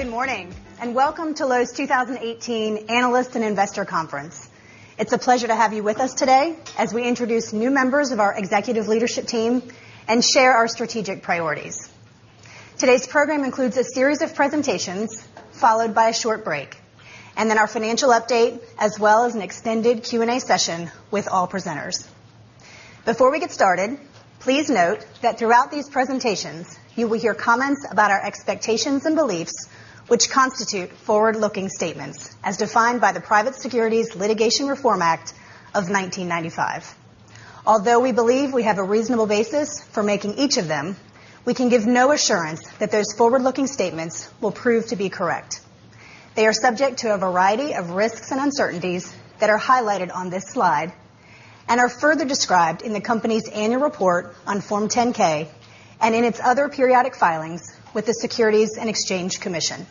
Good morning. Welcome to Lowe's 2018 Analyst and Investor Conference. It's a pleasure to have you with us today as we introduce new members of our executive leadership team and share our strategic priorities. Today's program includes a series of presentations, followed by a short break, then our financial update, as well as an extended Q&A session with all presenters. Before we get started, please note that throughout these presentations, you will hear comments about our expectations and beliefs, which constitute forward-looking statements as defined by the Private Securities Litigation Reform Act of 1995. Although we believe we have a reasonable basis for making each of them, we can give no assurance that those forward-looking statements will prove to be correct. They are subject to a variety of risks and uncertainties that are highlighted on this slide and are further described in the company's annual report on Form 10-K and in its other periodic filings with the Securities and Exchange Commission.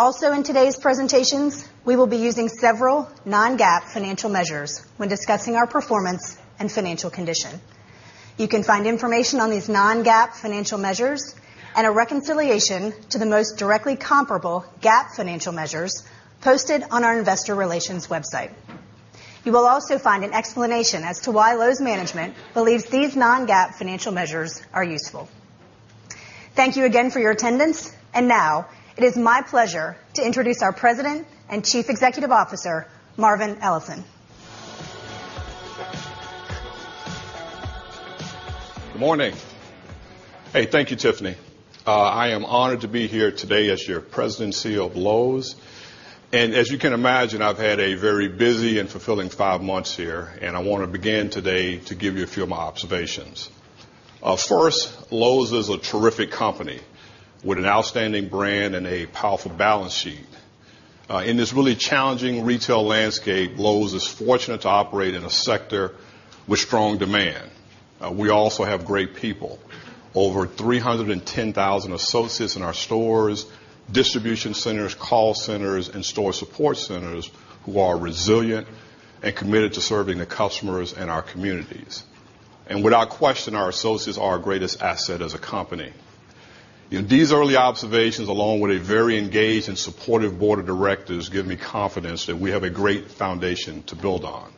In today's presentations, we will be using several non-GAAP financial measures when discussing our performance and financial condition. You can find information on these non-GAAP financial measures and a reconciliation to the most directly comparable GAAP financial measures posted on our investor relations website. You will find an explanation as to why Lowe's management believes these non-GAAP financial measures are useful. Thank you again for your attendance. Now, it is my pleasure to introduce our President and Chief Executive Officer, Marvin Ellison. Good morning. Hey, thank you, Tiffany. I am honored to be here today as your President and CEO of Lowe's. As you can imagine, I've had a very busy and fulfilling five months here, and I want to begin today to give you a few of my observations. First, Lowe's is a terrific company with an outstanding brand and a powerful balance sheet. In this really challenging retail landscape, Lowe's is fortunate to operate in a sector with strong demand. We have great people, over 310,000 associates in our stores, distribution centers, call centers, and store support centers who are resilient and committed to serving the customers in our communities. Without question, our associates are our greatest asset as a company. These early observations, along with a very engaged and supportive board of directors, give me confidence that we have a great foundation to build on.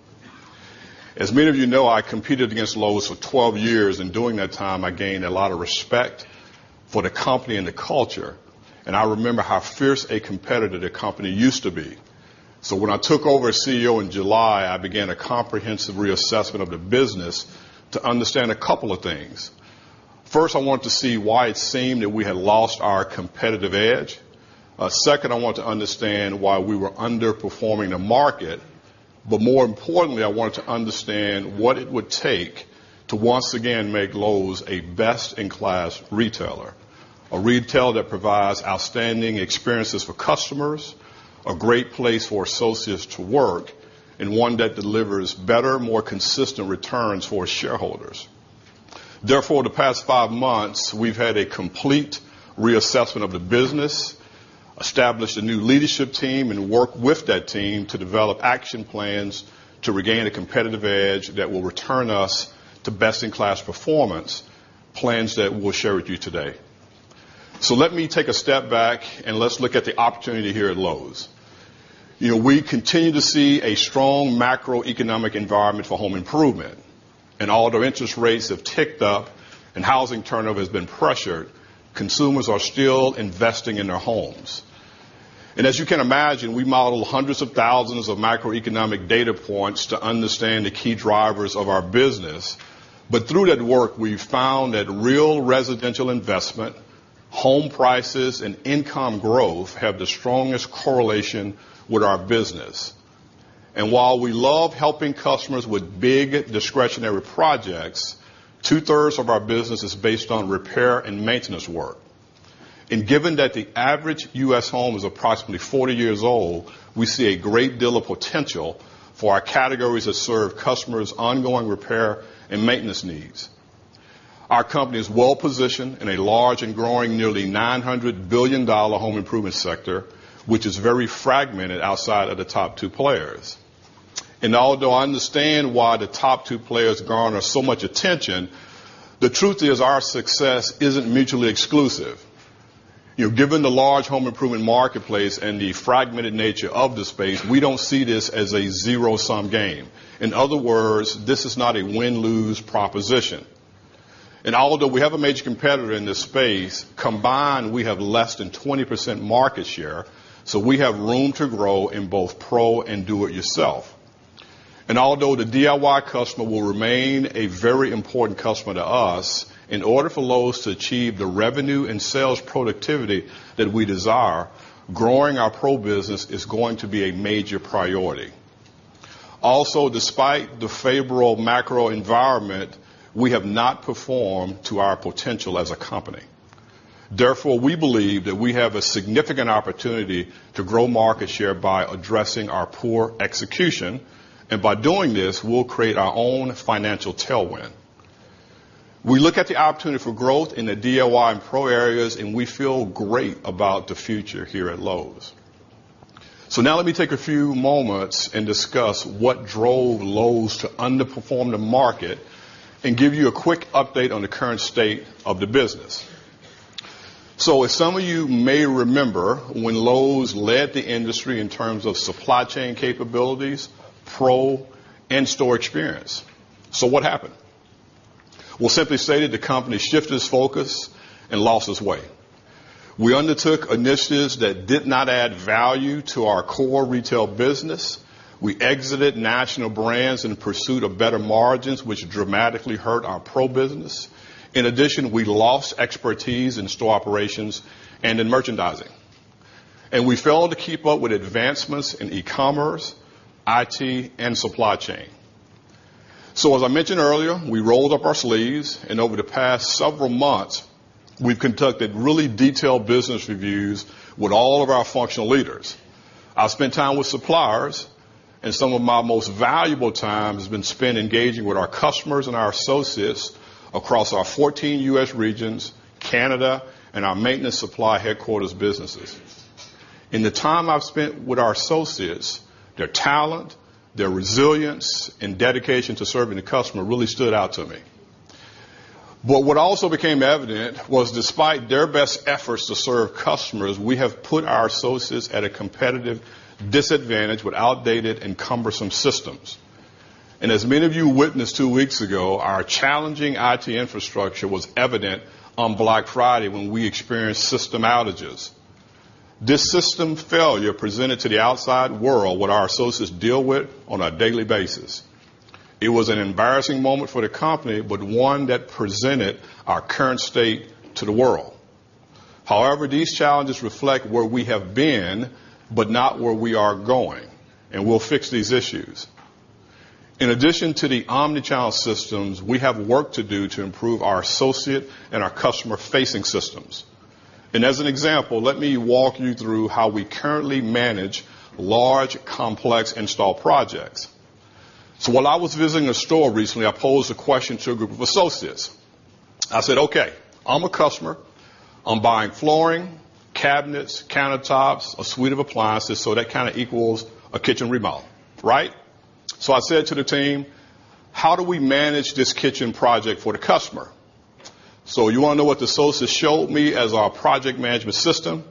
As many of you know, I competed against Lowe's for 12 years. In doing that time, I gained a lot of respect for the company and the culture, and I remember how fierce a competitor the company used to be. When I took over as CEO in July, I began a comprehensive reassessment of the business to understand a couple of things. First, I wanted to see why it seemed that we had lost our competitive edge. Second, I wanted to understand why we were underperforming the market. More importantly, I wanted to understand what it would take to once again make Lowe's a best-in-class retailer, a retail that provides outstanding experiences for customers, a great place for associates to work, and one that delivers better, more consistent returns for shareholders. The past five months, we've had a complete reassessment of the business, established a new leadership team, and worked with that team to develop action plans to regain a competitive edge that will return us to best-in-class performance plans that we'll share with you today. Let me take a step back and let's look at the opportunity here at Lowe's. We continue to see a strong macroeconomic environment for home improvement, and although interest rates have ticked up and housing turnover has been pressured, consumers are still investing in their homes. As you can imagine, we model hundreds of thousands of macroeconomic data points to understand the key drivers of our business. Through that work, we've found that real residential investment, home prices, and income growth have the strongest correlation with our business. While we love helping customers with big discretionary projects, two-thirds of our business is based on repair and maintenance work. Given that the average U.S. home is approximately 40 years old, we see a great deal of potential for our categories that serve customers' ongoing repair and maintenance needs. Our company is well-positioned in a large and growing, nearly $900 billion home improvement sector, which is very fragmented outside of the top two players. Although I understand why the top two players garner so much attention, the truth is our success isn't mutually exclusive. Given the large home improvement marketplace and the fragmented nature of the space, we don't see this as a zero-sum game. In other words, this is not a win-lose proposition. Although we have a major competitor in this space, combined, we have less than 20% market share, we have room to grow in both pro and do-it-yourself. Although the DIY customer will remain a very important customer to us, in order for Lowe's to achieve the revenue and sales productivity that we desire, growing our pro business is going to be a major priority. Also, despite the favorable macro environment, we have not performed to our potential as a company. We believe that we have a significant opportunity to grow market share by addressing our poor execution. By doing this, we'll create our own financial tailwind. We look at the opportunity for growth in the DIY and pro areas, and we feel great about the future here at Lowe's. Now let me take a few moments and discuss what drove Lowe's to underperform the market and give you a quick update on the current state of the business. As some of you may remember, when Lowe's led the industry in terms of supply chain capabilities, pro, and store experience. What happened? We'll simply say that the company shifted its focus and lost its way. We undertook initiatives that did not add value to our core retail business. We exited national brands in pursuit of better margins, which dramatically hurt our pro business. In addition, we lost expertise in store operations and in merchandising. We failed to keep up with advancements in e-commerce, IT, and supply chain. As I mentioned earlier, we rolled up our sleeves, over the past several months, we've conducted really detailed business reviews with all of our functional leaders. I've spent time with suppliers, and some of my most valuable time has been spent engaging with our customers and our associates across our 14 U.S. regions, Canada, and our Maintenance Supply Headquarters businesses. In the time I've spent with our associates, their talent, their resilience, and dedication to serving the customer really stood out to me. What also became evident was despite their best efforts to serve customers, we have put our associates at a competitive disadvantage with outdated and cumbersome systems. As many of you witnessed 2 weeks ago, our challenging IT infrastructure was evident on Black Friday when we experienced system outages. This system failure presented to the outside world what our associates deal with on a daily basis. It was an embarrassing moment for the company, one that presented our current state to the world. These challenges reflect where we have been, not where we are going, and we'll fix these issues. In addition to the omnichannel systems, we have work to do to improve our associate and our customer-facing systems. As an example, let me walk you through how we currently manage large, complex install projects. While I was visiting a store recently, I posed a question to a group of associates. I said, "Okay, I'm a customer. I'm buying flooring, cabinets, countertops, a suite of appliances." That kind of equals a kitchen remodel, right? I said to the team, "How do we manage this kitchen project for the customer?" You want to know what the associates showed me as our project management system?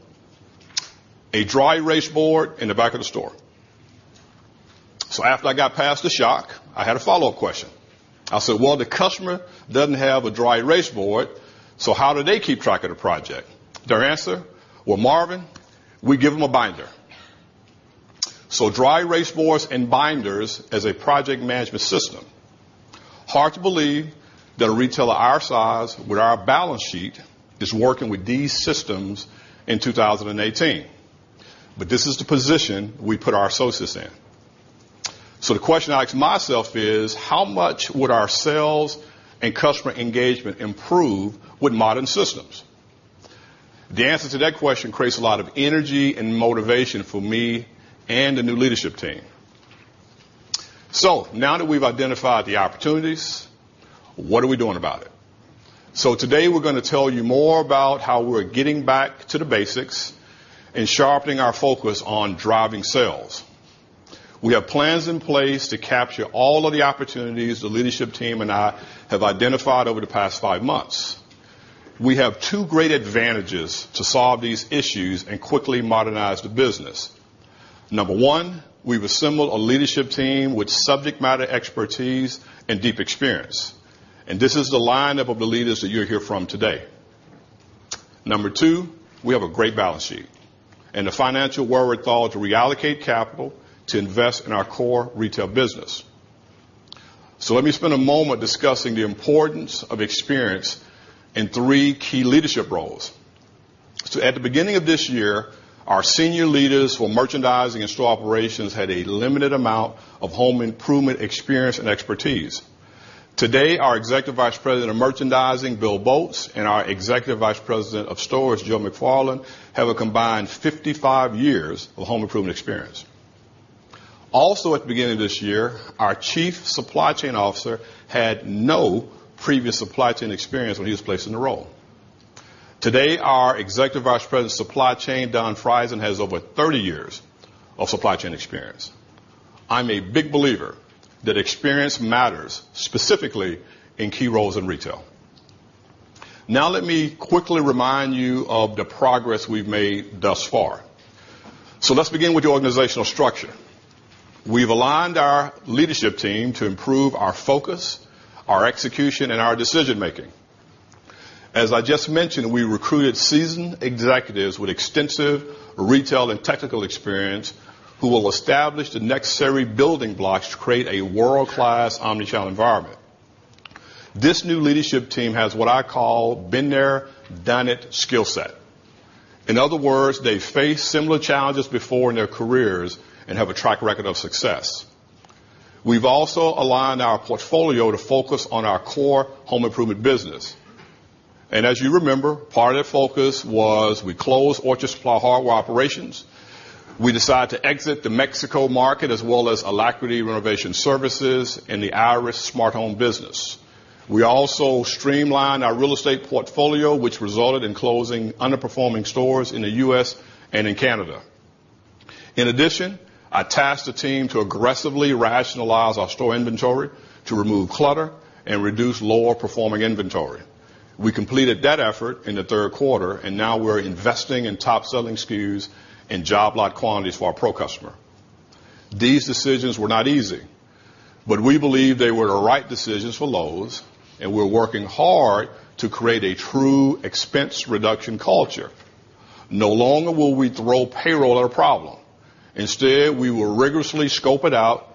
A dry erase board in the back of the store. After I got past the shock, I had a follow-up question. I said, "Well, the customer doesn't have a dry erase board, so how do they keep track of the project?" Their answer, "Well, Marvin, we give them a binder." Dry erase boards and binders as a project management system. Hard to believe that a retailer our size with our balance sheet is working with these systems in 2018. This is the position we put our associates in. The question I ask myself is: how much would our sales and customer engagement improve with modern systems? The answer to that question creates a lot of energy and motivation for me and the new leadership team. Now that we've identified the opportunities, what are we doing about it? Today we're going to tell you more about how we're getting back to the basics and sharpening our focus on driving sales. We have plans in place to capture all of the opportunities the leadership team and I have identified over the past five months. We have two great advantages to solve these issues and quickly modernize the business. Number 1, we've assembled a leadership team with subject matter expertise and deep experience. This is the lineup of the leaders that you'll hear from today. Number 2, we have a great balance sheet and the financial wherewithal to reallocate capital to invest in our core retail business. Let me spend a moment discussing the importance of experience in three key leadership roles. At the beginning of this year, our senior leaders for merchandising and store operations had a limited amount of home improvement experience and expertise. Today, our Executive Vice President of Merchandising, Bill Boltz, and our Executive Vice President of Stores, Joe McFarland, have a combined 55 years of home improvement experience. At the beginning of this year, our Chief Supply Chain Officer had no previous supply chain experience when he was placed in the role. Today, our Executive Vice President of Supply Chain, Don Frieson, has over 30 years of supply chain experience. I'm a big believer that experience matters, specifically in key roles in retail. Let me quickly remind you of the progress we've made thus far. Let's begin with the organizational structure. We've aligned our leadership team to improve our focus, our execution, and our decision-making. As I just mentioned, we recruited seasoned executives with extensive retail and technical experience who will establish the necessary building blocks to create a world-class omnichannel environment. This new leadership team has what I call been-there-done-it skill set. In other words, they faced similar challenges before in their careers and have a track record of success. We've also aligned our portfolio to focus on our core home improvement business. As you remember, part of that focus was we closed Orchard Supply Hardware operations. We decided to exit the Mexico market as well as Alacrity Renovation Services and the Iris smart home business. We also streamlined our real estate portfolio, which resulted in closing underperforming stores in the U.S. and in Canada. In addition, I tasked the team to aggressively rationalize our store inventory to remove clutter and reduce lower-performing inventory. We completed that effort in the third quarter, and now we're investing in top-selling SKUs and job lot quantities for our pro customer. These decisions were not easy, but we believe they were the right decisions for Lowe's, and we're working hard to create a true expense reduction culture. No longer will we throw payroll at a problem. Instead, we will rigorously scope it out,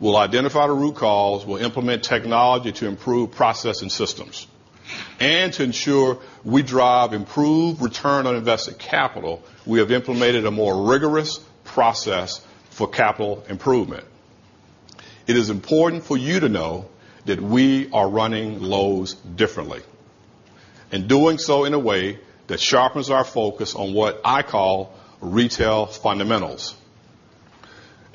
we'll identify the root cause, we'll implement technology to improve processing systems. To ensure we drive improved return on invested capital, we have implemented a more rigorous process for capital improvement. It is important for you to know that we are running Lowe's differently, and doing so in a way that sharpens our focus on what I call retail fundamentals.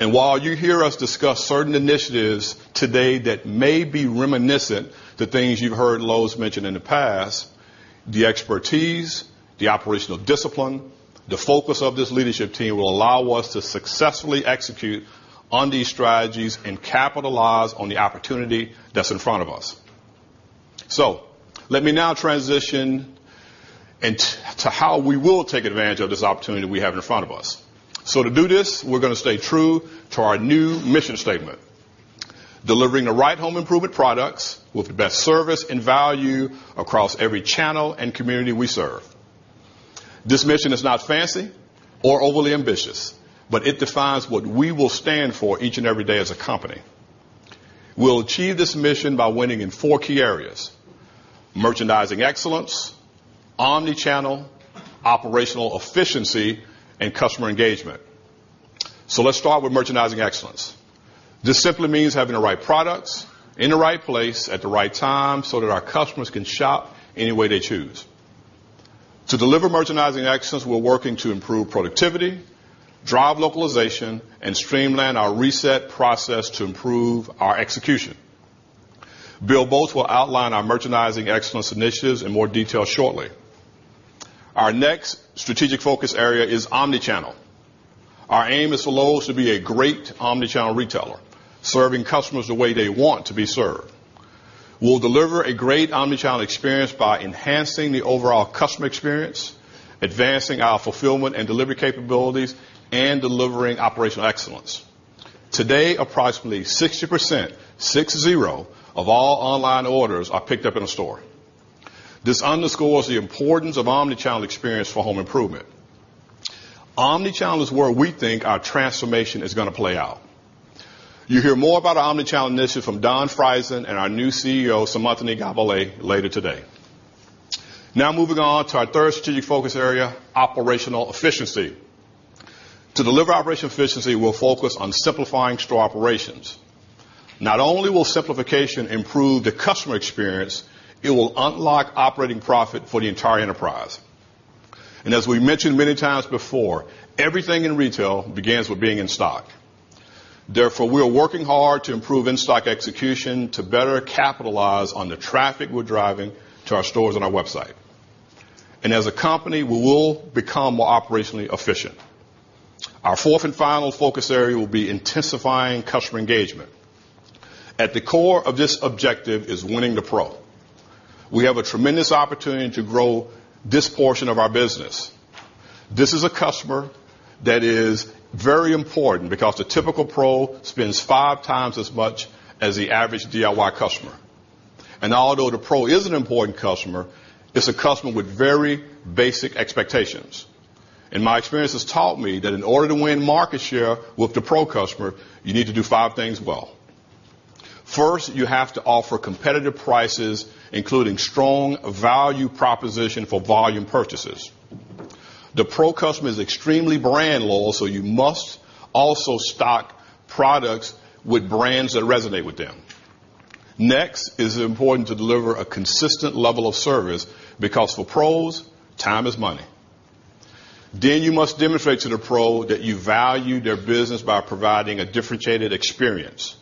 While you hear us discuss certain initiatives today that may be reminiscent to things you've heard Lowe's mention in the past, the expertise, the operational discipline, the focus of this leadership team will allow us to successfully execute on these strategies and capitalize on the opportunity that's in front of us. Let me now transition to how we will take advantage of this opportunity we have in front of us. To do this, we're going to stay true to our new mission statement: delivering the right home improvement products with the best service and value across every channel and community we serve. This mission is not fancy or overly ambitious, but it defines what we will stand for each and every day as a company. We'll achieve this mission by winning in four key areas: merchandising excellence, omnichannel, operational efficiency, and customer engagement. Let's start with merchandising excellence. This simply means having the right products in the right place at the right time so that our customers can shop any way they choose. To deliver merchandising excellence, we're working to improve productivity, drive localization, and streamline our reset process to improve our execution. Bill Boltz will outline our merchandising excellence initiatives in more detail shortly. Our next strategic focus area is omnichannel. Our aim is for Lowe's to be a great omnichannel retailer, serving customers the way they want to be served. We'll deliver a great omnichannel experience by enhancing the overall customer experience, advancing our fulfillment and delivery capabilities, and delivering operational excellence. Today, approximately 60%, 60, of all online orders are picked up in a store. This underscores the importance of omnichannel experience for home improvement. Omnichannel is where we think our transformation is going to play out. You'll hear more about our omnichannel initiative from Don Frieson and our new CIO, Seemantini Godbole, later today. Moving on to our third strategic focus area: operational efficiency. To deliver operational efficiency, we'll focus on simplifying store operations. Not only will simplification improve the customer experience, it will unlock operating profit for the entire enterprise. As we mentioned many times before, everything in retail begins with being in stock. Therefore, we are working hard to improve in-stock execution to better capitalize on the traffic we're driving to our stores and our website. As a company, we will become more operationally efficient. Our fourth and final focus area will be intensifying customer engagement. At the core of this objective is winning the pro. We have a tremendous opportunity to grow this portion of our business. This is a customer that is very important because the typical pro spends five times as much as the average DIY customer. Although the pro is an important customer, it's a customer with very basic expectations. My experience has taught me that in order to win market share with the pro customer, you need to do five things well. First, you have to offer competitive prices, including strong value proposition for volume purchases. The pro customer is extremely brand loyal, so you must also stock products with brands that resonate with them. Next, it is important to deliver a consistent level of service because for pros, time is money. Then you must demonstrate to the pro that you value their business by providing a differentiated experience.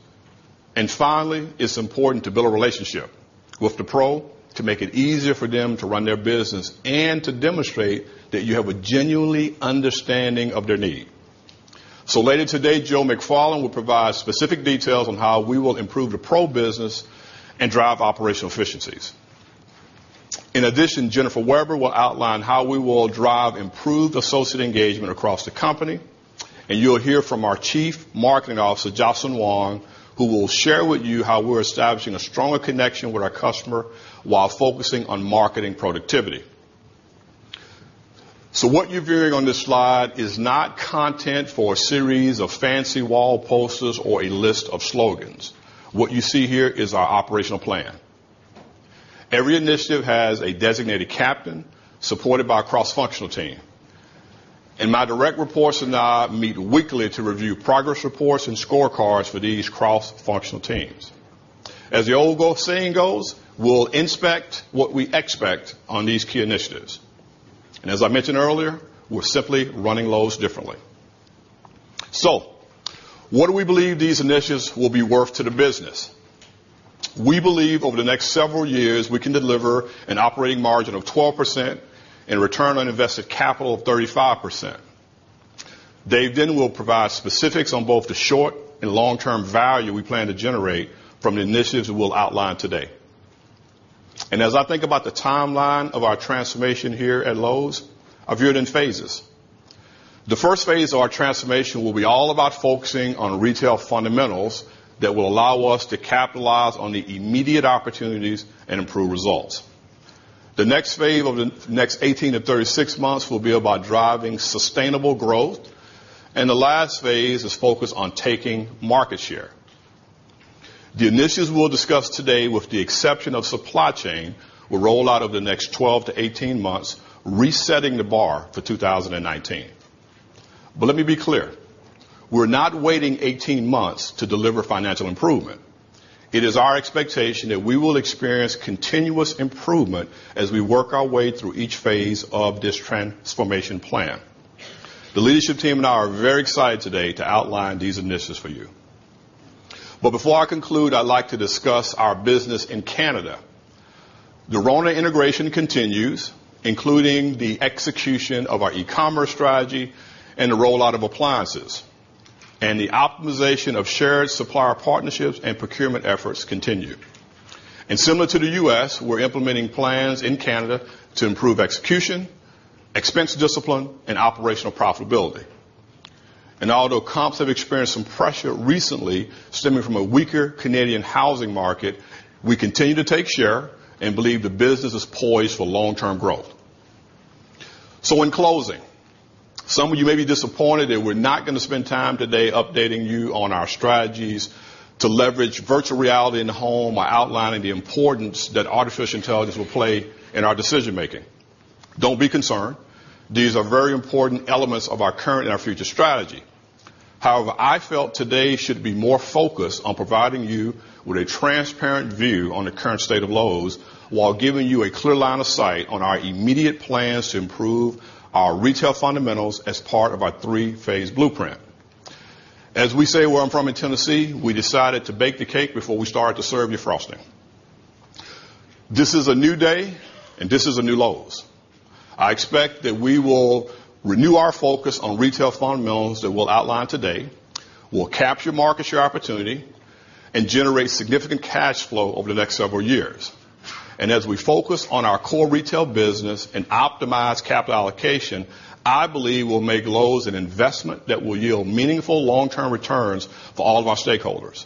Finally, it's important to build a relationship with the pro to make it easier for them to run their business and to demonstrate that you have a genuine understanding of their need. Later today, Joe McFarland will provide specific details on how we will improve the pro business and drive operational efficiencies. In addition, Jennifer Weber will outline how we will drive improved associate engagement across the company. You'll hear from our Chief Marketing Officer, Jocelyn Wong, who will share with you how we're establishing a stronger connection with our customer while focusing on marketing productivity. What you're viewing on this slide is not content for a series of fancy wall posters or a list of slogans. What you see here is our operational plan. Every initiative has a designated captain supported by a cross-functional team. My direct reports and I meet weekly to review progress reports and scorecards for these cross-functional teams. As the old saying goes, we'll inspect what we expect on these key initiatives. As I mentioned earlier, we're simply running Lowe's differently. So what do we believe these initiatives will be worth to the business? We believe over the next several years, we can deliver an operating margin of 12% and return on invested capital of 35%. Dave will provide specifics on both the short and long-term value we plan to generate from the initiatives we'll outline today. As I think about the timeline of our transformation here at Lowe's, I view it in phases. The first phase of our transformation will be all about focusing on retail fundamentals that will allow us to capitalize on the immediate opportunities and improve results. The next phase over the next 18 to 36 months will be about driving sustainable growth, the last phase is focused on taking market share. The initiatives we'll discuss today, with the exception of supply chain, will roll out over the next 12 to 18 months, resetting the bar for 2019. Let me be clear, we're not waiting 18 months to deliver financial improvement. It is our expectation that we will experience continuous improvement as we work our way through each phase of this transformation plan. The leadership team and I are very excited today to outline these initiatives for you. Before I conclude, I'd like to discuss our business in Canada. The Rona integration continues, including the execution of our e-commerce strategy and the rollout of appliances, the optimization of shared supplier partnerships and procurement efforts continue. Similar to the U.S., we're implementing plans in Canada to improve execution, expense discipline, and operational profitability. Although comps have experienced some pressure recently stemming from a weaker Canadian housing market, we continue to take share and believe the business is poised for long-term growth. In closing, some of you may be disappointed that we're not going to spend time today updating you on our strategies to leverage virtual reality in the home or outlining the importance that artificial intelligence will play in our decision-making. Don't be concerned. These are very important elements of our current and our future strategy. However, I felt today should be more focused on providing you with a transparent view on the current state of Lowe's, while giving you a clear line of sight on our immediate plans to improve our retail fundamentals as part of our 3-phase blueprint. As we say where I'm from in Tennessee, we decided to bake the cake before we started to serve the frosting. This is a new day, this is a new Lowe's. I expect that we will renew our focus on retail fundamentals that we'll outline today. We'll capture market share opportunity and generate significant cash flow over the next several years. As we focus on our core retail business and optimize capital allocation, I believe we'll make Lowe's an investment that will yield meaningful long-term returns for all of our stakeholders.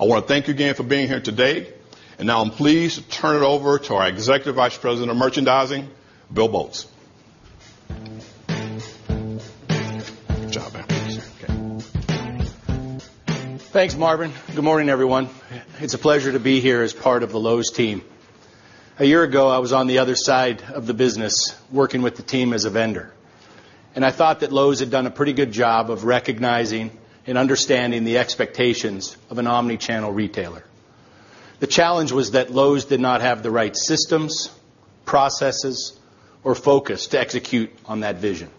I want to thank you again for being here today, and now I'm pleased to turn it over to our Executive Vice President of Merchandising, Bill Boltz. Good job, man. Thanks. Okay. Thanks, Marvin. Good morning, everyone. It's a pleasure to be here as part of the Lowe's team. A year ago, I was on the other side of the business, working with the team as a vendor, I thought that Lowe's had done a pretty good job of recognizing and understanding the expectations of an omni-channel retailer. The challenge was that Lowe's did not have the right systems, processes, or focus to execute on that vision.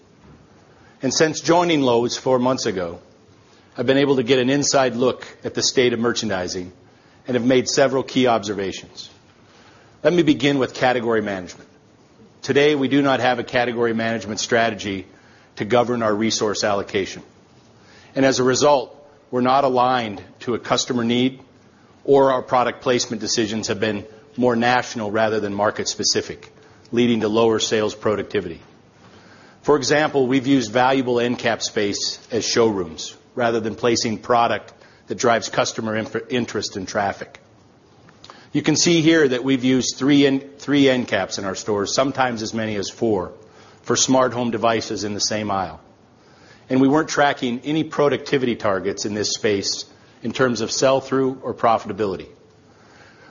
Since joining Lowe's four months ago, I've been able to get an inside look at the state of merchandising and have made several key observations. Let me begin with category management. Today, we do not have a category management strategy to govern our resource allocation, as a result, we're not aligned to a customer need or our product placement decisions have been more national rather than market-specific, leading to lower sales productivity. For example, we've used valuable end cap space as showrooms rather than placing product that drives customer interest and traffic. You can see here that we've used three end caps in our stores, sometimes as many as four, for smart home devices in the same aisle. We weren't tracking any productivity targets in this space in terms of sell-through or profitability.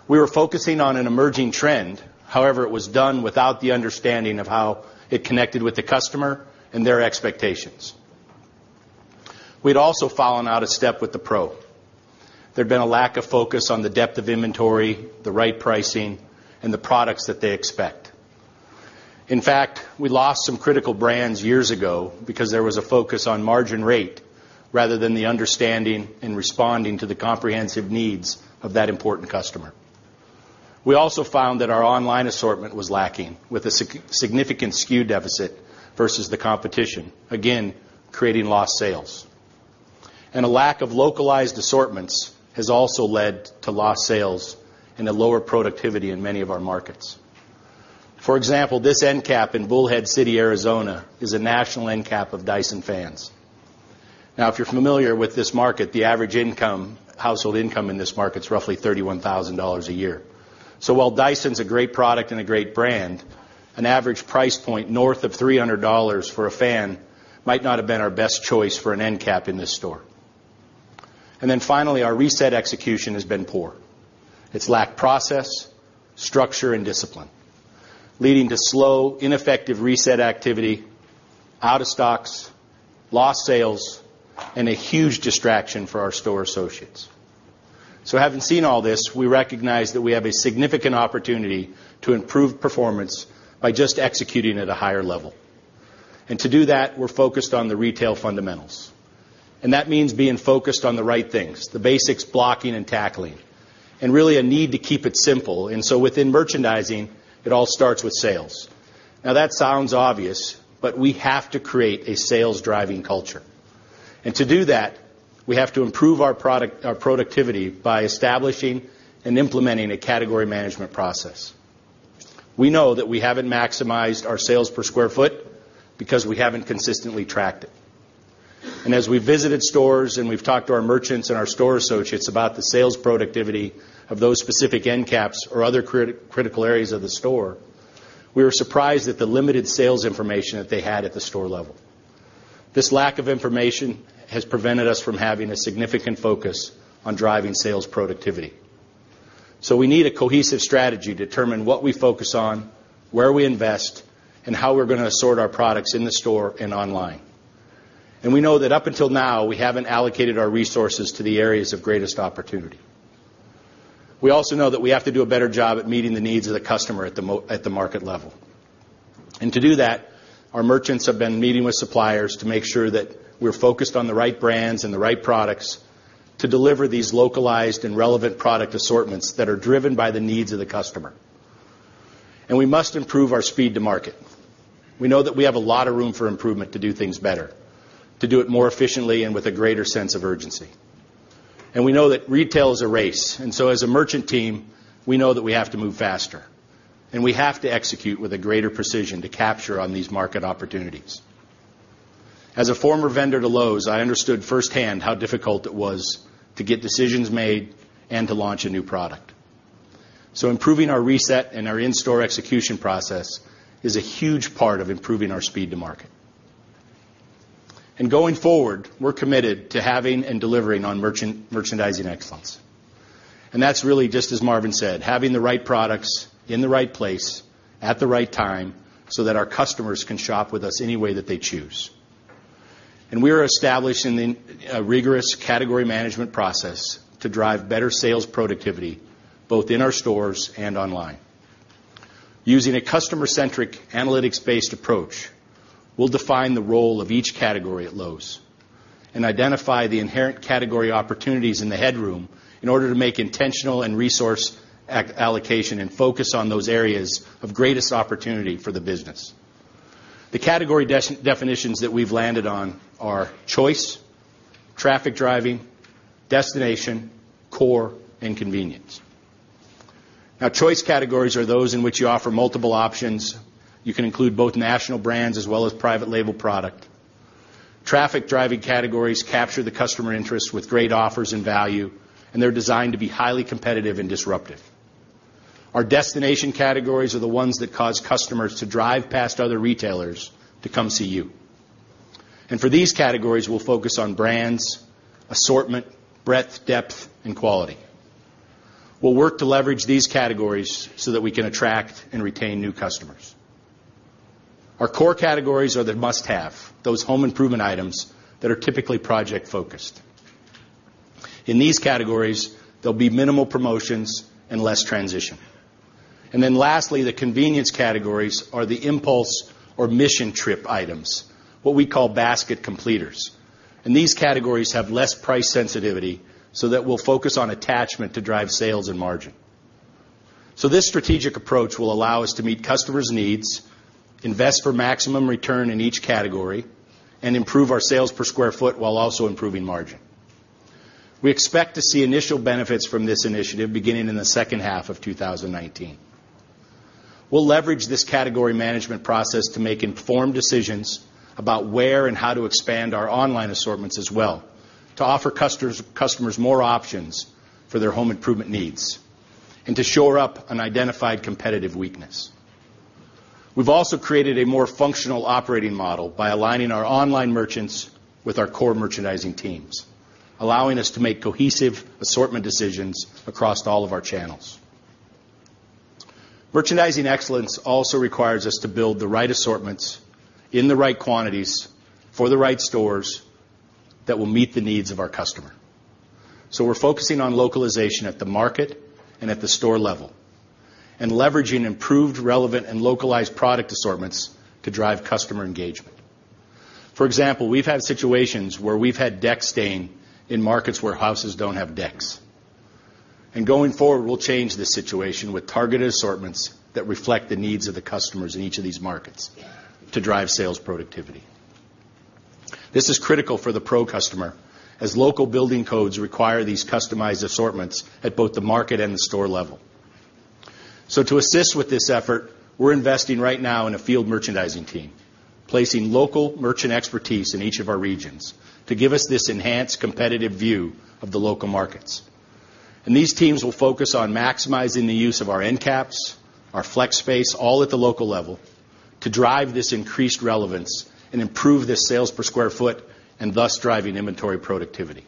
We were focusing on an emerging trend. However, it was done without the understanding of how it connected with the customer and their expectations. We'd also fallen out of step with the pro. There'd been a lack of focus on the depth of inventory, the right pricing, and the products that they expect. In fact, we lost some critical brands years ago because there was a focus on margin rate rather than the understanding and responding to the comprehensive needs of that important customer. We also found that our online assortment was lacking, with a significant SKU deficit versus the competition, again, creating lost sales. A lack of localized assortments has also led to lost sales and a lower productivity in many of our markets. For example, this end cap in Bullhead City, Arizona, is a national end cap of Dyson fans. Now, if you're familiar with this market, the average household income in this market is roughly $31,000 a year. While Dyson's a great product and a great brand, an average price point north of $300 for a fan might not have been our best choice for an end cap in this store. Finally, our reset execution has been poor. It's lacked process, structure, and discipline, leading to slow, ineffective reset activity, out of stocks, lost sales, and a huge distraction for our store associates. Having seen all this, we recognize that we have a significant opportunity to improve performance by just executing at a higher level. To do that, we're focused on the retail fundamentals. That means being focused on the right things, the basics, blocking and tackling, and really a need to keep it simple. Within merchandising, it all starts with sales. Now, that sounds obvious, but we have to create a sales-driving culture. To do that, we have to improve our productivity by establishing and implementing a category management process. We know that we haven't maximized our sales per square foot because we haven't consistently tracked it. As we visited stores and we've talked to our merchants and our store associates about the sales productivity of those specific end caps or other critical areas of the store, we were surprised at the limited sales information that they had at the store level. This lack of information has prevented us from having a significant focus on driving sales productivity. We need a cohesive strategy to determine what we focus on, where we invest, and how we're going to assort our products in the store and online. We know that up until now, we haven't allocated our resources to the areas of greatest opportunity. We also know that we have to do a better job at meeting the needs of the customer at the market level. To do that, our merchants have been meeting with suppliers to make sure that we're focused on the right brands and the right products to deliver these localized and relevant product assortments that are driven by the needs of the customer. We must improve our speed to market. We know that we have a lot of room for improvement to do things better, to do it more efficiently and with a greater sense of urgency. We know that retail is a race, as a merchant team, we know that we have to move faster, and we have to execute with a greater precision to capture on these market opportunities. As a former vendor to Lowe's, I understood firsthand how difficult it was to get decisions made and to launch a new product. Improving our reset and our in-store execution process is a huge part of improving our speed to market. Going forward, we're committed to having and delivering on merchandising excellence. That's really just as Marvin said, having the right products in the right place at the right time so that our customers can shop with us any way that they choose. We are establishing a rigorous category management process to drive better sales productivity, both in our stores and online. Using a customer-centric, analytics-based approach, we'll define the role of each category at Lowe's and identify the inherent category opportunities in the headroom in order to make intentional and resource allocation and focus on those areas of greatest opportunity for the business. The category definitions that we've landed on are choice, traffic driving, destination, core, and convenience. Choice categories are those in which you offer multiple options. You can include both national brands as well as private label product. Traffic-driving categories capture the customer interest with great offers and value, and they're designed to be highly competitive and disruptive. Our destination categories are the ones that cause customers to drive past other retailers to come see you. For these categories, we'll focus on brands, assortment, breadth, depth, and quality. We'll work to leverage these categories so that we can attract and retain new customers. Our core categories are the must-have, those home improvement items that are typically project-focused. In these categories, there'll be minimal promotions and less transition. Then lastly, the convenience categories are the impulse or mission trip items, what we call basket completers. These categories have less price sensitivity, we'll focus on attachment to drive sales and margin. This strategic approach will allow us to meet customers' needs, invest for maximum return in each category, and improve our sales per square foot while also improving margin. We expect to see initial benefits from this initiative beginning in the second half of 2019. We'll leverage this category management process to make informed decisions about where and how to expand our online assortments as well to offer customers more options for their home improvement needs and to shore up an identified competitive weakness. We've also created a more functional operating model by aligning our online merchants with our core merchandising teams, allowing us to make cohesive assortment decisions across all of our channels. Merchandising excellence also requires us to build the right assortments in the right quantities for the right stores that will meet the needs of our customer. We're focusing on localization at the market and at the store level and leveraging improved relevant and localized product assortments to drive customer engagement. For example, we've had situations where we've had deck stain in markets where houses don't have decks. Going forward, we'll change this situation with targeted assortments that reflect the needs of the customers in each of these markets to drive sales productivity. This is critical for the pro customer, as local building codes require these customized assortments at both the market and the store level. To assist with this effort, we're investing right now in a field merchandising team, placing local merchant expertise in each of our regions to give us this enhanced competitive view of the local markets. These teams will focus on maximizing the use of our end caps, our flex space, all at the local level to drive this increased relevance and improve the sales per square foot and thus driving inventory productivity.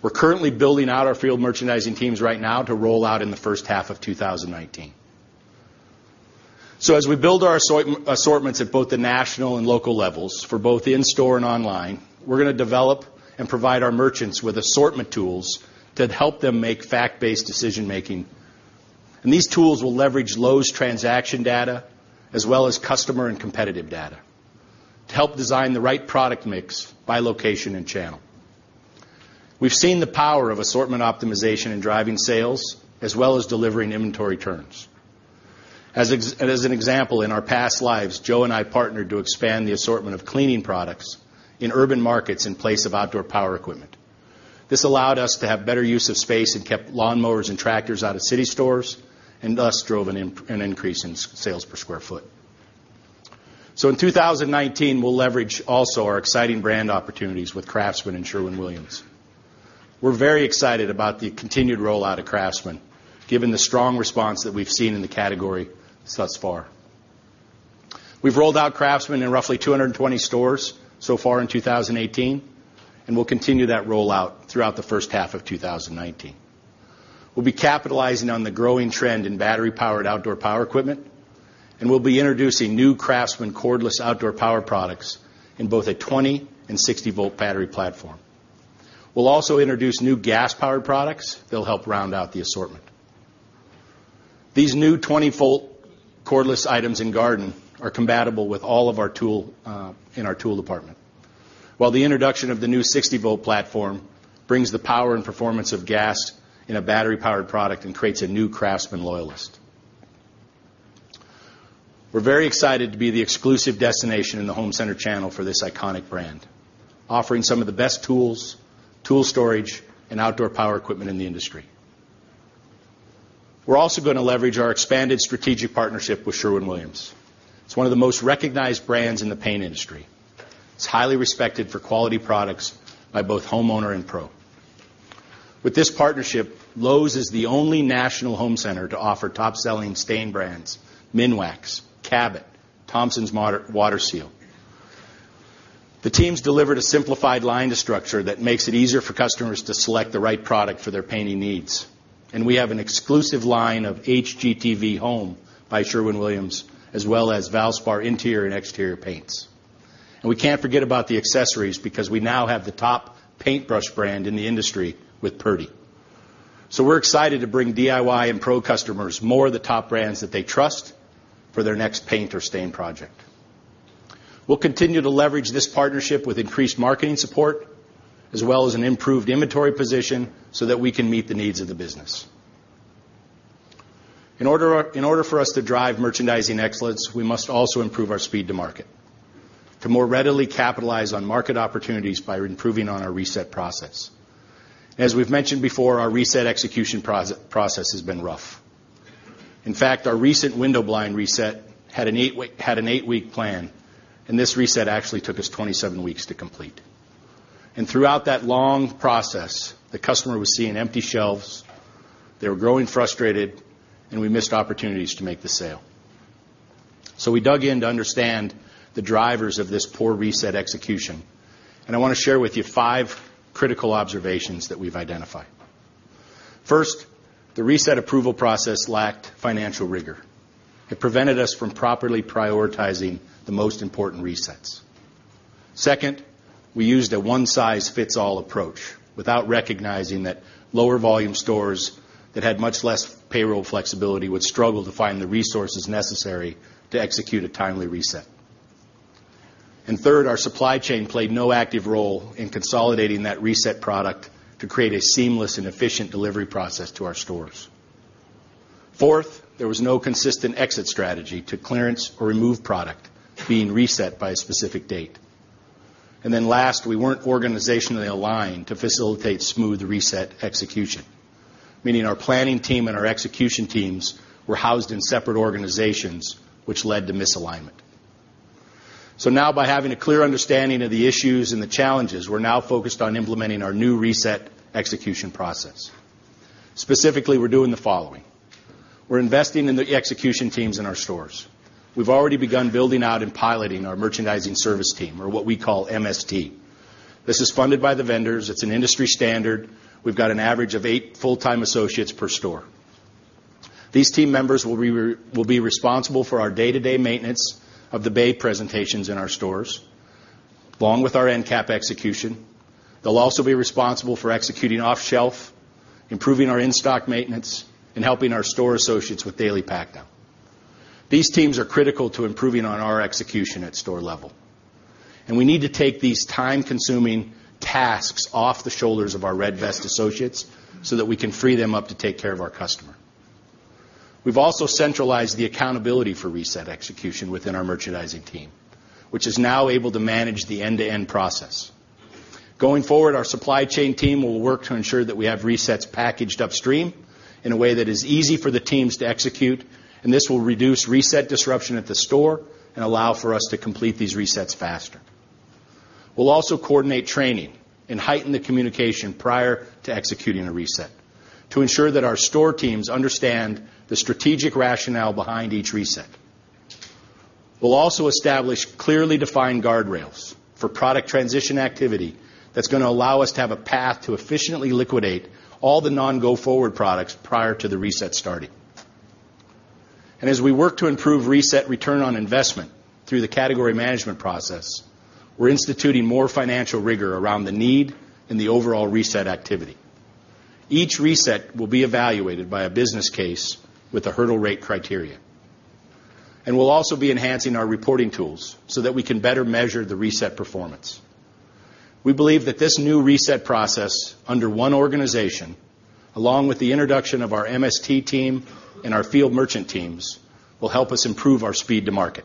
We're currently building out our field merchandising teams right now to roll out in the first half of 2019. As we build our assortments at both the national and local levels for both in-store and online, we're going to develop and provide our merchants with assortment tools to help them make fact-based decision-making. These tools will leverage Lowe's transaction data as well as customer and competitive data to help design the right product mix by location and channel. We've seen the power of assortment optimization in driving sales as well as delivering inventory turns. As an example, in our past lives, Joe and I partnered to expand the assortment of cleaning products in urban markets in place of outdoor power equipment. This allowed us to have better use of space and kept lawnmowers and tractors out of city stores, and thus drove an increase in sales per square foot. In 2019, we'll leverage also our exciting brand opportunities with CRAFTSMAN and Sherwin-Williams. We're very excited about the continued rollout of CRAFTSMAN, given the strong response that we've seen in the category thus far. We've rolled out CRAFTSMAN in roughly 220 stores so far in 2018, and we'll continue that rollout throughout the first half of 2019. We'll be capitalizing on the growing trend in battery-powered outdoor power equipment, and we'll be introducing new CRAFTSMAN cordless outdoor power products in both a 20 and 60-volt battery platform. We'll also introduce new gas-powered products that'll help round out the assortment. These new 20-volt cordless items in Garden are compatible with all of our tool in our tool department. While the introduction of the new 60-volt platform brings the power and performance of gas in a battery-powered product and creates a new CRAFTSMAN loyalist. We're very excited to be the exclusive destination in the home center channel for this iconic brand, offering some of the best tools, tool storage, and outdoor power equipment in the industry. We're also going to leverage our expanded strategic partnership with Sherwin-Williams. It's one of the most recognized brands in the paint industry. It's highly respected for quality products by both homeowner and pro. With this partnership, Lowe's is the only national home center to offer top-selling stain brands: Minwax, Cabot, Thompson's WaterSeal. The teams delivered a simplified line of structure that makes it easier for customers to select the right product for their painting needs. We have an exclusive line of HGTV Home by Sherwin-Williams, as well as Valspar interior and exterior paints. We can't forget about the accessories because we now have the top paintbrush brand in the industry with Purdy. We're excited to bring DIY and pro customers more of the top brands that they trust for their next paint or stain project. We'll continue to leverage this partnership with increased marketing support, as well as an improved inventory position so that we can meet the needs of the business. In order for us to drive merchandising excellence, we must also improve our speed to market to more readily capitalize on market opportunities by improving on our reset process. As we've mentioned before, our reset execution process has been rough. In fact, our recent window blind reset had an eight-week plan, and this reset actually took us 27 weeks to complete. Throughout that long process, the customer was seeing empty shelves, they were growing frustrated, and we missed opportunities to make the sale. We dug in to understand the drivers of this poor reset execution, and I want to share with you five critical observations that we've identified. First, the reset approval process lacked financial rigor. It prevented us from properly prioritizing the most important resets. Second, we used a one-size-fits-all approach without recognizing that lower volume stores that had much less payroll flexibility would struggle to find the resources necessary to execute a timely reset. And third, our supply chain played no active role in consolidating that reset product to create a seamless and efficient delivery process to our stores. Fourth, there was no consistent exit strategy to clearance or remove product being reset by a specific date. And then last, we weren't organizationally aligned to facilitate smooth reset execution, meaning our planning team and our execution teams were housed in separate organizations, which led to misalignment. Now by having a clear understanding of the issues and the challenges, we're now focused on implementing our new reset execution process. Specifically, we're doing the following. We're investing in the execution teams in our stores. We've already begun building out and piloting our merchandising service team, or what we call MST. This is funded by the vendors. It's an industry standard. We've got an average of eight full-time associates per store. These team members will be responsible for our day-to-day maintenance of the bay presentations in our stores, along with our end cap execution. They'll also be responsible for executing off-shelf, improving our in-stock maintenance, and helping our store associates with daily pack down. These teams are critical to improving on our execution at store level. We need to take these time-consuming tasks off the shoulders of our red vest associates so that we can free them up to take care of our customer. We've also centralized the accountability for reset execution within our merchandising team, which is now able to manage the end-to-end process. Going forward, our supply chain team will work to ensure that we have resets packaged upstream in a way that is easy for the teams to execute. This will reduce reset disruption at the store and allow for us to complete these resets faster. We'll also coordinate training and heighten the communication prior to executing a reset to ensure that our store teams understand the strategic rationale behind each reset. We'll also establish clearly defined guardrails for product transition activity that's going to allow us to have a path to efficiently liquidate all the non-go-forward products prior to the reset starting. As we work to improve reset ROI through the category management process, we're instituting more financial rigor around the need and the overall reset activity. Each reset will be evaluated by a business case with a hurdle rate criteria. We'll also be enhancing our reporting tools so that we can better measure the reset performance. We believe that this new reset process under one organization, along with the introduction of our MST team and our field merchant teams, will help us improve our speed to market,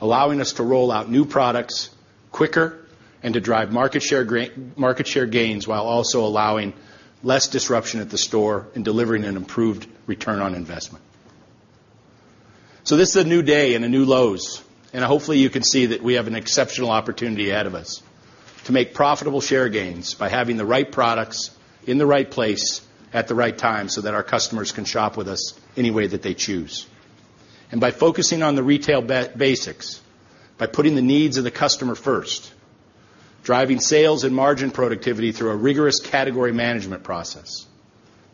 allowing us to roll out new products quicker and to drive market share gains, while also allowing less disruption at the store and delivering an improved ROI. This is a new day and a new Lowe's. Hopefully, you can see that we have an exceptional opportunity ahead of us to make profitable share gains by having the right products in the right place at the right time so that our customers can shop with us any way that they choose. By focusing on the retail basics, by putting the needs of the customer first, driving sales and margin productivity through a rigorous category management process,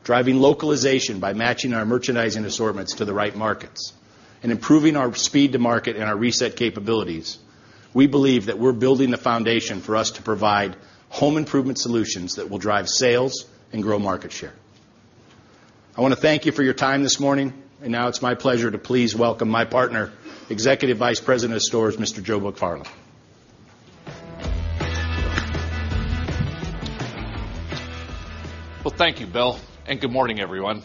driving localization by matching our merchandising assortments to the right markets, and improving our speed to market and our reset capabilities, we believe that we're building the foundation for us to provide home improvement solutions that will drive sales and grow market share. I want to thank you for your time this morning. Now it's my pleasure to please welcome my partner, Executive Vice President of Stores, Mr. Joe McFarland. Well, thank you, Bill, and good morning, everyone.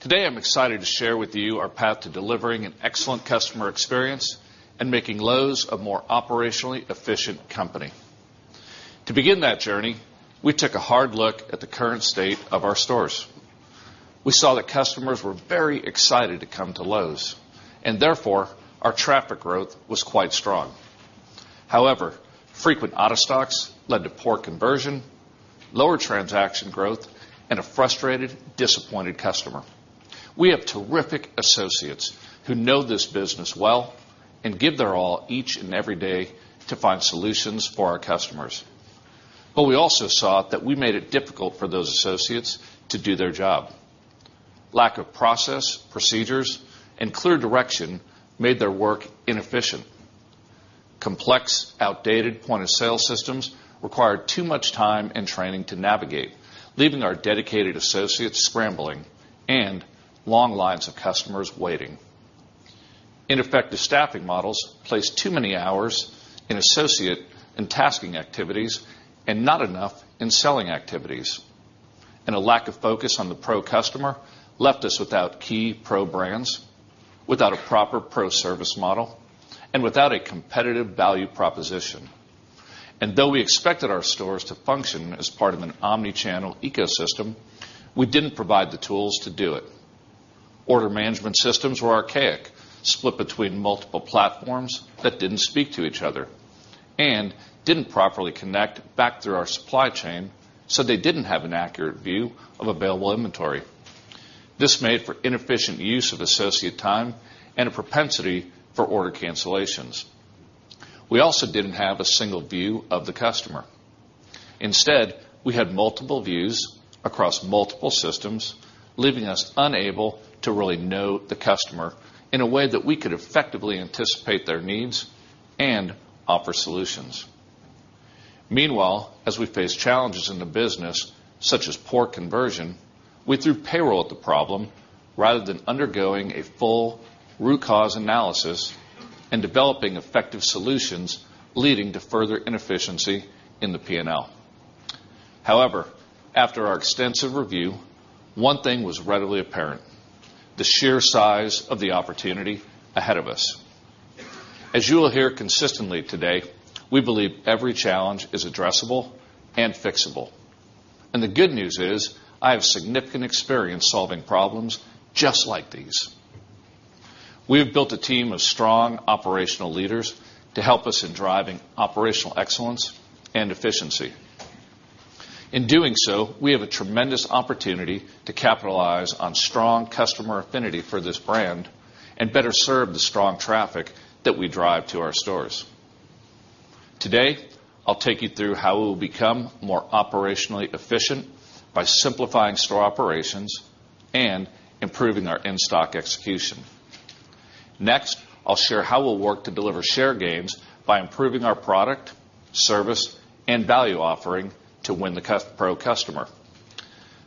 Today, I'm excited to share with you our path to delivering an excellent customer experience and making Lowe's a more operationally efficient company. To begin that journey, we took a hard look at the current state of our stores. We saw that customers were very excited to come to Lowe's. Therefore, our traffic growth was quite strong. However, frequent out-of-stocks led to poor conversion, lower transaction growth, and a frustrated, disappointed customer. We have terrific associates who know this business well and give their all each and every day to find solutions for our customers. We also saw that we made it difficult for those associates to do their job. Lack of process, procedures, and clear direction made their work inefficient. Complex, outdated point-of-sale systems required too much time and training to navigate, leaving our dedicated associates scrambling and long lines of customers waiting. Ineffective staffing models placed too many hours in associate and tasking activities and not enough in selling activities. A lack of focus on the pro customer left us without key pro brands, without a proper pro-service model, and without a competitive value proposition. Though we expected our stores to function as part of an omni-channel ecosystem, we didn't provide the tools to do it. Order management systems were archaic, split between multiple platforms that didn't speak to each other and didn't properly connect back through our supply chain. They didn't have an accurate view of available inventory. This made for inefficient use of associate time and a propensity for order cancellations. We also didn't have a single view of the customer. Instead, we had multiple views across multiple systems, leaving us unable to really know the customer in a way that we could effectively anticipate their needs and offer solutions. Meanwhile, as we face challenges in the business, such as poor conversion, we threw payroll at the problem rather than undergoing a full root cause analysis and developing effective solutions, leading to further inefficiency in the P&L. However, after our extensive review, one thing was readily apparent: the sheer size of the opportunity ahead of us. As you will hear consistently today, we believe every challenge is addressable and fixable. The good news is, I have significant experience solving problems just like these. We have built a team of strong operational leaders to help us in driving operational excellence and efficiency. In doing so, we have a tremendous opportunity to capitalize on strong customer affinity for this brand and better serve the strong traffic that we drive to our stores. Today, I'll take you through how we will become more operationally efficient by simplifying store operations and improving our in-stock execution. Next, I'll share how we'll work to deliver share gains by improving our product, service, and value offering to win the pro customer.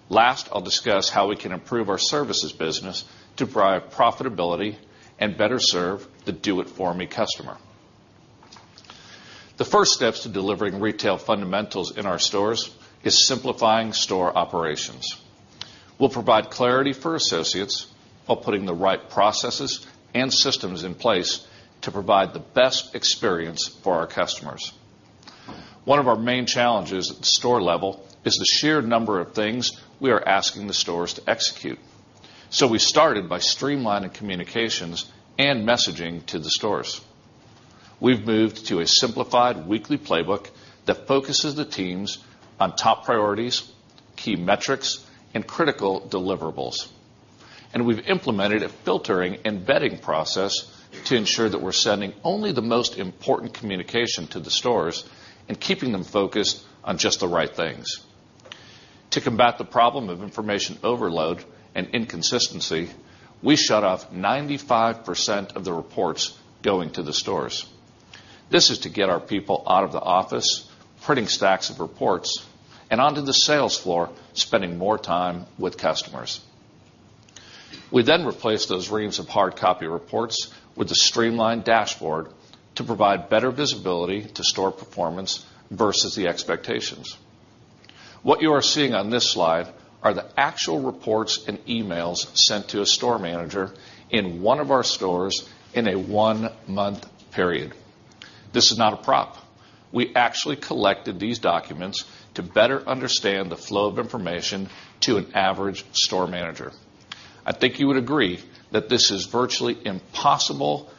Last, I'll discuss how we can improve our services business to drive profitability and better serve the do-it-for-me customer. The first steps to delivering retail fundamentals in our stores is simplifying store operations. We'll provide clarity for associates while putting the right processes and systems in place to provide the best experience for our customers. One of our main challenges at the store level is the sheer number of things we are asking the stores to execute. We started by streamlining communications and messaging to the stores. We've moved to a simplified weekly playbook that focuses the teams on top priorities, key metrics, and critical deliverables. We've implemented a filtering and vetting process to ensure that we're sending only the most important communication to the stores and keeping them focused on just the right things. To combat the problem of information overload and inconsistency, we shut off 95% of the reports going to the stores. This is to get our people out of the office, printing stacks of reports, and onto the sales floor, spending more time with customers. We replaced those reams of hard copy reports with a streamlined dashboard to provide better visibility to store performance versus the expectations. What you are seeing on this slide are the actual reports and emails sent to a store manager in one of our stores in a one-month period. This is not a prop. We actually collected these documents to better understand the flow of information to an average store manager. I think you would agree that this is virtually impossible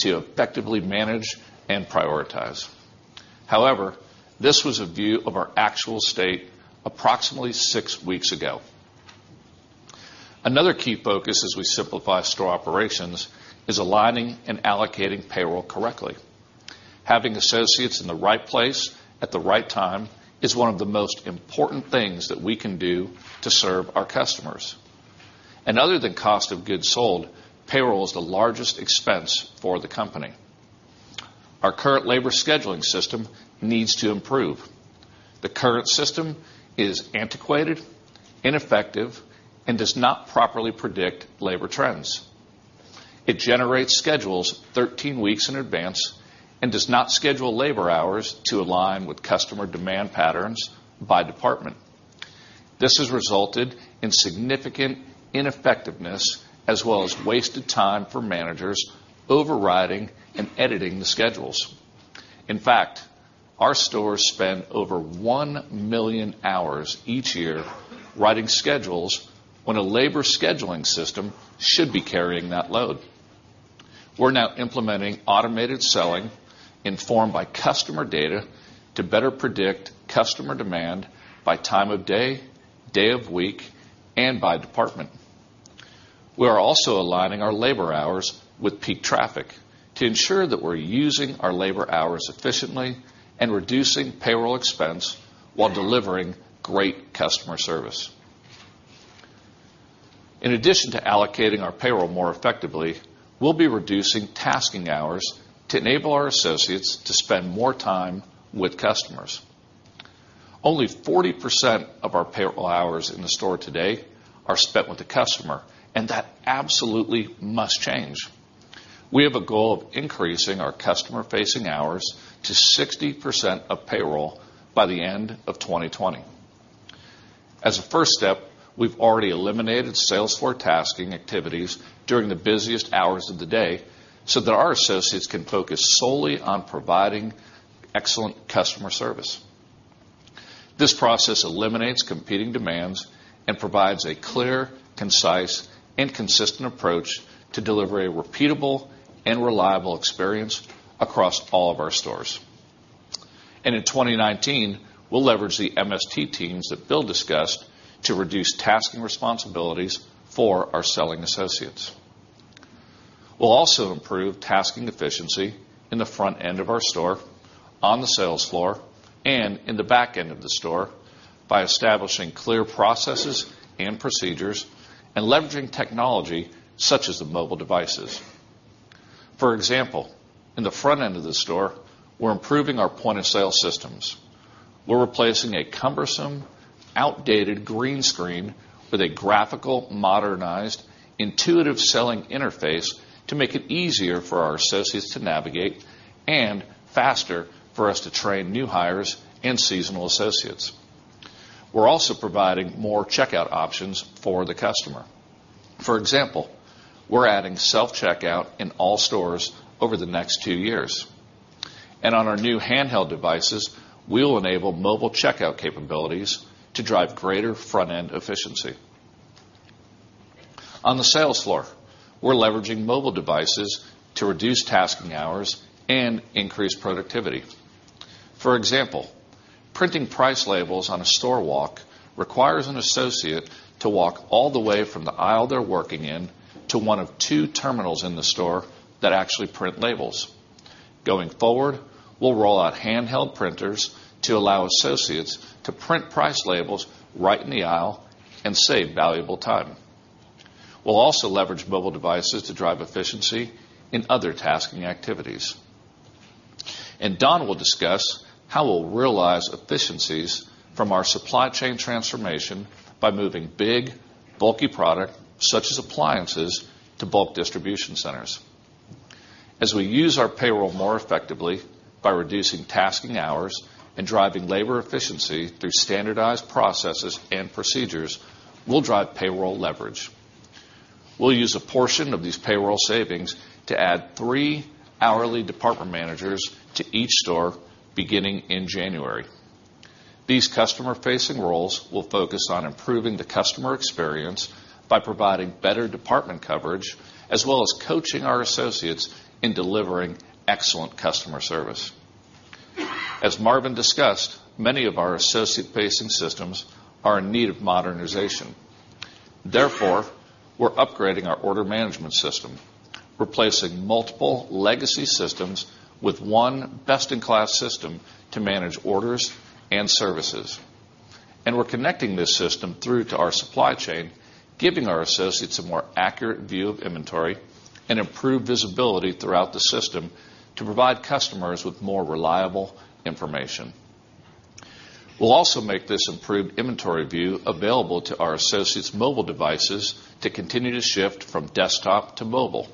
to effectively manage and prioritize. However, this was a view of our actual state approximately six weeks ago. Another key focus as we simplify store operations is aligning and allocating payroll correctly. Having associates in the right place at the right time is one of the most important things that we can do to serve our customers. Other than cost of goods sold, payroll is the largest expense for the company. Our current labor scheduling system needs to improve. The current system is antiquated, ineffective, and does not properly predict labor trends. It generates schedules 13 weeks in advance and does not schedule labor hours to align with customer demand patterns by department. This has resulted in significant ineffectiveness, as well as wasted time for managers overriding and editing the schedules. In fact, our stores spend over 1 million hours each year writing schedules when a labor scheduling system should be carrying that load. We're now implementing automated scheduling, informed by customer data, to better predict customer demand by time of day of week, and by department. We are also aligning our labor hours with peak traffic to ensure that we're using our labor hours efficiently and reducing payroll expense while delivering great customer service. In addition to allocating our payroll more effectively, we'll be reducing tasking hours to enable our associates to spend more time with customers. Only 40% of our payroll hours in the store today are spent with the customer, and that absolutely must change. We have a goal of increasing our customer-facing hours to 60% of payroll by the end of 2020. As a first step, we've already eliminated sales floor tasking activities during the busiest hours of the day so that our associates can focus solely on providing excellent customer service. This process eliminates competing demands and provides a clear, concise, and consistent approach to deliver a repeatable and reliable experience across all of our stores. In 2019, we'll leverage the MST teams that Bill discussed to reduce tasking responsibilities for our selling associates. We'll also improve tasking efficiency in the front end of our store, on the sales floor, and in the back end of the store by establishing clear processes and procedures and leveraging technology such as the mobile devices. For example, in the front end of the store, we're improving our point-of-sale systems. We're replacing a cumbersome, outdated green screen with a graphical, modernized, intuitive selling interface to make it easier for our associates to navigate and faster for us to train new hires and seasonal associates. We're also providing more checkout options for the customer. For example, we're adding self-checkout in all stores over the next two years. On our new handheld devices, we will enable mobile checkout capabilities to drive greater front-end efficiency. On the sales floor, we're leveraging mobile devices to reduce tasking hours and increase productivity. For example, printing price labels on a store walk requires an associate to walk all the way from the aisle they're working in to one of two terminals in the store that actually print labels. Going forward, we'll roll out handheld printers to allow associates to print price labels right in the aisle and save valuable time. We'll also leverage mobile devices to drive efficiency in other tasking activities. Don will discuss how we'll realize efficiencies from our supply chain transformation by moving big, bulky product, such as appliances, to bulk distribution centers. As we use our payroll more effectively by reducing tasking hours and driving labor efficiency through standardized processes and procedures, we'll drive payroll leverage. We'll use a portion of these payroll savings to add three hourly department managers to each store beginning in January. These customer-facing roles will focus on improving the customer experience by providing better department coverage, as well as coaching our associates in delivering excellent customer service. As Marvin discussed, many of our associate-facing systems are in need of modernization. Therefore, we're upgrading our order management system, replacing multiple legacy systems with one best-in-class system to manage orders and services. We're connecting this system through to our supply chain, giving our associates a more accurate view of inventory and improved visibility throughout the system to provide customers with more reliable information. We'll also make this improved inventory view available to our associates' mobile devices to continue to shift from desktop to mobile,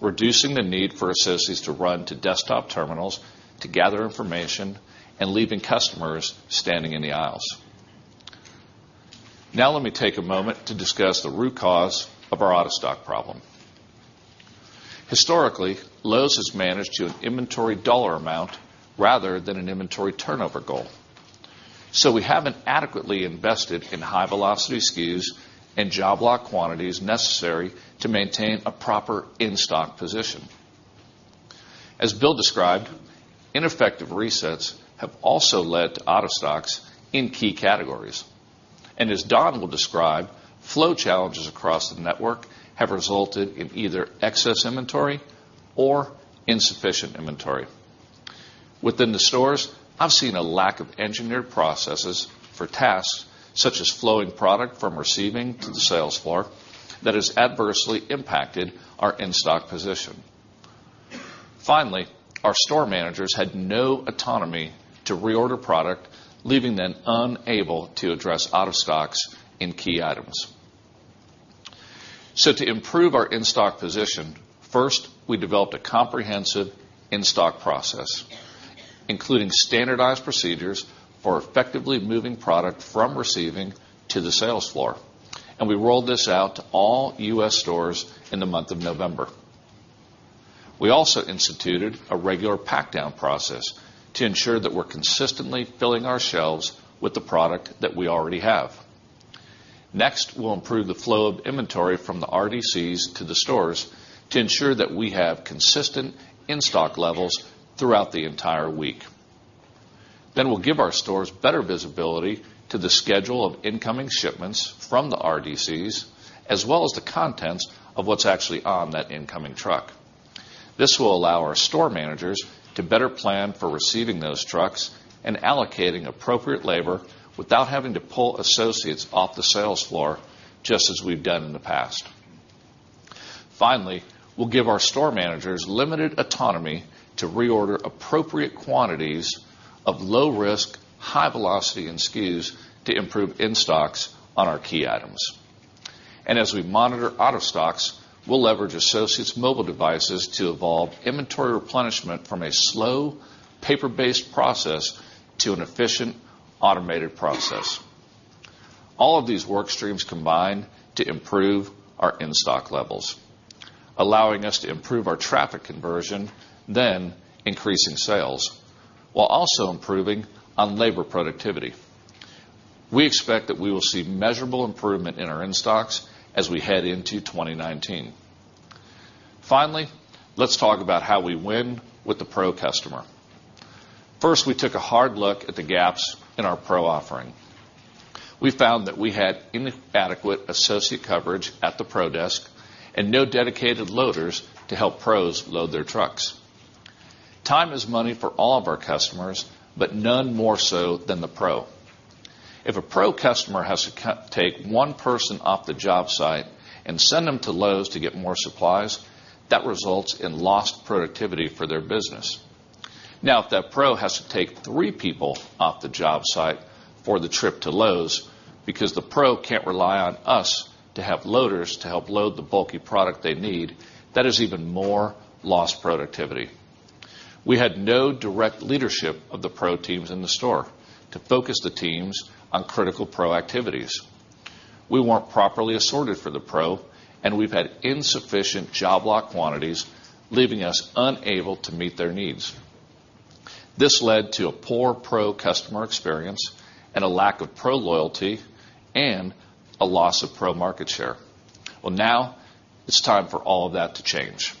reducing the need for associates to run to desktop terminals to gather information and leaving customers standing in the aisles. Let me take a moment to discuss the root cause of our out-of-stock problem. Historically, Lowe's has managed to an inventory dollar amount rather than an inventory turnover goal. We haven't adequately invested in high-velocity SKUs and job lot quantities necessary to maintain a proper in-stock position. As Bill described, ineffective resets have also led to out-of-stocks in key categories. As Don will describe, flow challenges across the network have resulted in either excess inventory or insufficient inventory. Within the stores, I've seen a lack of engineered processes for tasks such as flowing product from receiving to the sales floor that has adversely impacted our in-stock position. Finally, our store managers had no autonomy to reorder product, leaving them unable to address out-of-stocks in key items. To improve our in-stock position, first, we developed a comprehensive in-stock process, including standardized procedures for effectively moving product from receiving to the sales floor. We rolled this out to all U.S. stores in the month of November. We also instituted a regular pack-down process to ensure that we're consistently filling our shelves with the product that we already have. We'll improve the flow of inventory from the RDCs to the stores to ensure that we have consistent in-stock levels throughout the entire week. We'll give our stores better visibility to the schedule of incoming shipments from the RDCs, as well as the contents of what's actually on that incoming truck. This will allow our store managers to better plan for receiving those trucks and allocating appropriate labor without having to pull associates off the sales floor, just as we've done in the past. We'll give our store managers limited autonomy to reorder appropriate quantities of low-risk, high-velocity SKUs to improve in-stocks on our key items. As we monitor out-of-stocks, we'll leverage associates' mobile devices to evolve inventory replenishment from a slow, paper-based process to an efficient, automated process. All of these work streams combine to improve our in-stock levels, allowing us to improve our traffic conversion, then increasing sales, while also improving on labor productivity. We expect that we will see measurable improvement in our in-stocks as we head into 2019. Let's talk about how we win with the pro customer. We took a hard look at the gaps in our pro offering. We found that we had inadequate associate coverage at the pro desk and no dedicated loaders to help pros load their trucks. Time is money for all of our customers, but none more so than the pro. If a pro customer has to take one person off the job site and send them to Lowe's to get more supplies, that results in lost productivity for their business. If that pro has to take three people off the job site for the trip to Lowe's because the pro can't rely on us to have loaders to help load the bulky product they need, that is even more lost productivity. We had no direct leadership of the pro teams in the store to focus the teams on critical pro activities. We weren't properly assorted for the pro, and we've had insufficient job lot quantities, leaving us unable to meet their needs. This led to a poor pro customer experience and a lack of pro loyalty and a loss of pro market share. Now it's time for all of that to change.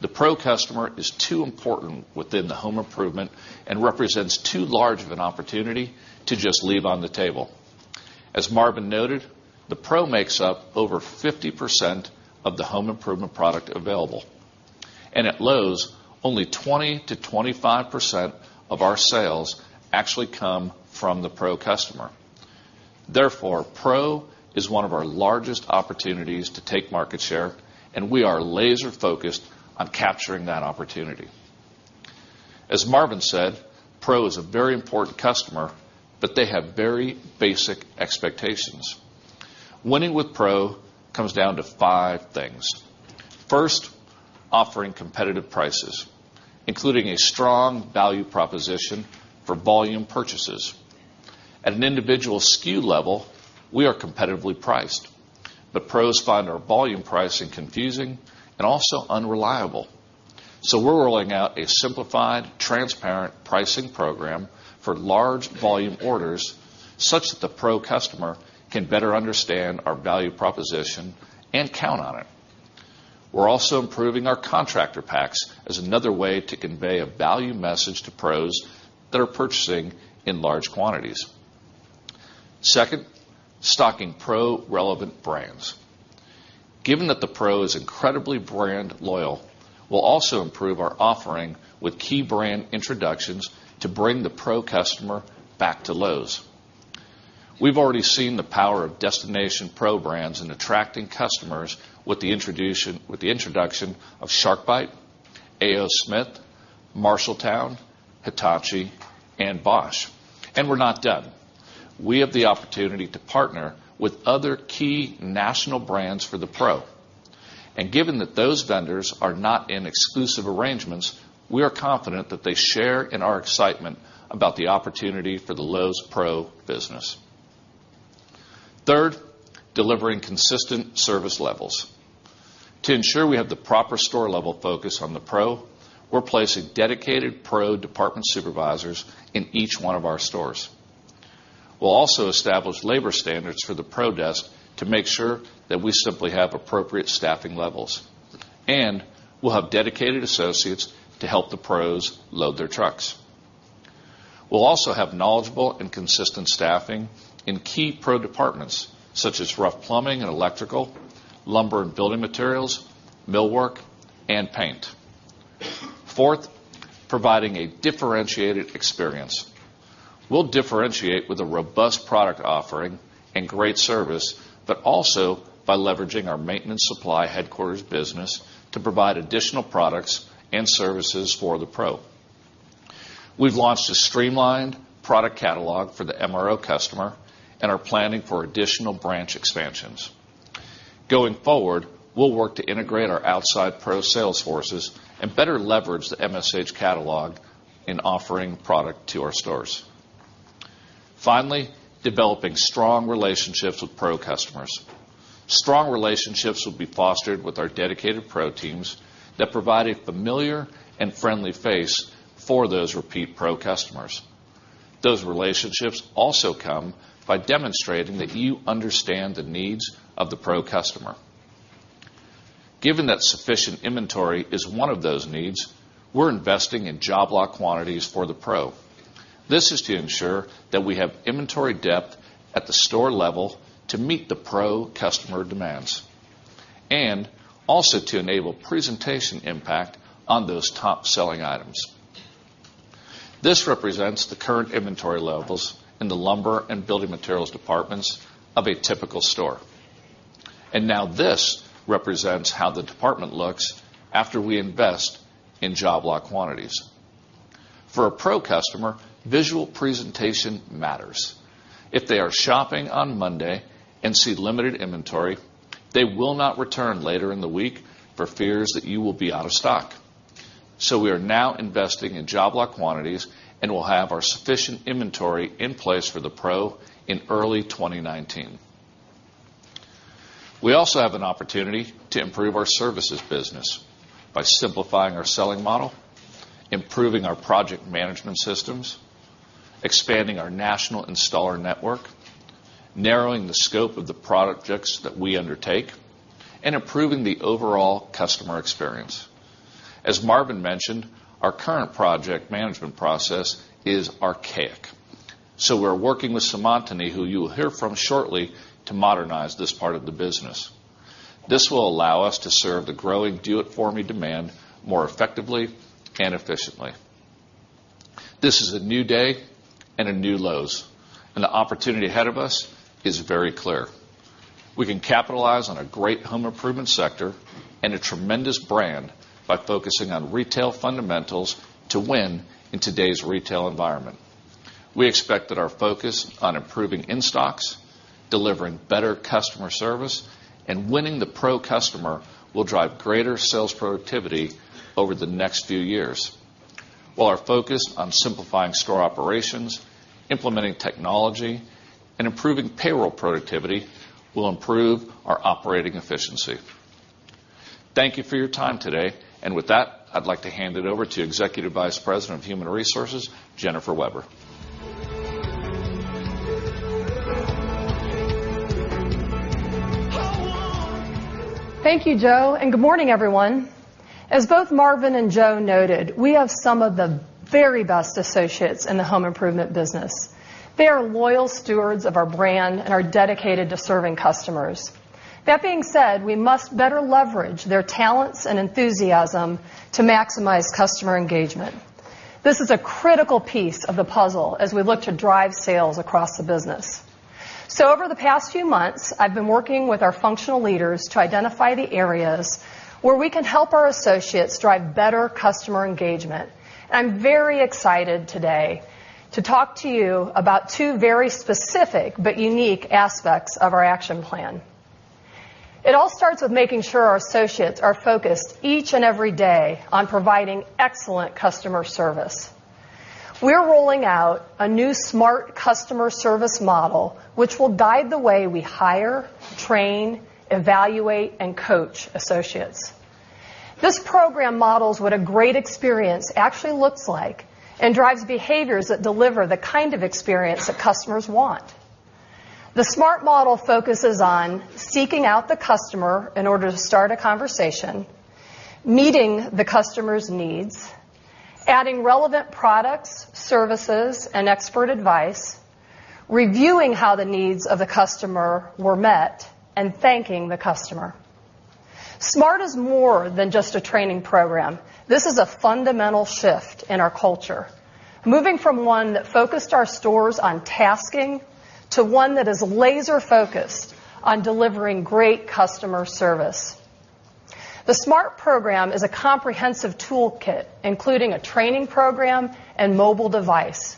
The pro customer is too important within the home improvement and represents too large of an opportunity to just leave on the table. As Marvin noted, the pro makes up over 50% of the home improvement product available. At Lowe's, only 20%-25% of our sales actually come from the pro customer. Pro is one of our largest opportunities to take market share, and we are laser-focused on capturing that opportunity. As Marvin said, pro is a very important customer, but they have very basic expectations. Winning with pro comes down to five things. Offering competitive prices, including a strong value proposition for volume purchases. At an individual SKU level, we are competitively priced, but pros find our volume pricing confusing and also unreliable. We're rolling out a simplified, transparent pricing program for large volume orders such that the pro customer can better understand our value proposition and count on it. We're also improving our contractor packs as another way to convey a value message to pros that are purchasing in large quantities. Second, stocking pro-relevant brands. Given that the pro is incredibly brand loyal, we'll also improve our offering with key brand introductions to bring the pro customer back to Lowe's. We've already seen the power of destination pro brands in attracting customers with the introduction of SharkBite, A.O. Smith, Marshalltown, Hitachi, and Bosch. We're not done. We have the opportunity to partner with other key national brands for the pro. Given that those vendors are not in exclusive arrangements, we are confident that they share in our excitement about the opportunity for the Lowe's Pro business. Third, delivering consistent service levels. To ensure we have the proper store-level focus on the pro, we're placing dedicated pro department supervisors in each one of our stores. We'll also establish labor standards for the pro desk to make sure that we simply have appropriate staffing levels. We'll have dedicated associates to help the pros load their trucks. We'll also have knowledgeable and consistent staffing in key pro departments, such as rough plumbing and electrical, lumber and building materials, millwork, and paint. Fourth, providing a differentiated experience. We'll differentiate with a robust product offering and great service, but also by leveraging our Maintenance Supply Headquarters business to provide additional products and services for the pro. We've launched a streamlined product catalog for the MRO customer and are planning for additional branch expansions. Going forward, we'll work to integrate our outside pro sales forces and better leverage the MSH catalog in offering product to our stores. Finally, developing strong relationships with pro customers. Strong relationships will be fostered with our dedicated pro teams that provide a familiar and friendly face for those repeat pro customers. Those relationships also come by demonstrating that you understand the needs of the pro customer. Given that sufficient inventory is one of those needs, we're investing in job lot quantities for the pro. This is to ensure that we have inventory depth at the store level to meet the pro customer demands and also to enable presentation impact on those top-selling items. This represents the current inventory levels in the lumber and building materials departments of a typical store. Now this represents how the department looks after we invest in job lot quantities. For a pro customer, visual presentation matters. If they are shopping on Monday and see limited inventory, they will not return later in the week for fears that you will be out of stock. We are now investing in job lot quantities, and we'll have our sufficient inventory in place for the pro in early 2019. We also have an opportunity to improve our services business by simplifying our selling model, improving our project management systems, expanding our national installer network, narrowing the scope of the projects that we undertake, and improving the overall customer experience. As Marvin mentioned, our current project management process is archaic, so we're working with Seemantini, who you will hear from shortly, to modernize this part of the business. This will allow us to serve the growing do-it-for-me demand more effectively and efficiently. This is a new day and a new Lowe's, and the opportunity ahead of us is very clear. We can capitalize on a great home improvement sector and a tremendous brand by focusing on retail fundamentals to win in today's retail environment. We expect that our focus on improving in-stocks, delivering better customer service, and winning the pro customer will drive greater sales productivity over the next few years. While our focus on simplifying store operations, implementing technology, and improving payroll productivity will improve our operating efficiency. Thank you for your time today. With that, I'd like to hand it over to Executive Vice President of Human Resources, Jennifer Weber. Thank you, Joe, and good morning, everyone. As both Marvin and Joe noted, we have some of the very best associates in the home improvement business. They are loyal stewards of our brand and are dedicated to serving customers. That being said, we must better leverage their talents and enthusiasm to maximize customer engagement. This is a critical piece of the puzzle as we look to drive sales across the business. Over the past few months, I've been working with our functional leaders to identify the areas where we can help our associates drive better customer engagement. I'm very excited today to talk to you about two very specific but unique aspects of our action plan. It all starts with making sure our associates are focused each and every day on providing excellent customer service. We're rolling out a new SMART customer service model which will guide the way we hire, train, evaluate, and coach associates. This program models what a great experience actually looks like and drives behaviors that deliver the kind of experience that customers want. The SMART model focuses on seeking out the customer in order to start a conversation, meeting the customer's needs, adding relevant products, services, and expert advice, reviewing how the needs of the customer were met, and thanking the customer. SMART is more than just a training program. This is a fundamental shift in our culture, moving from one that focused our stores on tasking to one that is laser-focused on delivering great customer service. The SMART program is a comprehensive toolkit, including a training program and mobile device,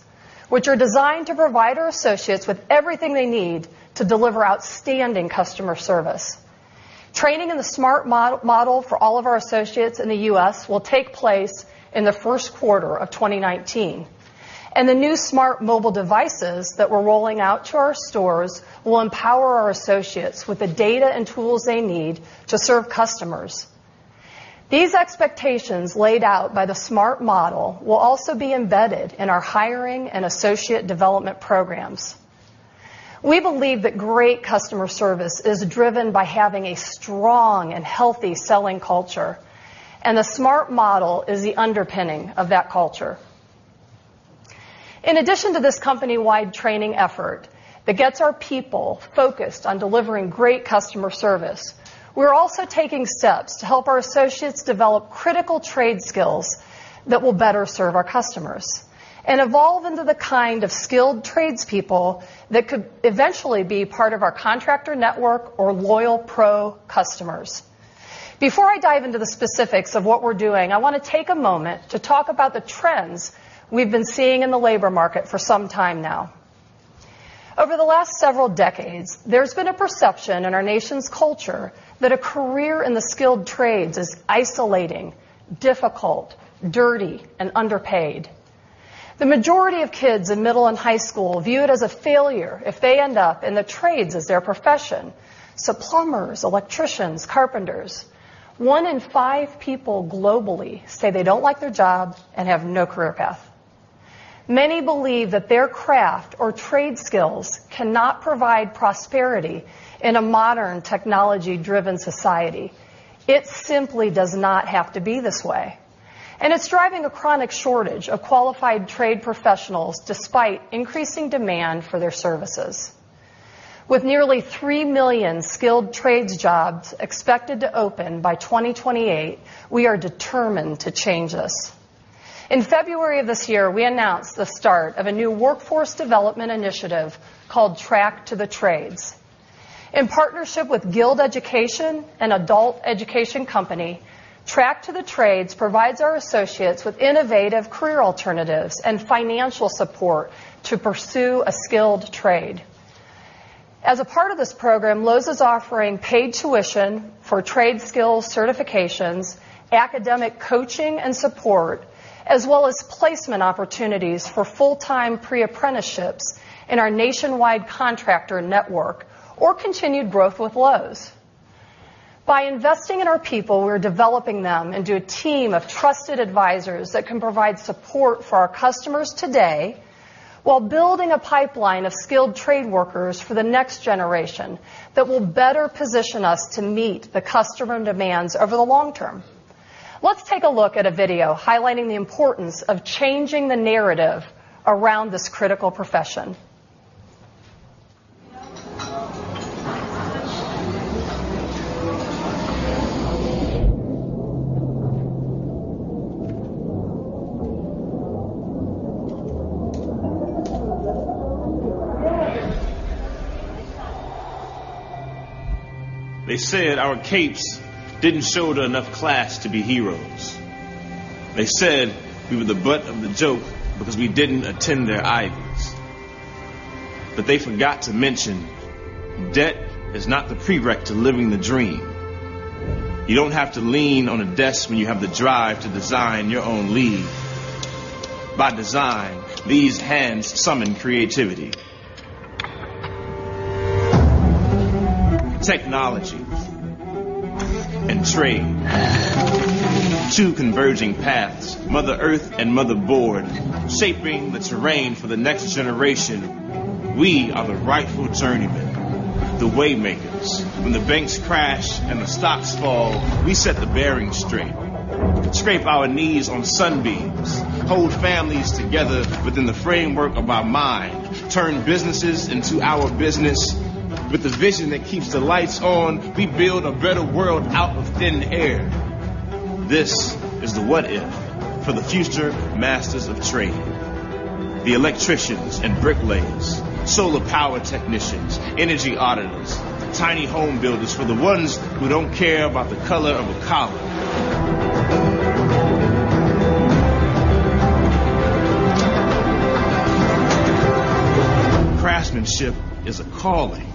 which are designed to provide our associates with everything they need to deliver outstanding customer service. Training in the SMART model for all of our associates in the U.S. will take place in the first quarter of 2019. The new SMART mobile devices that we're rolling out to our stores will empower our associates with the data and tools they need to serve customers. These expectations laid out by the SMART model will also be embedded in our hiring and associate development programs. We believe that great customer service is driven by having a strong and healthy selling culture. The SMART model is the underpinning of that culture. In addition to this company-wide training effort that gets our people focused on delivering great customer service, we're also taking steps to help our associates develop critical trade skills that will better serve our customers and evolve into the kind of skilled tradespeople that could eventually be part of our contractor network or loyal pro customers. Before I dive into the specifics of what we're doing, I want to take a moment to talk about the trends we've been seeing in the labor market for some time now. Over the last several decades, there's been a perception in our nation's culture that a career in the skilled trades is isolating, difficult, dirty, and underpaid. The majority of kids in middle and high school view it as a failure if they end up in the trades as their profession, so plumbers, electricians, carpenters. One in five people globally say they don't like their job and have no career path. Many believe that their craft or trade skills cannot provide prosperity in a modern, technology-driven society. It simply does not have to be this way, and it's driving a chronic shortage of qualified trade professionals despite increasing demand for their services. With nearly 3 million skilled trades jobs expected to open by 2028, we are determined to change this. In February of this year, we announced the start of a new workforce development initiative called Track to the Trades. In partnership with Guild Education, an adult education company, Track to the Trades provides our associates with innovative career alternatives and financial support to pursue a skilled trade. As a part of this program, Lowe's is offering paid tuition for trade skills certifications, academic coaching and support, as well as placement opportunities for full-time pre-apprenticeships in our nationwide contractor network or continued growth with Lowe's. By investing in our people, we're developing them into a team of trusted advisors that can provide support for our customers today while building a pipeline of skilled trade workers for the next generation that will better position us to meet the customer demands over the long term. Let's take a look at a video highlighting the importance of changing the narrative around this critical profession. They said our capes didn't show to enough class to be heroes. They said we were the butt of the joke because we didn't attend their Ivies. They forgot to mention debt is not the pre-req to living the dream. You don't have to lean on a desk when you have the drive to design your own lean. By design, these hands summon creativity. Technology and trade. Two converging paths, Mother Earth and motherboard, shaping the terrain for the next generation. We are the rightful journeymen, the way makers. When the banks crash and the stocks fall, we set the bearings straight. Scrape our knees on sunbeams. Hold families together within the framework of our mind. Turn businesses into our business. With the vision that keeps the lights on, we build a better world out of thin air. This is the what if for the future masters of trade, the electricians and bricklayers, solar power technicians, energy auditors, tiny home builders for the ones who don't care about the color of a collar. Craftsmanship is a calling.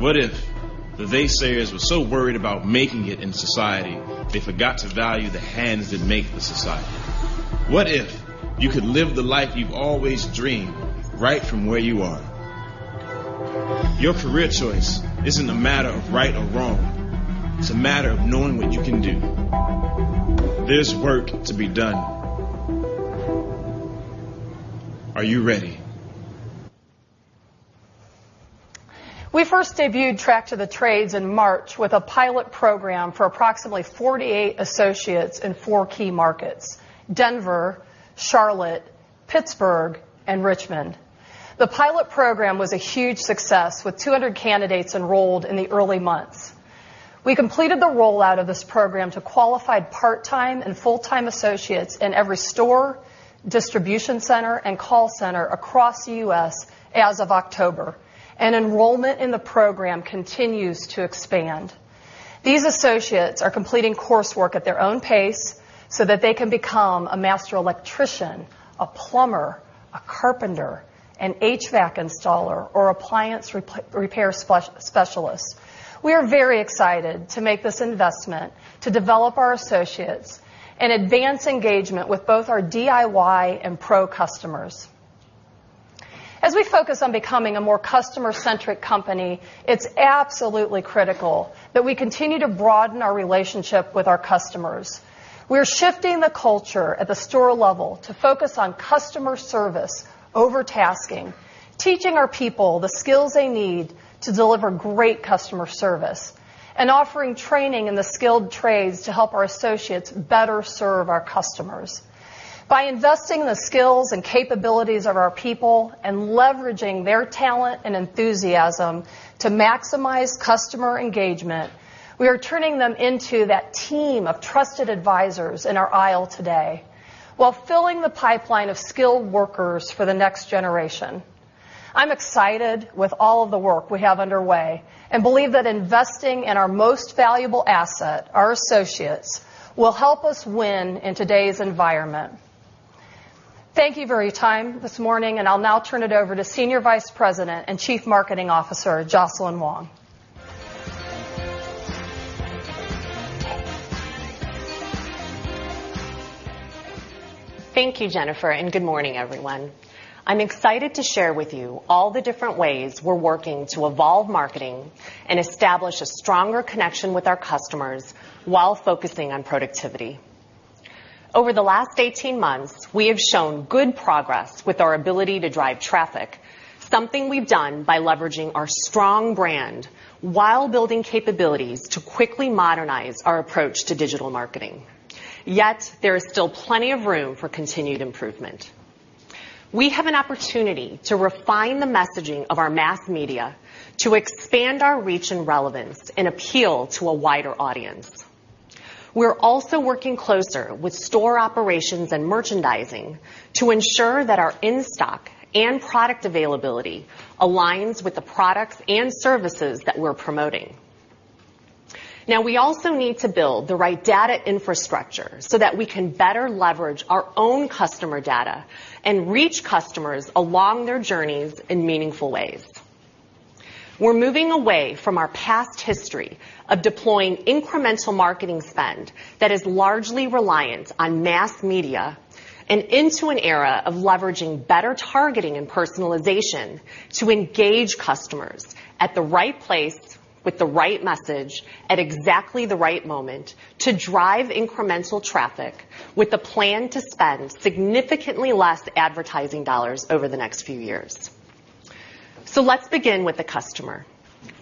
What if the naysayers were so worried about making it in society, they forgot to value the hands that make the society? What if you could live the life you've always dreamed, right from where you are? Your career choice isn't a matter of right or wrong. It's a matter of knowing what you can do. There's work to be done. Are you ready? We first debuted Track to the Trades in March with a pilot program for approximately 48 associates in four key markets: Denver, Charlotte, Pittsburgh, and Richmond. The pilot program was a huge success with 200 candidates enrolled in the early months. We completed the rollout of this program to qualified part-time and full-time associates in every store, distribution center, and call center across the U.S. as of October. Enrollment in the program continues to expand. These associates are completing coursework at their own pace so that they can become a master electrician, a plumber, a carpenter, an HVAC installer, or appliance repair specialist. We are very excited to make this investment to develop our associates and advance engagement with both our DIY and pro customers. As we focus on becoming a more customer-centric company, it's absolutely critical that we continue to broaden our relationship with our customers. We are shifting the culture at the store level to focus on customer service over tasking, teaching our people the skills they need to deliver great customer service, and offering training in the skilled trades to help our associates better serve our customers. By investing the skills and capabilities of our people and leveraging their talent and enthusiasm to maximize customer engagement, we are turning them into that team of trusted advisors in our aisle today while filling the pipeline of skilled workers for the next generation. I'm excited with all of the work we have underway and believe that investing in our most valuable asset, our associates, will help us win in today's environment. Thank you for your time this morning. I'll now turn it over to Senior Vice President and Chief Marketing Officer, Jocelyn Wong. Thank you, Jennifer. Good morning, everyone. I'm excited to share with you all the different ways we're working to evolve marketing and establish a stronger connection with our customers while focusing on productivity. Over the last 18 months, we have shown good progress with our ability to drive traffic, something we've done by leveraging our strong brand while building capabilities to quickly modernize our approach to digital marketing. There is still plenty of room for continued improvement. We have an opportunity to refine the messaging of our mass media to expand our reach and relevance and appeal to a wider audience. We're also working closer with store operations and merchandising to ensure that our in-stock and product availability aligns with the products and services that we're promoting. We also need to build the right data infrastructure so that we can better leverage our own customer data and reach customers along their journeys in meaningful ways. We're moving away from our past history of deploying incremental marketing spend that is largely reliant on mass media and into an era of leveraging better targeting and personalization to engage customers at the right place with the right message at exactly the right moment to drive incremental traffic with a plan to spend significantly less advertising dollars over the next few years. Let's begin with the customer.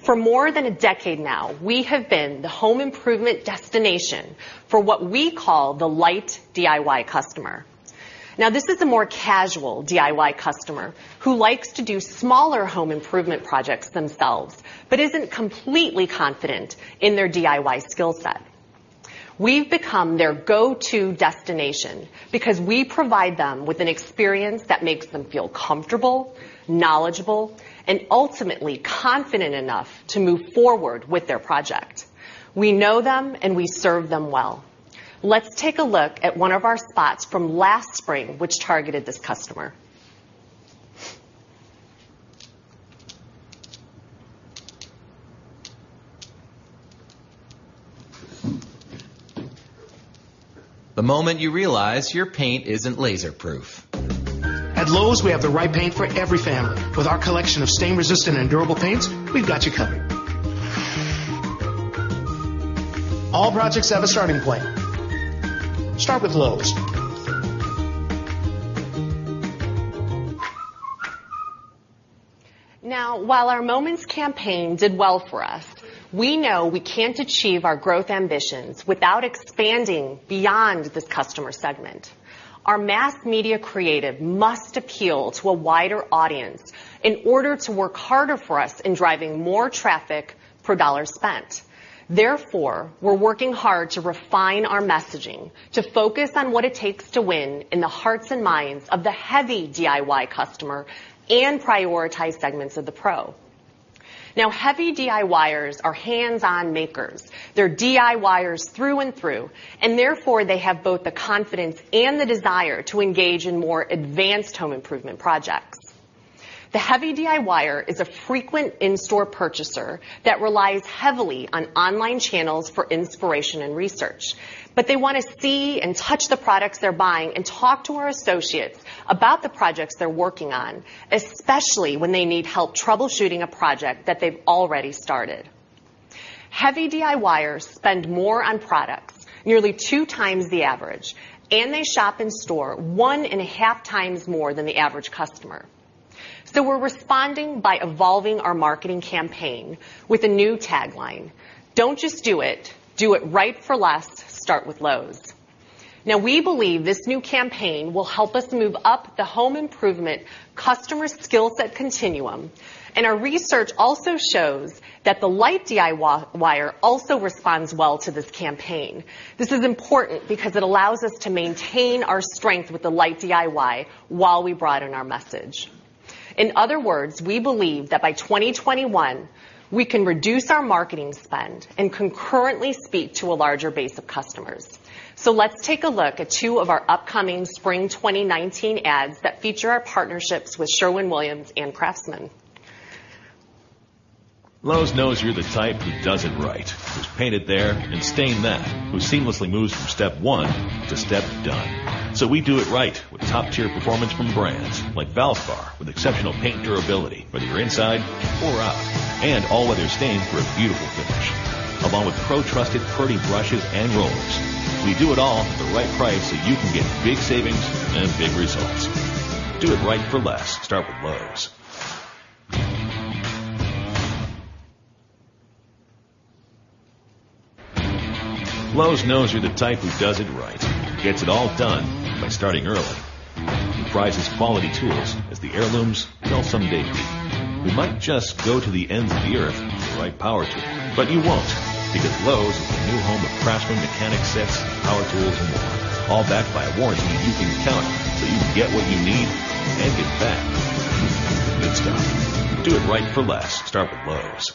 For more than a decade now, we have been the home improvement destination for what we call the light DIY customer. This is the more casual DIY customer who likes to do smaller home improvement projects themselves but isn't completely confident in their DIY skillset. We've become their go-to destination because we provide them with an experience that makes them feel comfortable, knowledgeable, and ultimately confident enough to move forward with their project. We know them, and we serve them well. Let's take a look at one of our spots from last spring, which targeted this customer. The moment you realize your paint isn't laser proof. At Lowe's, we have the right paint for every family. With our collection of stain-resistant and durable paints, we've got you covered. All projects have a starting point. Start with Lowe's. While our Moments campaign did well for us, we know we can't achieve our growth ambitions without expanding beyond this customer segment. Our mass media creative must appeal to a wider audience in order to work harder for us in driving more traffic per dollar spent. Therefore, we're working hard to refine our messaging to focus on what it takes to win in the hearts and minds of the heavy DIY customer and prioritize segments of the pro. Heavy DIYers are hands-on makers. They're DIYers through and through, and therefore, they have both the confidence and the desire to engage in more advanced home improvement projects. The heavy DIYer is a frequent in-store purchaser that relies heavily on online channels for inspiration and research. They want to see and touch the products they're buying and talk to our associates about the projects they're working on, especially when they need help troubleshooting a project that they've already started. Heavy DIYers spend more on products, nearly two times the average, and they shop in store one and a half times more than the average customer. We're responding by evolving our marketing campaign with a new tagline, "Don't just do it. Do it right for less. Start with Lowe's." We believe this new campaign will help us move up the home improvement customer skill set continuum, and our research also shows that the light DIYer also responds well to this campaign. This is important because it allows us to maintain our strength with the light DIY while we broaden our message. In other words, we believe that by 2021, we can reduce our marketing spend and concurrently speak to a larger base of customers. Let's take a look at two of our upcoming spring 2019 ads that feature our partnerships with Sherwin-Williams and CRAFTSMAN. Lowe's knows you're the type who does it right, who's painted there and stained them, who seamlessly moves from step one to step done. We do it right with top-tier performance from brands like Valspar with exceptional paint durability, whether you're inside or out, and all-weather stain for a beautiful finish, along with pro-trusted Purdy brushes and rollers. We do it all at the right price so you can get big savings and big results. Do it right for less. Start with Lowe's. Lowe's knows you're the type who does it right. Who gets it all done by starting early. Who prizes quality tools as the heirlooms they'll someday be. Who might just go to the ends of the earth for the right power tool. You won't, because Lowe's is the new home of CRAFTSMAN mechanic sets, power tools, and more, all backed by a warranty you can count on so you can get what you need and get back to the good stuff. Do it right for less. Start with Lowe's.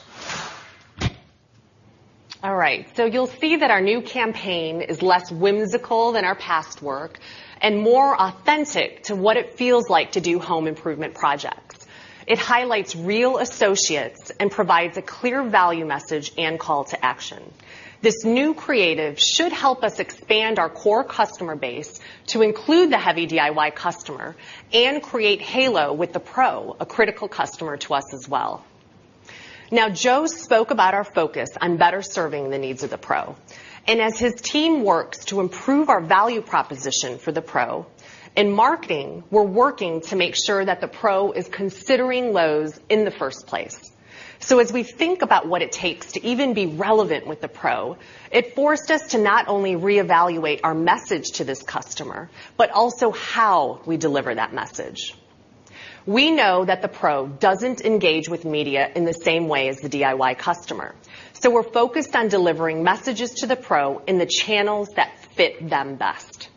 All right. You'll see that our new campaign is less whimsical than our past work and more authentic to what it feels like to do home improvement projects. It highlights real associates and provides a clear value message and call to action. This new creative should help us expand our core customer base to include the heavy DIY customer and create halo with the pro, a critical customer to us as well. Now, Joe spoke about our focus on better serving the needs of the pro. As his team works to improve our value proposition for the pro, in marketing, we're working to make sure that the pro is considering Lowe's in the first place. As we think about what it takes to even be relevant with the pro, it forced us to not only reevaluate our message to this customer but also how we deliver that message. We know that the pro doesn't engage with media in the same way as the DIY customer, so we're focused on delivering messages to the pro in the channels that fit them best.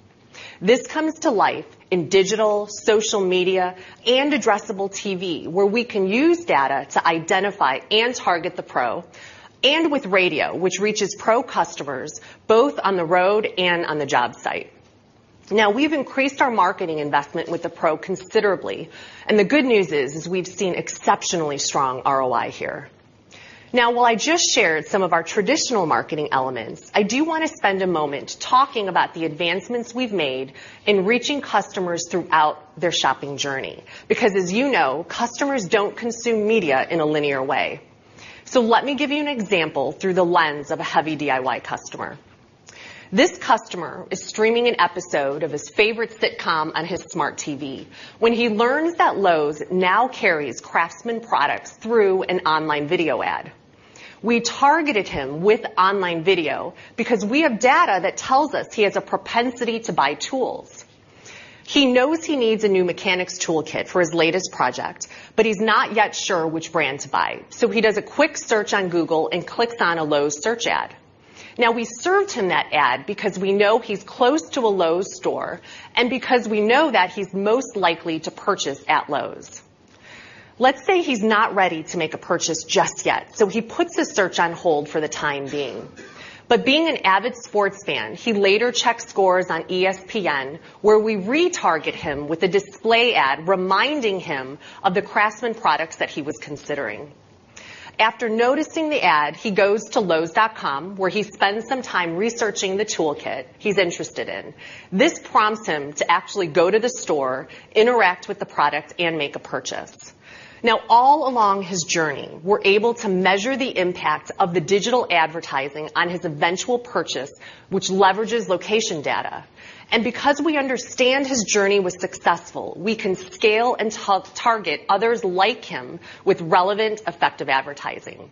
This comes to life in digital, social media, and addressable TV, where we can use data to identify and target the pro, and with radio, which reaches pro customers both on the road and on the job site. Now, we've increased our marketing investment with the pro considerably, and the good news is, we've seen exceptionally strong ROI here. While I just shared some of our traditional marketing elements, I do want to spend a moment talking about the advancements we've made in reaching customers throughout their shopping journey. As you know, customers don't consume media in a linear way. Let me give you an example through the lens of a heavy DIY customer. This customer is streaming an episode of his favorite sitcom on his smart TV when he learns that Lowe's now carries CRAFTSMAN products through an online video ad. We targeted him with online video because we have data that tells us he has a propensity to buy tools. He knows he needs a new mechanics tool kit for his latest project, but he's not yet sure which brand to buy. He does a quick search on Google and clicks on a Lowe's search ad. We served him that ad because we know he's close to a Lowe's store and because we know that he's most likely to purchase at Lowe's. Let's say he's not ready to make a purchase just yet, so he puts his search on hold for the time being. Being an avid sports fan, he later checks scores on ESPN, where we retarget him with a display ad reminding him of the CRAFTSMAN products that he was considering. After noticing the ad, he goes to lowes.com, where he spends some time researching the tool kit he's interested in. This prompts him to actually go to the store, interact with the product, and make a purchase. All along his journey, we're able to measure the impact of the digital advertising on his eventual purchase, which leverages location data. Because we understand his journey was successful, we can scale and target others like him with relevant, effective advertising.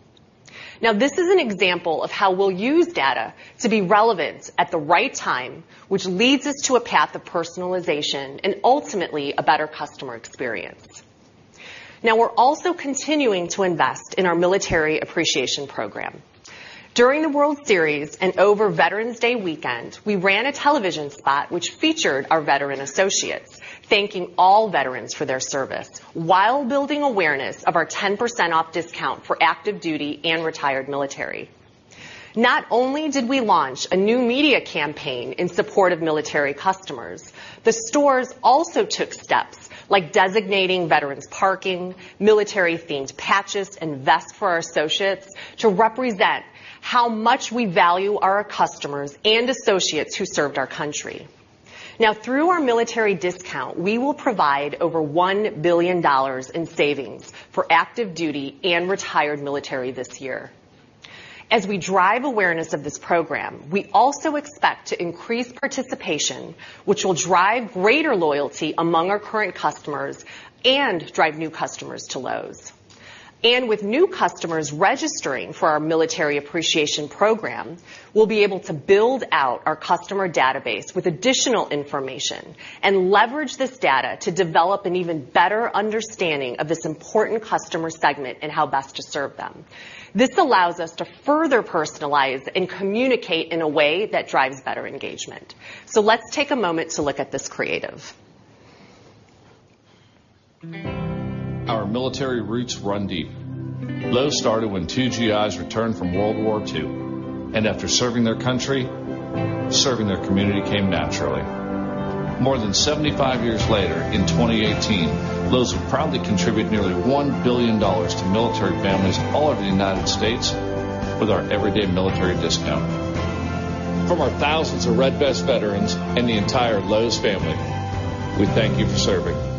This is an example of how we'll use data to be relevant at the right time, which leads us to a path of personalization and ultimately a better customer experience. We're also continuing to invest in our Military Appreciation Program. During the World Series and over Veterans Day weekend, we ran a television spot which featured our veteran associates, thanking all veterans for their service while building awareness of our 10% off discount for active duty and retired military. Not only did we launch a new media campaign in support of military customers, the stores also took steps like designating veterans parking, military-themed patches and vests for our associates to represent how much we value our customers and associates who served our country. Through our military discount, we will provide over $1 billion in savings for active duty and retired military this year. As we drive awareness of this program, we also expect to increase participation, which will drive greater loyalty among our current customers and drive new customers to Lowe's. With new customers registering for our Military Appreciation Program, we'll be able to build out our customer database with additional information and leverage this data to develop an even better understanding of this important customer segment and how best to serve them. This allows us to further personalize and communicate in a way that drives better engagement. Let's take a moment to look at this creative. Our military roots run deep. Lowe's started when two GIs returned from World War II. After serving their country, serving their community came naturally. More than 75 years later, in 2018, Lowe's will proudly contribute nearly $1 billion to military families all over the U.S. with our everyday military discount. From our thousands of Red Vest veterans and the entire Lowe's family, we thank you for serving.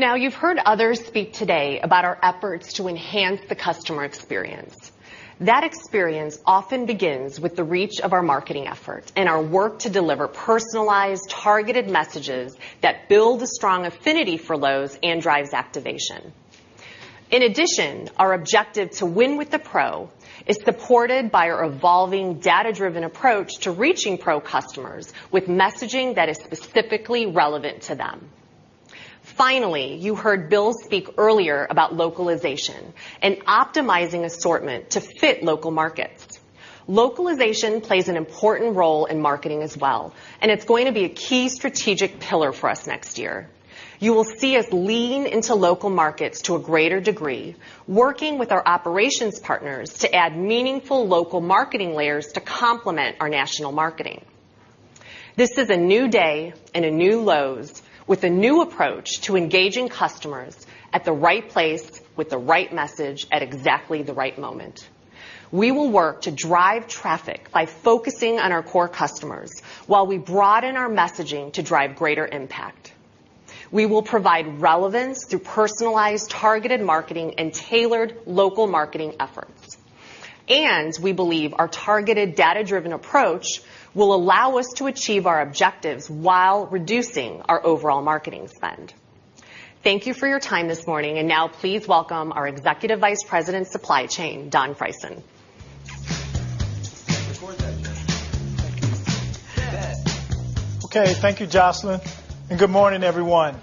You've heard others speak today about our efforts to enhance the customer experience. That experience often begins with the reach of our marketing effort and our work to deliver personalized, targeted messages that build a strong affinity for Lowe's and drives activation. In addition, our objective to win with the pro is supported by our evolving data-driven approach to reaching pro customers with messaging that is specifically relevant to them. Finally, you heard Bill speak earlier about localization and optimizing assortment to fit local markets. Localization plays an important role in marketing as well, it's going to be a key strategic pillar for us next year. You will see us lean into local markets to a greater degree, working with our operations partners to add meaningful local marketing layers to complement our national marketing. This is a new day and a new Lowe's with a new approach to engaging customers at the right place with the right message at exactly the right moment. We will work to drive traffic by focusing on our core customers while we broaden our messaging to drive greater impact. We will provide relevance through personalized, targeted marketing and tailored local marketing efforts. We believe our targeted data-driven approach will allow us to achieve our objectives while reducing our overall marketing spend. Thank you for your time this morning, and now please welcome our Executive Vice President, Supply Chain, Don Frieson. Thank you, Jocelyn, good morning, everyone.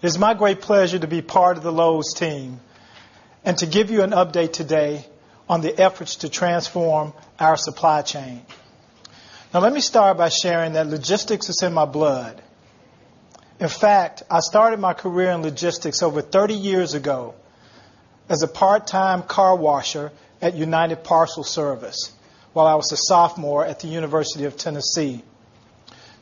It is my great pleasure to be part of the Lowe's team and to give you an update today on the efforts to transform our supply chain. Let me start by sharing that logistics is in my blood. In fact, I started my career in logistics over 30 years ago as a part-time car washer at United Parcel Service while I was a sophomore at the University of Tennessee.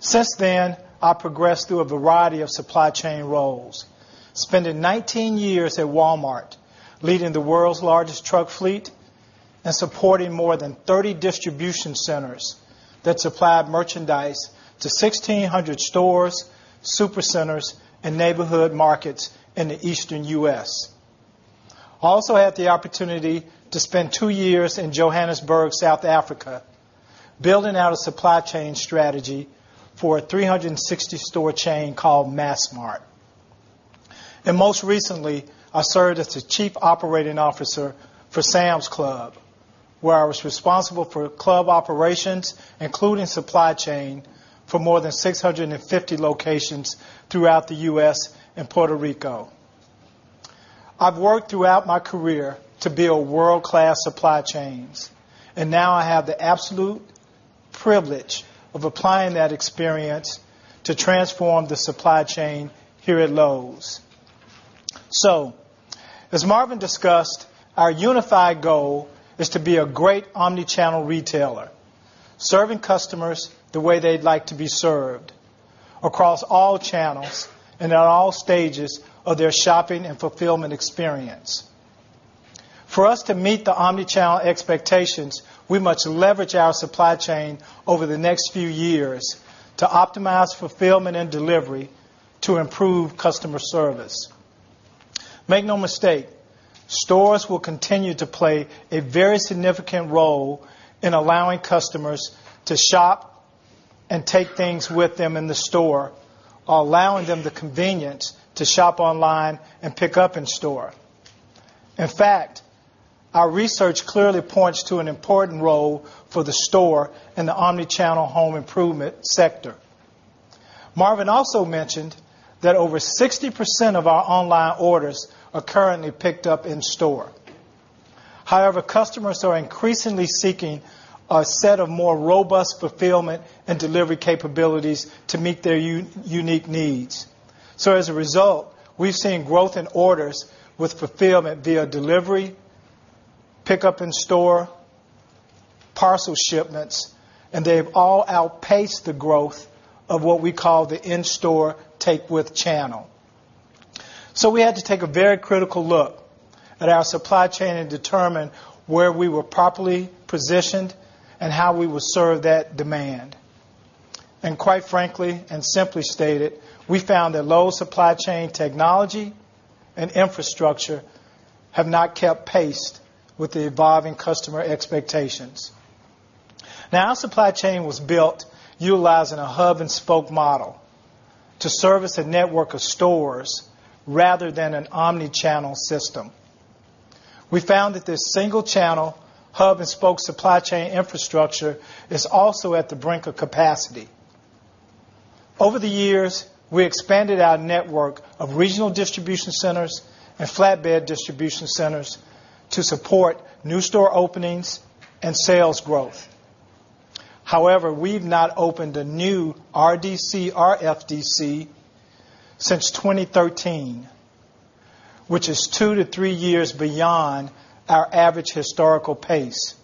Since then, I progressed through a variety of supply chain roles, spending 19 years at Walmart, leading the world's largest truck fleet and supporting more than 30 distribution centers that supplied merchandise to 1,600 stores, super centers, and neighborhood markets in the Eastern U.S. I also had the opportunity to spend 2 years in Johannesburg, South Africa, building out a supply chain strategy for a 360-store chain called Massmart. Most recently, I served as the Chief Operating Officer for Sam's Club, where I was responsible for club operations, including supply chain for more than 650 locations throughout the U.S. and Puerto Rico. I've worked throughout my career to build world-class supply chains, now I have the absolute privilege of applying that experience to transform the supply chain here at Lowe's. As Marvin discussed, our unified goal is to be a great omni-channel retailer, serving customers the way they'd like to be served across all channels and at all stages of their shopping and fulfillment experience. For us to meet the omni-channel expectations, we must leverage our supply chain over the next few years to optimize fulfillment and delivery to improve customer service. Make no mistake, stores will continue to play a very significant role in allowing customers to shop and take things with them in the store or allowing them the convenience to shop online and pick up in store. In fact, our research clearly points to an important role for the store in the omni-channel home improvement sector. Marvin also mentioned that over 60% of our online orders are currently picked up in store. However, customers are increasingly seeking a set of more robust fulfillment and delivery capabilities to meet their unique needs. As a result, we've seen growth in orders with fulfillment via delivery, pickup in store, parcel shipments, and they've all outpaced the growth of what we call the in-store take with channel. We had to take a very critical look at our supply chain and determine where we were properly positioned and how we would serve that demand. Quite frankly, and simply stated, we found that Lowe's supply chain technology and infrastructure have not kept pace with the evolving customer expectations. Now, our supply chain was built utilizing a hub-and-spoke model to service a network of stores rather than an omnichannel system. We found that this single channel hub-and-spoke supply chain infrastructure is also at the brink of capacity. Over the years, we expanded our network of regional distribution centers and flatbed distribution centers to support new store openings and sales growth. However, we've not opened a new RDC or FDC since 2013, which is two to three years beyond our average historical pace.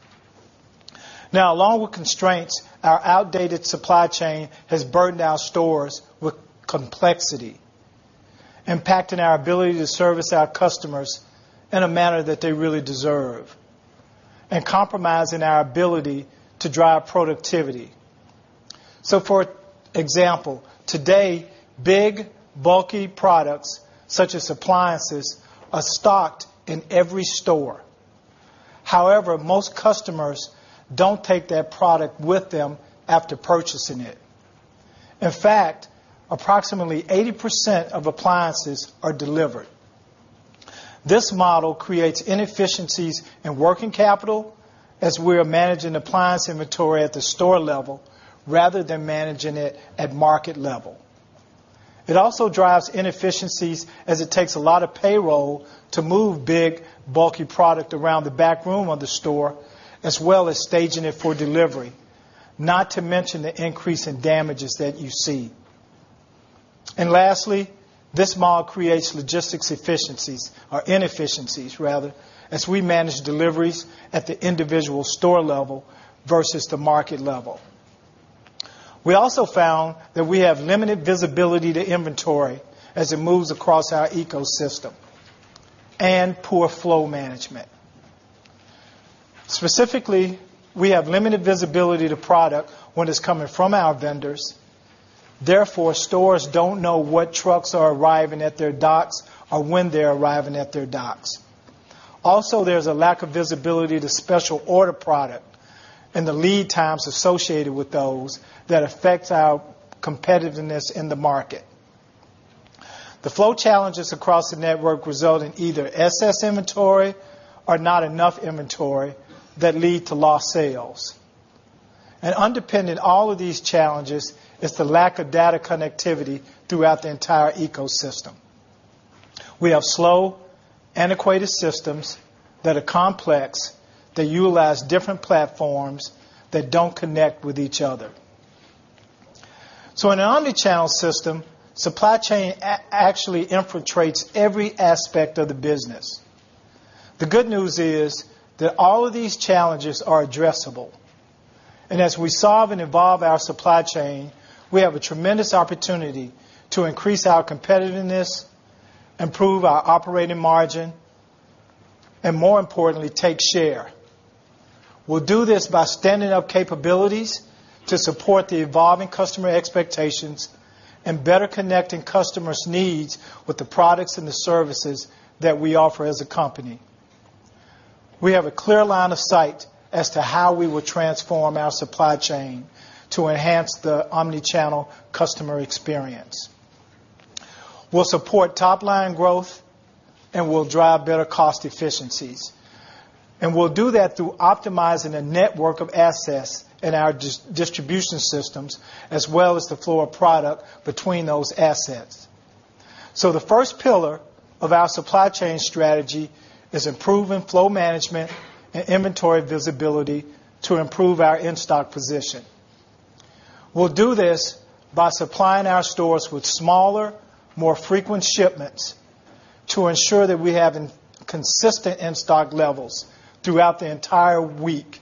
Along with constraints, our outdated supply chain has burdened our stores with complexity, impacting our ability to service our customers in a manner that they really deserve and compromising our ability to drive productivity. For example, today, big, bulky products such as appliances are stocked in every store. However, most customers don't take that product with them after purchasing it. In fact, approximately 80% of appliances are delivered. This model creates inefficiencies in working capital as we are managing appliance inventory at the store level rather than managing it at market level. It also drives inefficiencies as it takes a lot of payroll to move big, bulky product around the back room of the store, as well as staging it for delivery, not to mention the increase in damages that you see. Lastly, this model creates logistics efficiencies or inefficiencies, rather, as we manage deliveries at the individual store level versus the market level. We also found that we have limited visibility to inventory as it moves across our ecosystem and poor flow management. Specifically, we have limited visibility to product when it's coming from our vendors, therefore, stores don't know what trucks are arriving at their docks or when they're arriving at their docks. There's a lack of visibility to special order product and the lead times associated with those that affects our competitiveness in the market. The flow challenges across the network result in either excess inventory or not enough inventory that lead to lost sales. Underpinning all of these challenges is the lack of data connectivity throughout the entire ecosystem. We have slow, antiquated systems that are complex, that utilize different platforms, that don't connect with each other. In an omnichannel system, supply chain actually infiltrates every aspect of the business. The good news is that all of these challenges are addressable. As we solve and evolve our supply chain, we have a tremendous opportunity to increase our competitiveness, improve our operating margin, and more importantly, take share. We'll do this by standing up capabilities to support the evolving customer expectations and better connecting customers' needs with the products and the services that we offer as a company. We have a clear line of sight as to how we will transform our supply chain to enhance the omnichannel customer experience. We'll support top-line growth, and we'll drive better cost efficiencies. We'll do that through optimizing a network of assets in our distribution systems, as well as the flow of product between those assets. The first pillar of our supply chain strategy is improving flow management and inventory visibility to improve our in-stock position. We'll do this by supplying our stores with smaller, more frequent shipments to ensure that we have consistent in-stock levels throughout the entire week.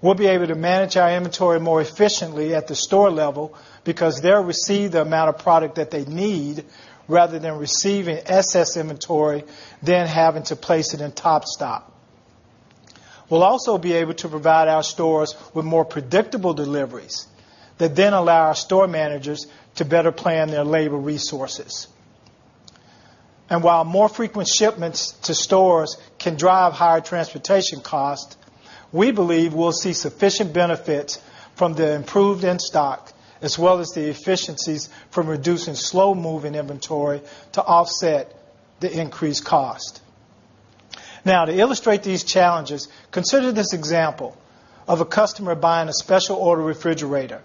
We'll be able to manage our inventory more efficiently at the store level because they'll receive the amount of product that they need rather than receiving excess inventory, then having to place it in top stock. We'll also be able to provide our stores with more predictable deliveries that then allow our store managers to better plan their labor resources. While more frequent shipments to stores can drive higher transportation costs, we believe we'll see sufficient benefits from the improved in-stock, as well as the efficiencies from reducing slow-moving inventory to offset the increased cost. To illustrate these challenges, consider this example of a customer buying a special order refrigerator.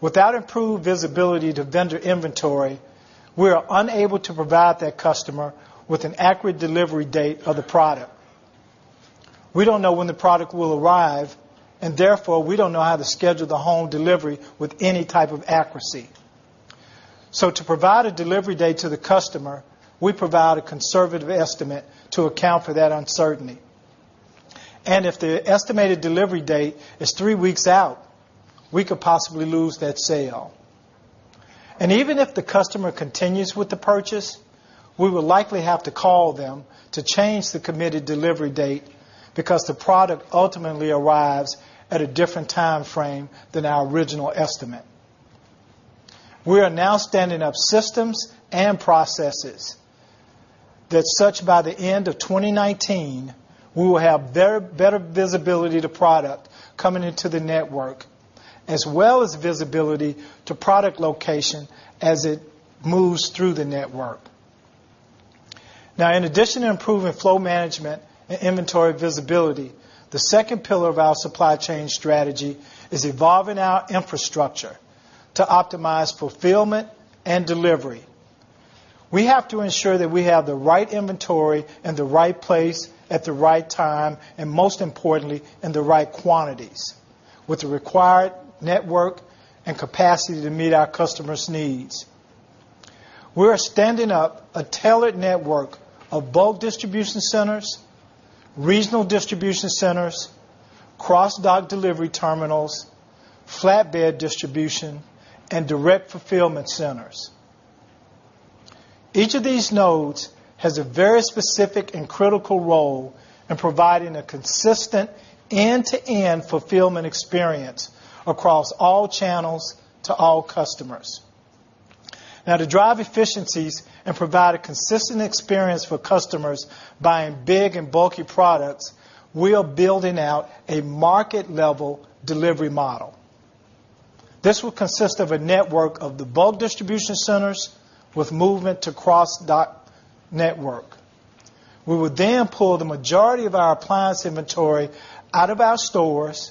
Without improved visibility to vendor inventory, we are unable to provide that customer with an accurate delivery date of the product. We don't know when the product will arrive, and therefore, we don't know how to schedule the home delivery with any type of accuracy. To provide a delivery date to the customer, we provide a conservative estimate to account for that uncertainty. If the estimated delivery date is three weeks out, we could possibly lose that sale. Even if the customer continues with the purchase, we will likely have to call them to change the committed delivery date because the product ultimately arrives at a different time frame than our original estimate. We are now standing up systems and processes that such by the end of 2019, we will have better visibility to product coming into the network, as well as visibility to product location as it moves through the network. In addition to improving flow management and inventory visibility, the second pillar of our supply chain strategy is evolving our infrastructure to optimize fulfillment and delivery. We have to ensure that we have the right inventory in the right place at the right time, and most importantly, in the right quantities with the required network and capacity to meet our customers' needs. We are standing up a tailored network of bulk distribution centers, regional distribution centers, cross-dock delivery terminals, flatbed distribution, and direct fulfillment centers. Each of these nodes has a very specific and critical role in providing a consistent end-to-end fulfillment experience across all channels to all customers. To drive efficiencies and provide a consistent experience for customers buying big and bulky products, we are building out a market-level delivery model. This will consist of a network of the bulk distribution centers with movement to cross-dock network. We will pull the majority of our appliance inventory out of our stores,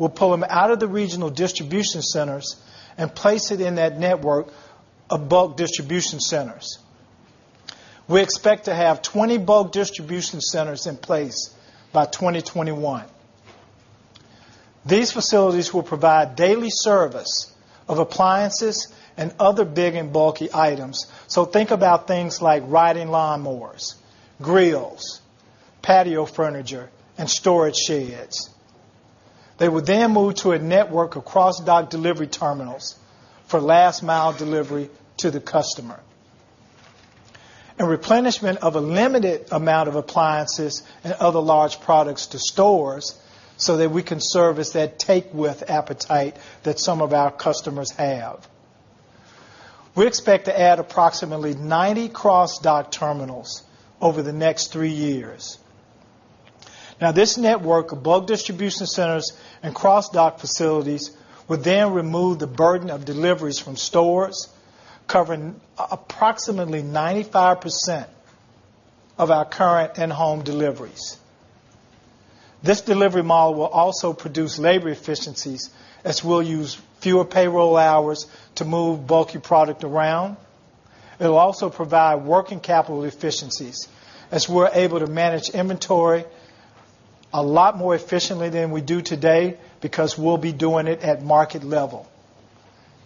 we'll pull them out of the regional distribution centers and place it in that network of bulk distribution centers. We expect to have 20 bulk distribution centers in place by 2021. These facilities will provide daily service of appliances and other big and bulky items. Think about things like riding lawnmowers, grills, patio furniture, and storage sheds. They will move to a network of cross-dock delivery terminals for last-mile delivery to the customer. Replenishment of a limited amount of appliances and other large products to stores so that we can service that take-with appetite that some of our customers have. We expect to add approximately 90 cross-dock terminals over the next three years. This network of bulk distribution centers and cross-dock facilities will remove the burden of deliveries from stores, covering approximately 95% of our current in-home deliveries. This delivery model will also produce labor efficiencies as we'll use fewer payroll hours to move bulky product around. It'll also provide working capital efficiencies as we're able to manage inventory a lot more efficiently than we do today because we'll be doing it at market level,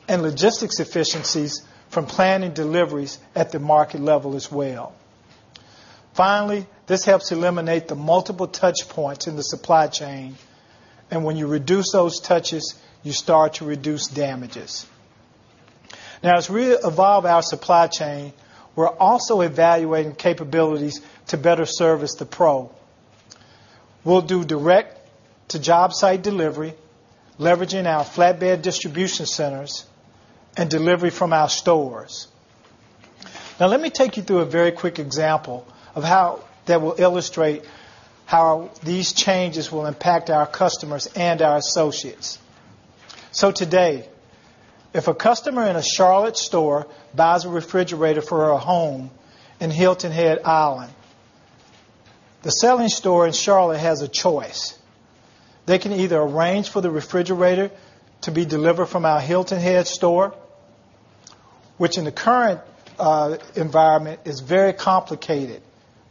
and logistics efficiencies from planning deliveries at the market level as well. Finally, this helps eliminate the multiple touch points in the supply chain, and when you reduce those touches, you start to reduce damages. As we evolve our supply chain, we're also evaluating capabilities to better service the pro. We'll do direct-to-job-site delivery, leveraging our flatbed distribution centers and delivery from our stores. Let me take you through a very quick example that will illustrate how these changes will impact our customers and our associates. Today, if a customer in a Charlotte store buys a refrigerator for a home in Hilton Head Island, the selling store in Charlotte has a choice. They can either arrange for the refrigerator to be delivered from our Hilton Head store, which in the current environment is very complicated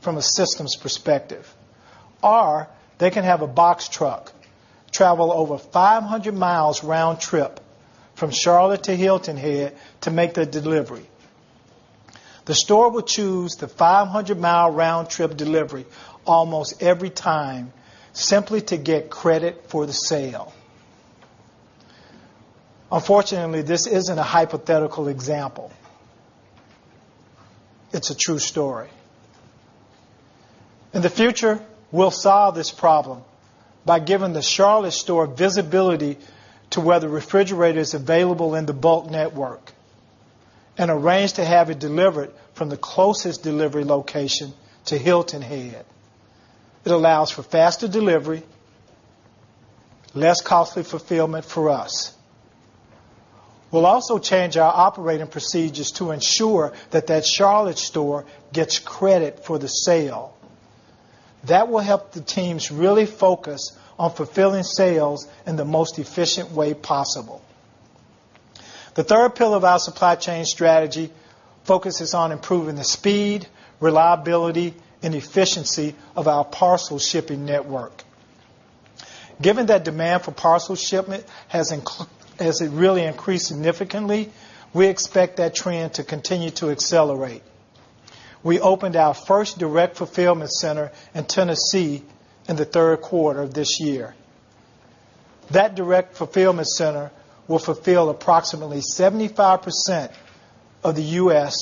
from a systems perspective, or they can have a box truck travel over 500 miles round trip from Charlotte to Hilton Head to make the delivery. The store will choose the 500-mile round trip delivery almost every time simply to get credit for the sale. Unfortunately, this isn't a hypothetical example. It's a true story. In the future, we'll solve this problem by giving the Charlotte store visibility to whether refrigerator is available in the bulk network and arrange to have it delivered from the closest delivery location to Hilton Head. It allows for faster delivery, less costly fulfillment for us. We'll also change our operating procedures to ensure that that Charlotte store gets credit for the sale. That will help the teams really focus on fulfilling sales in the most efficient way possible. The third pillar of our supply chain strategy focuses on improving the speed, reliability, and efficiency of our parcel shipping network. Given that demand for parcel shipment has really increased significantly, we expect that trend to continue to accelerate. We opened our first direct fulfillment center in Tennessee in the third quarter of this year. That direct fulfillment center will fulfill approximately 75% of the U.S.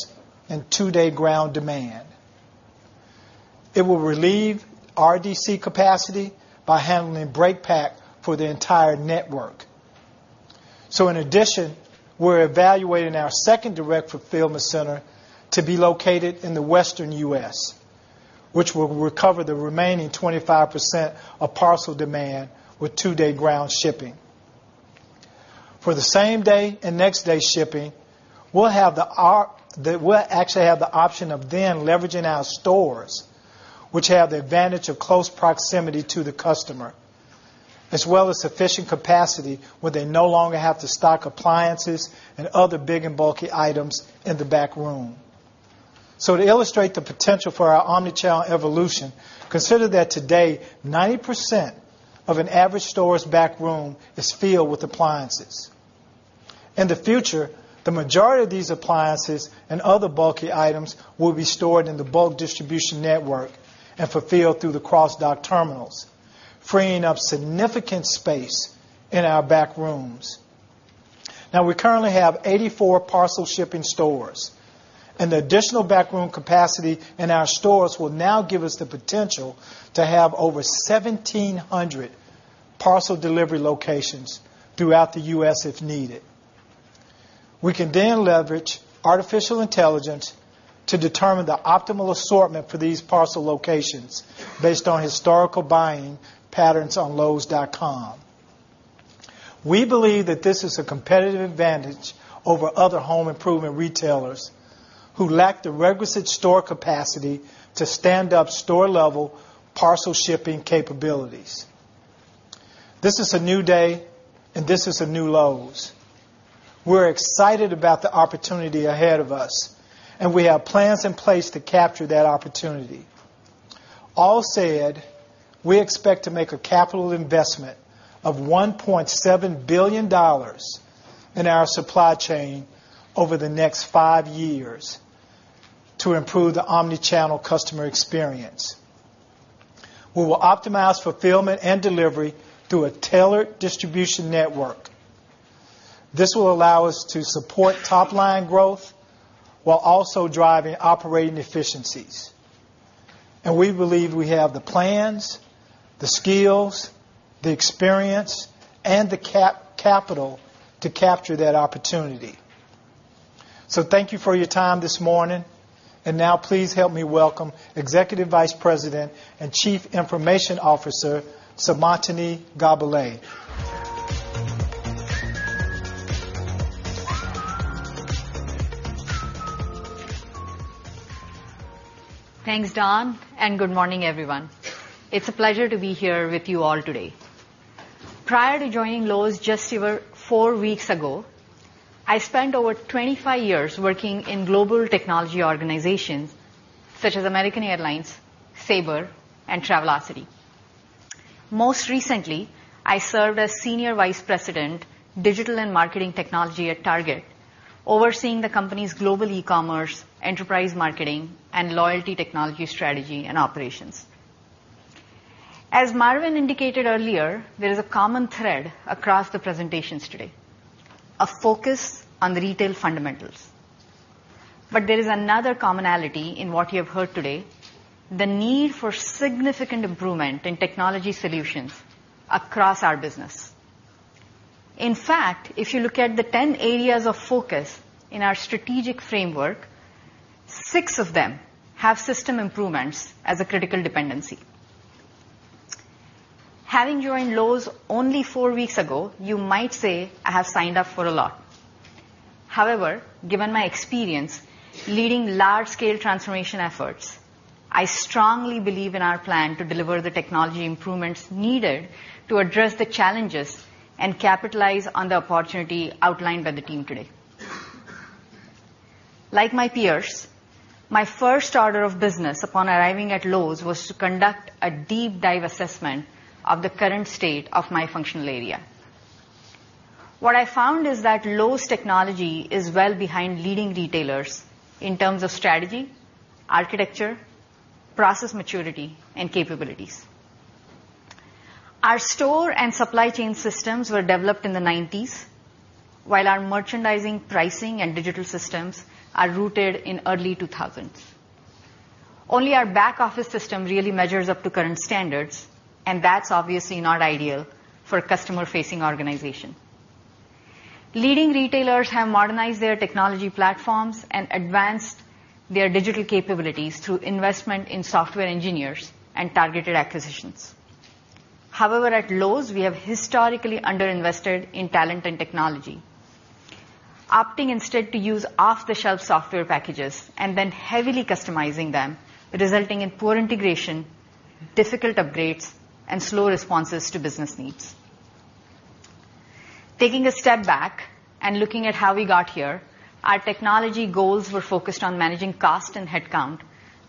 and two-day ground demand. It will relieve RDC capacity by handling break pack for the entire network. In addition, we're evaluating our second direct fulfillment center to be located in the Western U.S., which will recover the remaining 25% of parcel demand with two-day ground shipping. For the same day and next day shipping, we'll actually have the option of then leveraging our stores, which have the advantage of close proximity to the customer, as well as sufficient capacity where they no longer have to stock appliances and other big and bulky items in the back room. To illustrate the potential for our omni-channel evolution, consider that today, 90% of an average store's back room is filled with appliances. In the future, the majority of these appliances and other bulky items will be stored in the bulk distribution network and fulfilled through the cross-dock terminals, freeing up significant space in our back rooms. We currently have 84 parcel shipping stores, and the additional back room capacity in our stores will now give us the potential to have over 1,700 parcel delivery locations throughout the U.S. if needed. We can then leverage artificial intelligence to determine the optimal assortment for these parcel locations based on historical buying patterns on lowes.com. We believe that this is a competitive advantage over other home improvement retailers who lack the requisite store capacity to stand up store-level parcel shipping capabilities. This is a new day, and this is a new Lowe's. We're excited about the opportunity ahead of us, and we have plans in place to capture that opportunity. All said, we expect to make a capital investment of $1.7 billion in our supply chain over the next five years to improve the omni-channel customer experience. We will optimize fulfillment and delivery through a tailored distribution network. This will allow us to support top-line growth while also driving operating efficiencies. We believe we have the plans, the skills, the experience, and the capital to capture that opportunity. Thank you for your time this morning. Now please help me welcome Executive Vice President and Chief Information Officer, Seemantini Godbole. Thanks, Don, and good morning, everyone. It's a pleasure to be here with you all today. Prior to joining Lowe's just over four weeks ago, I spent over 25 years working in global technology organizations such as American Airlines, Sabre, and Travelocity. Most recently, I served as Senior Vice President, Digital and Marketing Technology at Target, overseeing the company's global e-commerce, enterprise marketing, and loyalty technology strategy and operations. As Marvin indicated earlier, there is a common thread across the presentations today, a focus on the retail fundamentals. There is another commonality in what you have heard today, the need for significant improvement in technology solutions across our business. In fact, if you look at the 10 areas of focus in our strategic framework, six of them have system improvements as a critical dependency. Having joined Lowe's only four weeks ago, you might say I have signed up for a lot. However, given my experience leading large-scale transformation efforts, I strongly believe in our plan to deliver the technology improvements needed to address the challenges and capitalize on the opportunity outlined by the team today. Like my peers, my first order of business upon arriving at Lowe's was to conduct a deep dive assessment of the current state of my functional area. What I found is that Lowe's technology is well behind leading retailers in terms of strategy, architecture, process maturity, and capabilities. Our store and supply chain systems were developed in the '90s, while our merchandising, pricing, and digital systems are rooted in early 2000s. Only our back office system really measures up to current standards, and that's obviously not ideal for a customer-facing organization. Leading retailers have modernized their technology platforms and advanced their digital capabilities through investment in software engineers and targeted acquisitions. However, at Lowe's, we have historically under-invested in talent and technology, opting instead to use off-the-shelf software packages and then heavily customizing them, resulting in poor integration, difficult upgrades and slow responses to business needs. Taking a step back and looking at how we got here, our technology goals were focused on managing cost and headcount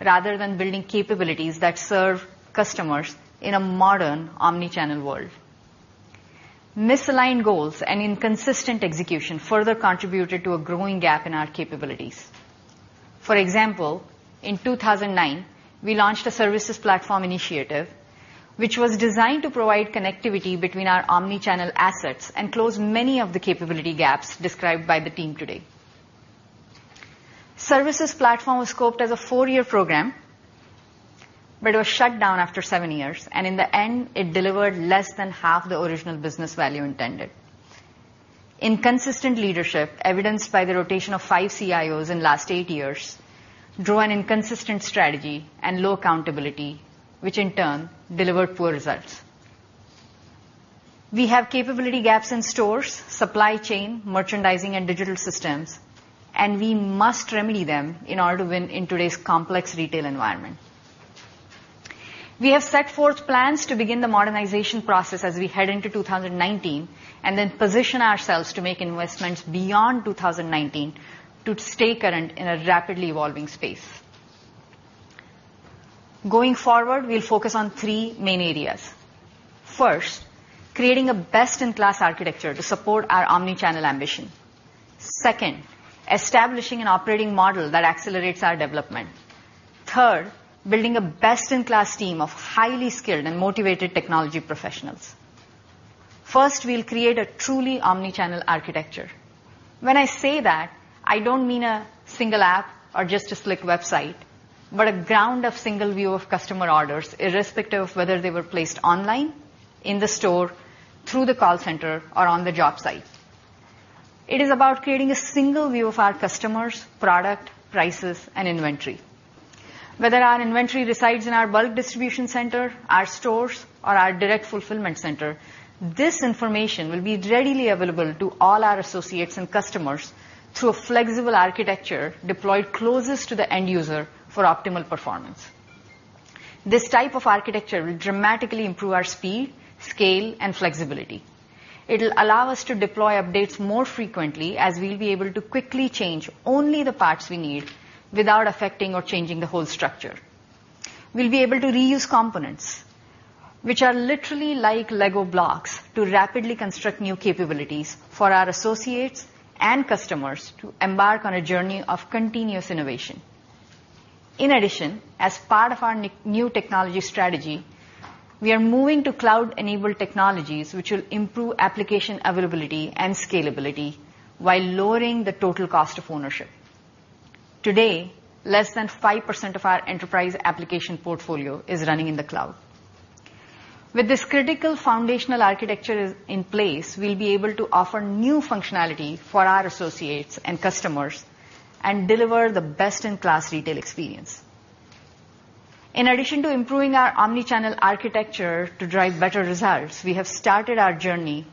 rather than building capabilities that serve customers in a modern omnichannel world. Misaligned goals and inconsistent execution further contributed to a growing gap in our capabilities. For example, in 2009, we launched a services platform initiative which was designed to provide connectivity between our omnichannel assets and close many of the capability gaps described by the team today. Services platform was scoped as a four-year program. It was shut down after seven years, and in the end, it delivered less than half the original business value intended. Inconsistent leadership, evidenced by the rotation of five CIOs in last eight years, drove an inconsistent strategy and low accountability, which in turn delivered poor results. We have capability gaps in stores, supply chain, merchandising, and digital systems, and we must remedy them in order to win in today's complex retail environment. We have set forth plans to begin the modernization process as we head into 2019, and then position ourselves to make investments beyond 2019 to stay current in a rapidly evolving space. Going forward, we'll focus on three main areas. First, creating a best-in-class architecture to support our omnichannel ambition. Second, establishing an operating model that accelerates our development. Third, building a best-in-class team of highly skilled and motivated technology professionals. First, we'll create a truly omnichannel architecture. When I say that, I don't mean a single app or just a slick website, but a ground of single view of customer orders, irrespective of whether they were placed online, in the store, through the call center, or on the job site. It is about creating a single view of our customers, product, prices, and inventory. Whether our inventory resides in our bulk distribution center, our stores, or our direct fulfillment center, this information will be readily available to all our associates and customers through a flexible architecture deployed closest to the end user for optimal performance. This type of architecture will dramatically improve our speed, scale, and flexibility. It'll allow us to deploy updates more frequently as we'll be able to quickly change only the parts we need without affecting or changing the whole structure. We'll be able to reuse components, which are literally like LEGO blocks, to rapidly construct new capabilities for our associates and customers to embark on a journey of continuous innovation. In addition, as part of our new technology strategy, we are moving to cloud-enabled technologies, which will improve application availability and scalability while lowering the total cost of ownership. Today, less than 5% of our enterprise application portfolio is running in the cloud. With this critical foundational architecture in place, we'll be able to offer new functionality for our associates and customers and deliver the best-in-class retail experience. In addition to improving our omnichannel architecture to drive better results, we have started our journey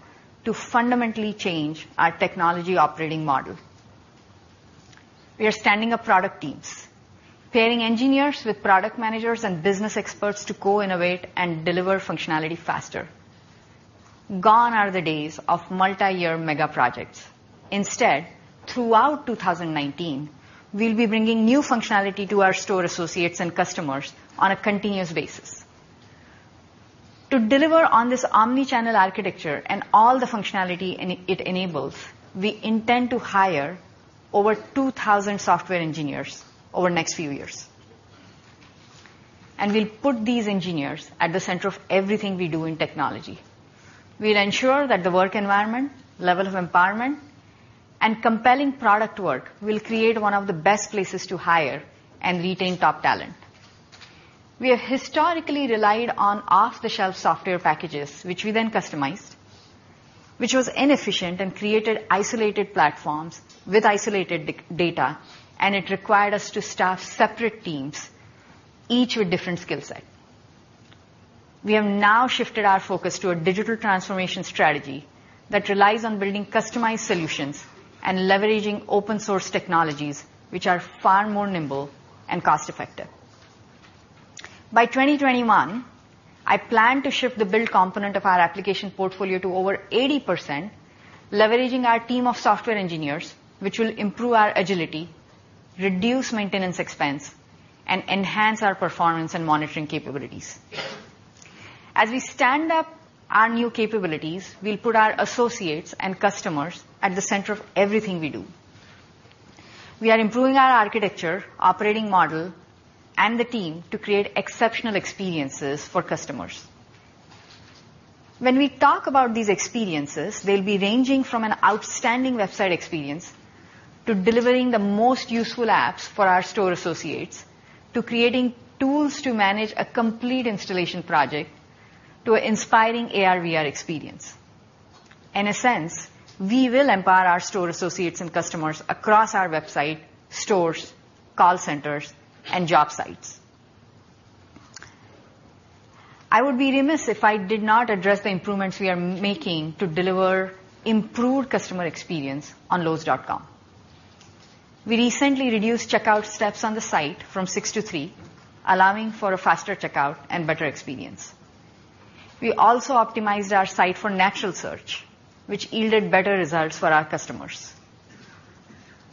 to fundamentally change our technology operating model. We are standing up product teams, pairing engineers with product managers and business experts to co-innovate and deliver functionality faster. Gone are the days of multi-year mega projects. Instead, throughout 2019, we'll be bringing new functionality to our store associates and customers on a continuous basis. To deliver on this omnichannel architecture and all the functionality it enables, we intend to hire over 2,000 software engineers over next few years, and we'll put these engineers at the center of everything we do in technology. We'll ensure that the work environment, level of empowerment, and compelling product work will create one of the best places to hire and retain top talent. We have historically relied on off-the-shelf software packages, which we then customized, which was inefficient and created isolated platforms with isolated data, and it required us to staff separate teams, each with different skill set. We have now shifted our focus to a digital transformation strategy that relies on building customized solutions and leveraging open source technologies, which are far more nimble and cost-effective. By 2021, I plan to shift the build component of our application portfolio to over 80%, leveraging our team of software engineers, which will improve our agility, reduce maintenance expense, and enhance our performance and monitoring capabilities. As we stand up our new capabilities, we'll put our associates and customers at the center of everything we do. We are improving our architecture, operating model, and the team to create exceptional experiences for customers. When we talk about these experiences, they'll be ranging from an outstanding website experience, to delivering the most useful apps for our store associates, to creating tools to manage a complete installation project, to inspiring AR/VR experience. In a sense, we will empower our store associates and customers across our website, stores, call centers, and job sites. I would be remiss if I did not address the improvements we are making to deliver improved customer experience on lowes.com. We recently reduced checkout steps on the site from six to three, allowing for a faster checkout and better experience. We also optimized our site for natural search, which yielded better results for our customers.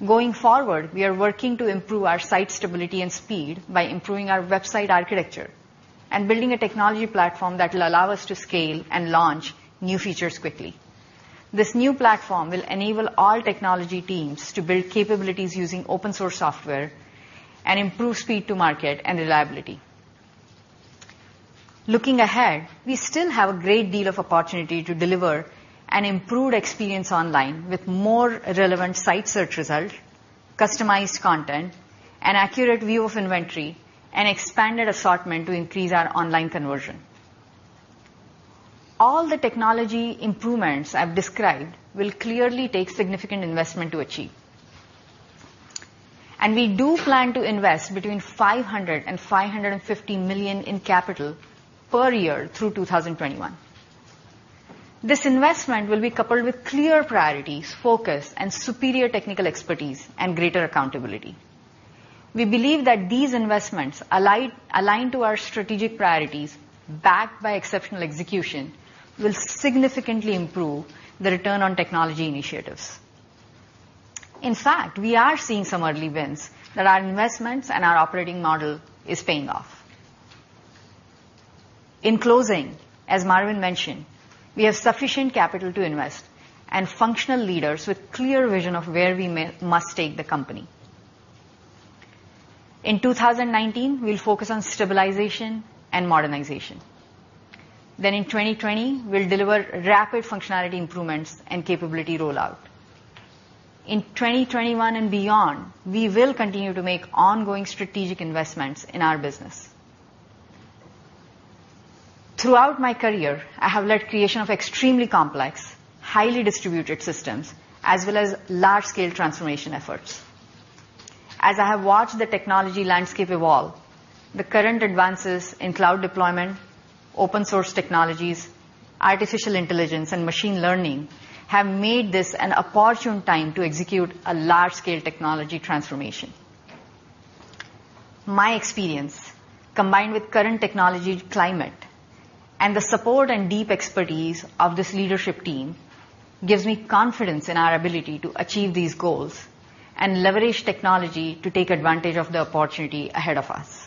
Going forward, we are working to improve our site stability and speed by improving our website architecture and building a technology platform that will allow us to scale and launch new features quickly. This new platform will enable all technology teams to build capabilities using open-source software and improve speed to market and reliability. Looking ahead, we still have a great deal of opportunity to deliver an improved experience online with more relevant site search results, customized content, an accurate view of inventory, and expanded assortment to increase our online conversion. All the technology improvements I've described will clearly take significant investment to achieve, and we do plan to invest between $500 million and $550 million in capital per year through 2021. This investment will be coupled with clear priorities, focus, and superior technical expertise and greater accountability. We believe that these investments, aligned to our strategic priorities, backed by exceptional execution, will significantly improve the return on technology initiatives. In fact, we are seeing some early wins that our investments and our operating model is paying off. In closing, as Marvin mentioned, we have sufficient capital to invest and functional leaders with clear vision of where we must take the company. In 2019, we'll focus on stabilization and modernization. In 2020, we'll deliver rapid functionality improvements and capability rollout. In 2021 and beyond, we will continue to make ongoing strategic investments in our business. Throughout my career, I have led creation of extremely complex, highly distributed systems, as well as large-scale transformation efforts. As I have watched the technology landscape evolve, the current advances in cloud deployment, open-source technologies, artificial intelligence, and machine learning have made this an opportune time to execute a large-scale technology transformation. My experience, combined with current technology climate and the support and deep expertise of this leadership team, gives me confidence in our ability to achieve these goals and leverage technology to take advantage of the opportunity ahead of us.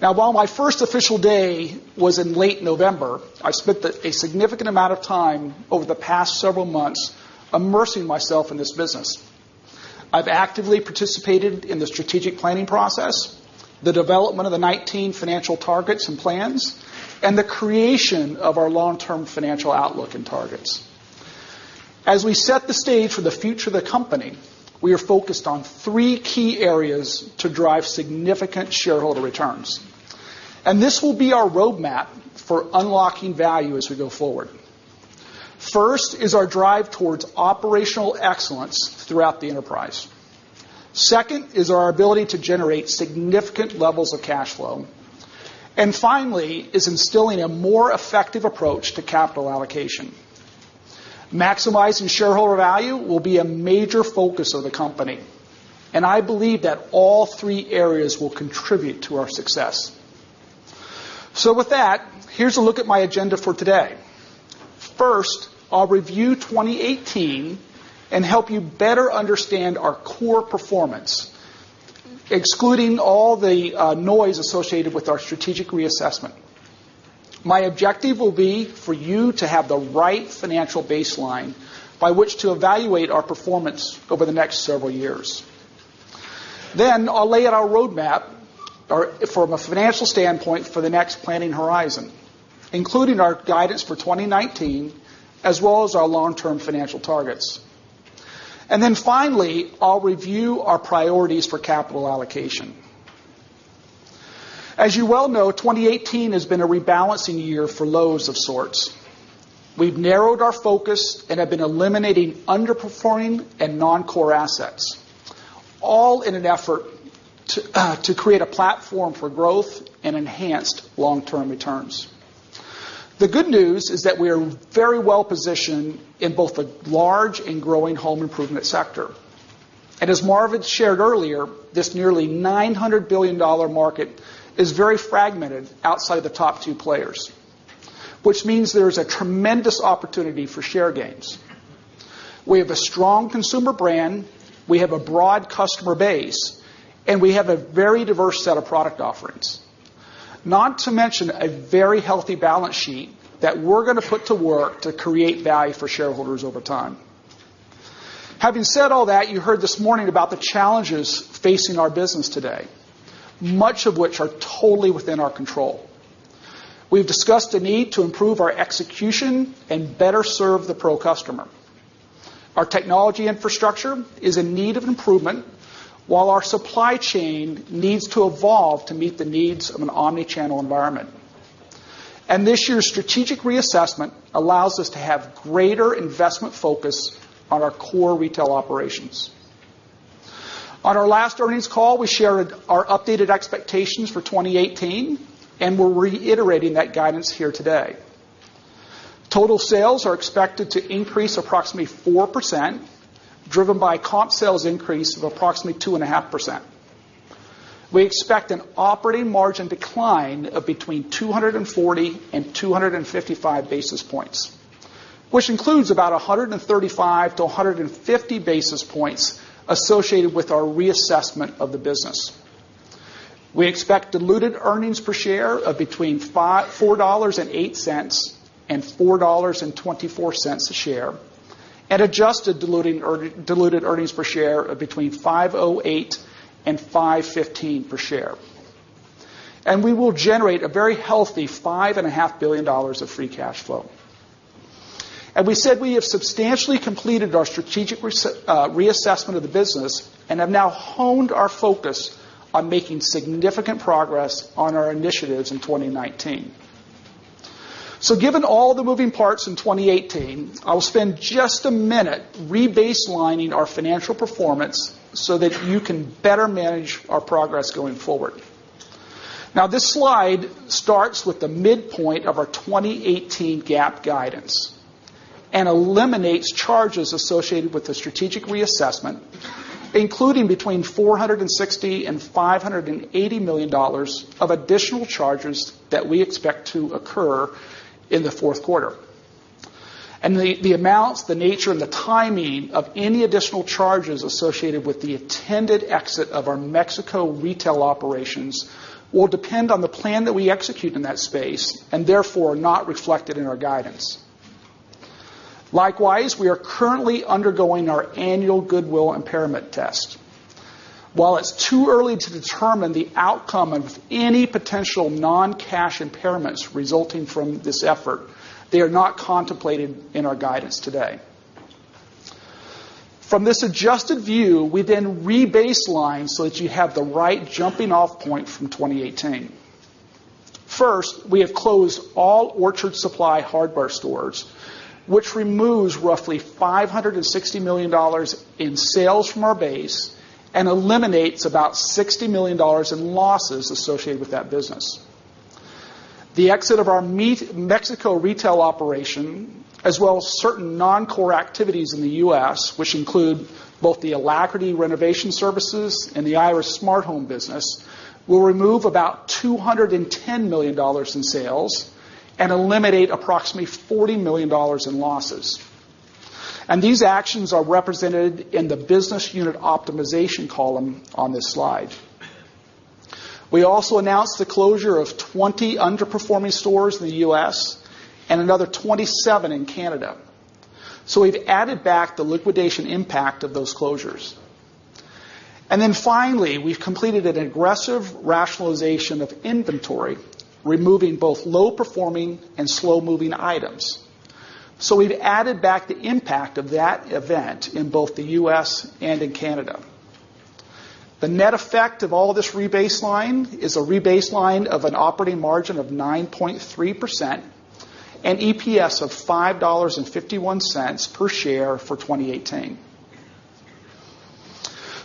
While my first official day was in late November, I've spent a significant amount of time over the past several months immersing myself in this business. I've actively participated in the strategic planning process, the development of the 2019 financial targets and plans, and the creation of our long-term financial outlook and targets. As we set the stage for the future of the company, we are focused on three key areas to drive significant shareholder returns. This will be our roadmap for unlocking value as we go forward. First is our drive towards operational excellence throughout the enterprise. Second is our ability to generate significant levels of cash flow. Finally is instilling a more effective approach to capital allocation. Maximizing shareholder value will be a major focus of the company, and I believe that all three areas will contribute to our success. With that, here's a look at my agenda for today. First, I'll review 2018 and help you better understand our core performance, excluding all the noise associated with our strategic reassessment. My objective will be for you to have the right financial baseline by which to evaluate our performance over the next several years. I'll lay out our roadmap from a financial standpoint for the next planning horizon, including our guidance for 2019, as well as our long-term financial targets. Finally, I'll review our priorities for capital allocation. As you well know, 2018 has been a rebalancing year for Lowe's of sorts. We've narrowed our focus and have been eliminating underperforming and non-core assets, all in an effort to create a platform for growth and enhanced long-term returns. The good news is that we are very well positioned in both the large and growing home improvement sector. As Marvin shared earlier, this nearly $900 billion market is very fragmented outside of the top two players, which means there is a tremendous opportunity for share gains. We have a strong consumer brand, we have a broad customer base, and we have a very diverse set of product offerings. Not to mention a very healthy balance sheet that we're going to put to work to create value for shareholders over time. Having said all that, you heard this morning about the challenges facing our business today, much of which are totally within our control. We've discussed the need to improve our execution and better serve the pro customer. Our technology infrastructure is in need of improvement, while our supply chain needs to evolve to meet the needs of an omnichannel environment. This year's strategic reassessment allows us to have greater investment focus on our core retail operations. On our last earnings call, we shared our updated expectations for 2018, and we're reiterating that guidance here today. Total sales are expected to increase approximately 4%, driven by comp sales increase of approximately 2.5%. We expect an operating margin decline of between 240 and 255 basis points, which includes about 135 to 150 basis points associated with our reassessment of the business. We expect diluted earnings per share of between $4.08 and $4.24 a share, and adjusted diluted earnings per share of between $5.08 and $5.15 per share. We will generate a very healthy $5.5 billion of free cash flow. We said we have substantially completed our strategic reassessment of the business and have now honed our focus on making significant progress on our initiatives in 2019. Given all the moving parts in 2018, I will spend just a minute re-baselining our financial performance so that you can better manage our progress going forward. This slide starts with the midpoint of our 2018 GAAP guidance and eliminates charges associated with the strategic reassessment, including between $460 and $580 million of additional charges that we expect to occur in the fourth quarter. The amounts, the nature, and the timing of any additional charges associated with the intended exit of our Mexico retail operations will depend on the plan that we execute in that space and therefore not reflected in our guidance. Likewise, we are currently undergoing our annual goodwill impairment test. While it's too early to determine the outcome of any potential non-cash impairments resulting from this effort, they are not contemplated in our guidance today. From this adjusted view, we then rebaseline so that you have the right jumping-off point from 2018. First, we have closed all Orchard Supply Hardware stores, which removes roughly $560 million in sales from our base and eliminates about $60 million in losses associated with that business. The exit of our Mexico retail operation, as well as certain non-core activities in the U.S., which include both the Alacrity Renovation Services and the Iris smart home business, will remove about $210 million in sales and eliminate approximately $40 million in losses. These actions are represented in the business unit optimization column on this slide. We also announced the closure of 20 underperforming stores in the U.S. and another 27 in Canada. We've added back the liquidation impact of those closures. Finally, we've completed an aggressive rationalization of inventory, removing both low-performing and slow-moving items. We've added back the impact of that event in both the U.S. and in Canada. The net effect of all this rebaseline is a rebaseline of an operating margin of 9.3% and EPS of $5.51 per share for 2018.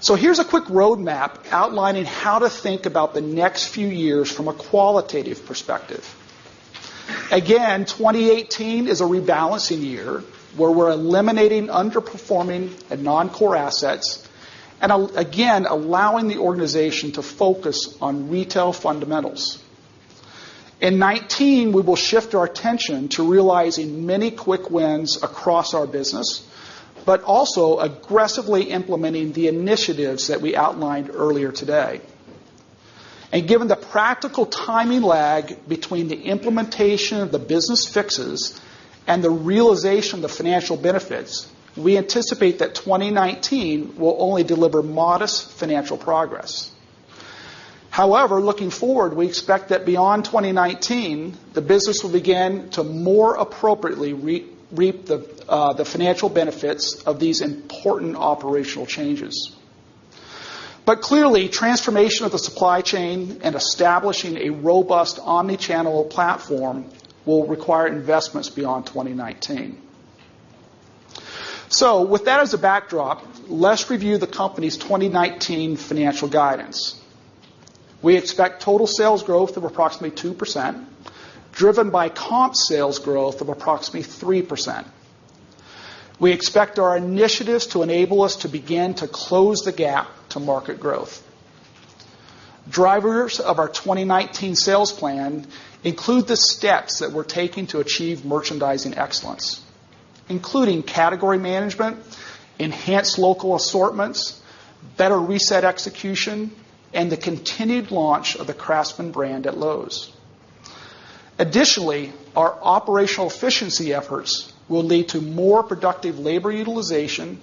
Here's a quick roadmap outlining how to think about the next few years from a qualitative perspective. Again, 2018 is a rebalancing year where we're eliminating underperforming and non-core assets and again, allowing the organization to focus on retail fundamentals. In 2019, we will shift our attention to realizing many quick wins across our business, but also aggressively implementing the initiatives that we outlined earlier today. Given the practical timing lag between the implementation of the business fixes and the realization of the financial benefits, we anticipate that 2019 will only deliver modest financial progress. However, looking forward, we expect that beyond 2019, the business will begin to more appropriately reap the financial benefits of these important operational changes. Clearly, transformation of the supply chain and establishing a robust omni-channel platform will require investments beyond 2019. With that as a backdrop, let's review the company's 2019 financial guidance. We expect total sales growth of approximately 2%, driven by comp sales growth of approximately 3%. We expect our initiatives to enable us to begin to close the gap to market growth. Drivers of our 2019 sales plan include the steps that we're taking to achieve merchandising excellence, including category management, enhanced local assortments, better reset execution, and the continued launch of the CRAFTSMAN brand at Lowe's. Additionally, our operational efficiency efforts will lead to more productive labor utilization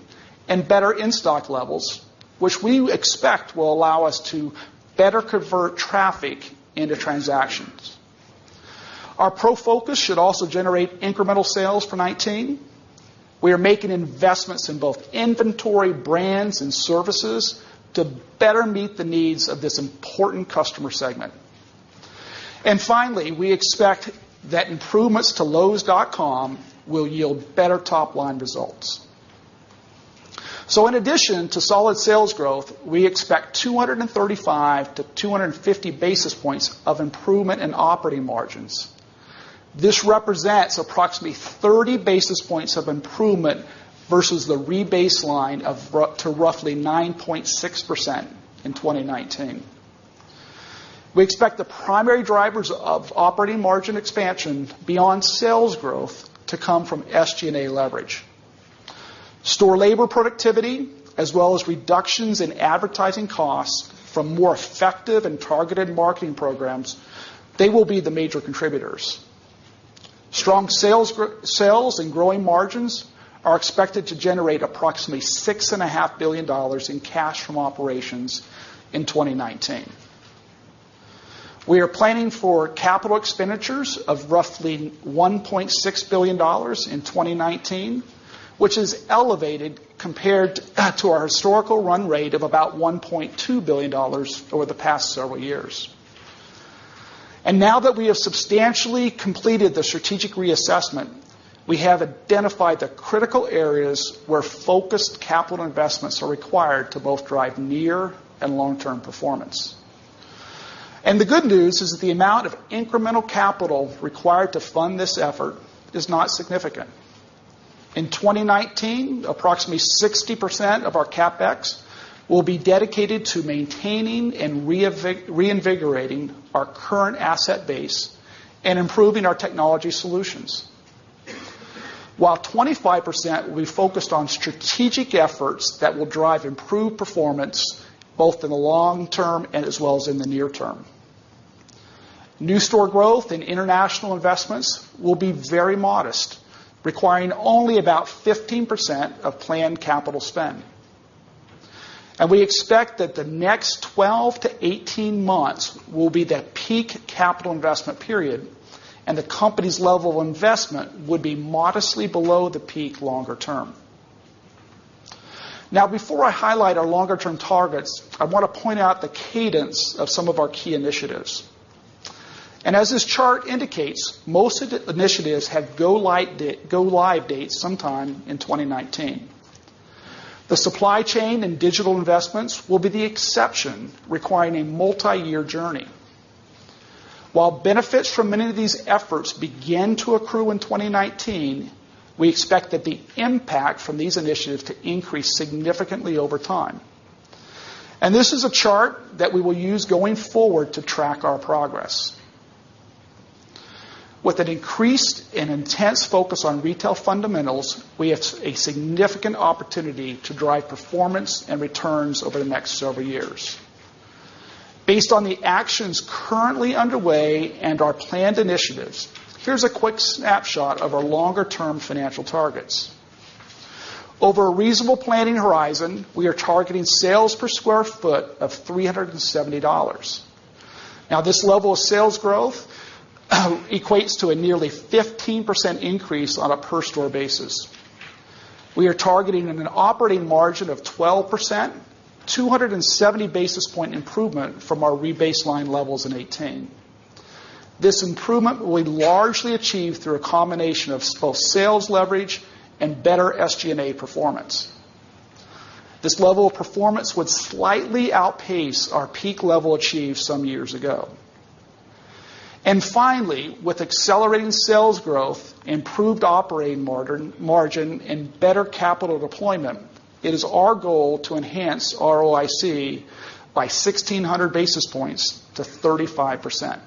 and better in-stock levels, which we expect will allow us to better convert traffic into transactions. Our Pro focus should also generate incremental sales for 2019. We are making investments in both inventory, brands, and services to better meet the needs of this important customer segment. Finally, we expect that improvements to lowes.com will yield better top-line results. In addition to solid sales growth, we expect 235 to 250 basis points of improvement in operating margins. This represents approximately 30 basis points of improvement versus the rebaseline to roughly 9.6% in 2019. We expect the primary drivers of operating margin expansion beyond sales growth to come from SG&A leverage. Store labor productivity, as well as reductions in advertising costs from more effective and targeted marketing programs, they will be the major contributors. Strong sales and growing margins are expected to generate approximately $6.5 billion in cash from operations in 2019. We are planning for capital expenditures of roughly $1.6 billion in 2019, which is elevated compared to our historical run rate of about $1.2 billion over the past several years. Now that we have substantially completed the strategic reassessment, we have identified the critical areas where focused capital investments are required to both drive near and long-term performance. The good news is that the amount of incremental capital required to fund this effort is not significant. In 2019, approximately 60% of our CapEx will be dedicated to maintaining and reinvigorating our current asset base and improving our technology solutions. While 25% will be focused on strategic efforts that will drive improved performance both in the long term and as well as in the near term. New store growth and international investments will be very modest, requiring only about 15% of planned capital spend. We expect that the next 12-18 months will be the peak capital investment period and the company's level of investment would be modestly below the peak longer term. Now, before I highlight our longer-term targets, I want to point out the cadence of some of our key initiatives. As this chart indicates, most of the initiatives have go-live dates sometime in 2019. The supply chain and digital investments will be the exception, requiring a multi-year journey. While benefits from many of these efforts begin to accrue in 2019, we expect that the impact from these initiatives to increase significantly over time. This is a chart that we will use going forward to track our progress. With an increased and intense focus on retail fundamentals, we have a significant opportunity to drive performance and returns over the next several years. Based on the actions currently underway and our planned initiatives, here's a quick snapshot of our longer-term financial targets. Over a reasonable planning horizon, we are targeting sales per square foot of $370. Now, this level of sales growth equates to a nearly 15% increase on a per store basis. We are targeting an operating margin of 12%, 270 basis point improvement from our re-baseline levels in 2018. This improvement will be largely achieved through a combination of both sales leverage and better SG&A performance. This level of performance would slightly outpace our peak level achieved some years ago. Finally, with accelerating sales growth, improved operating margin, and better capital deployment, it is our goal to enhance ROIC by 1,600 basis points to 35%.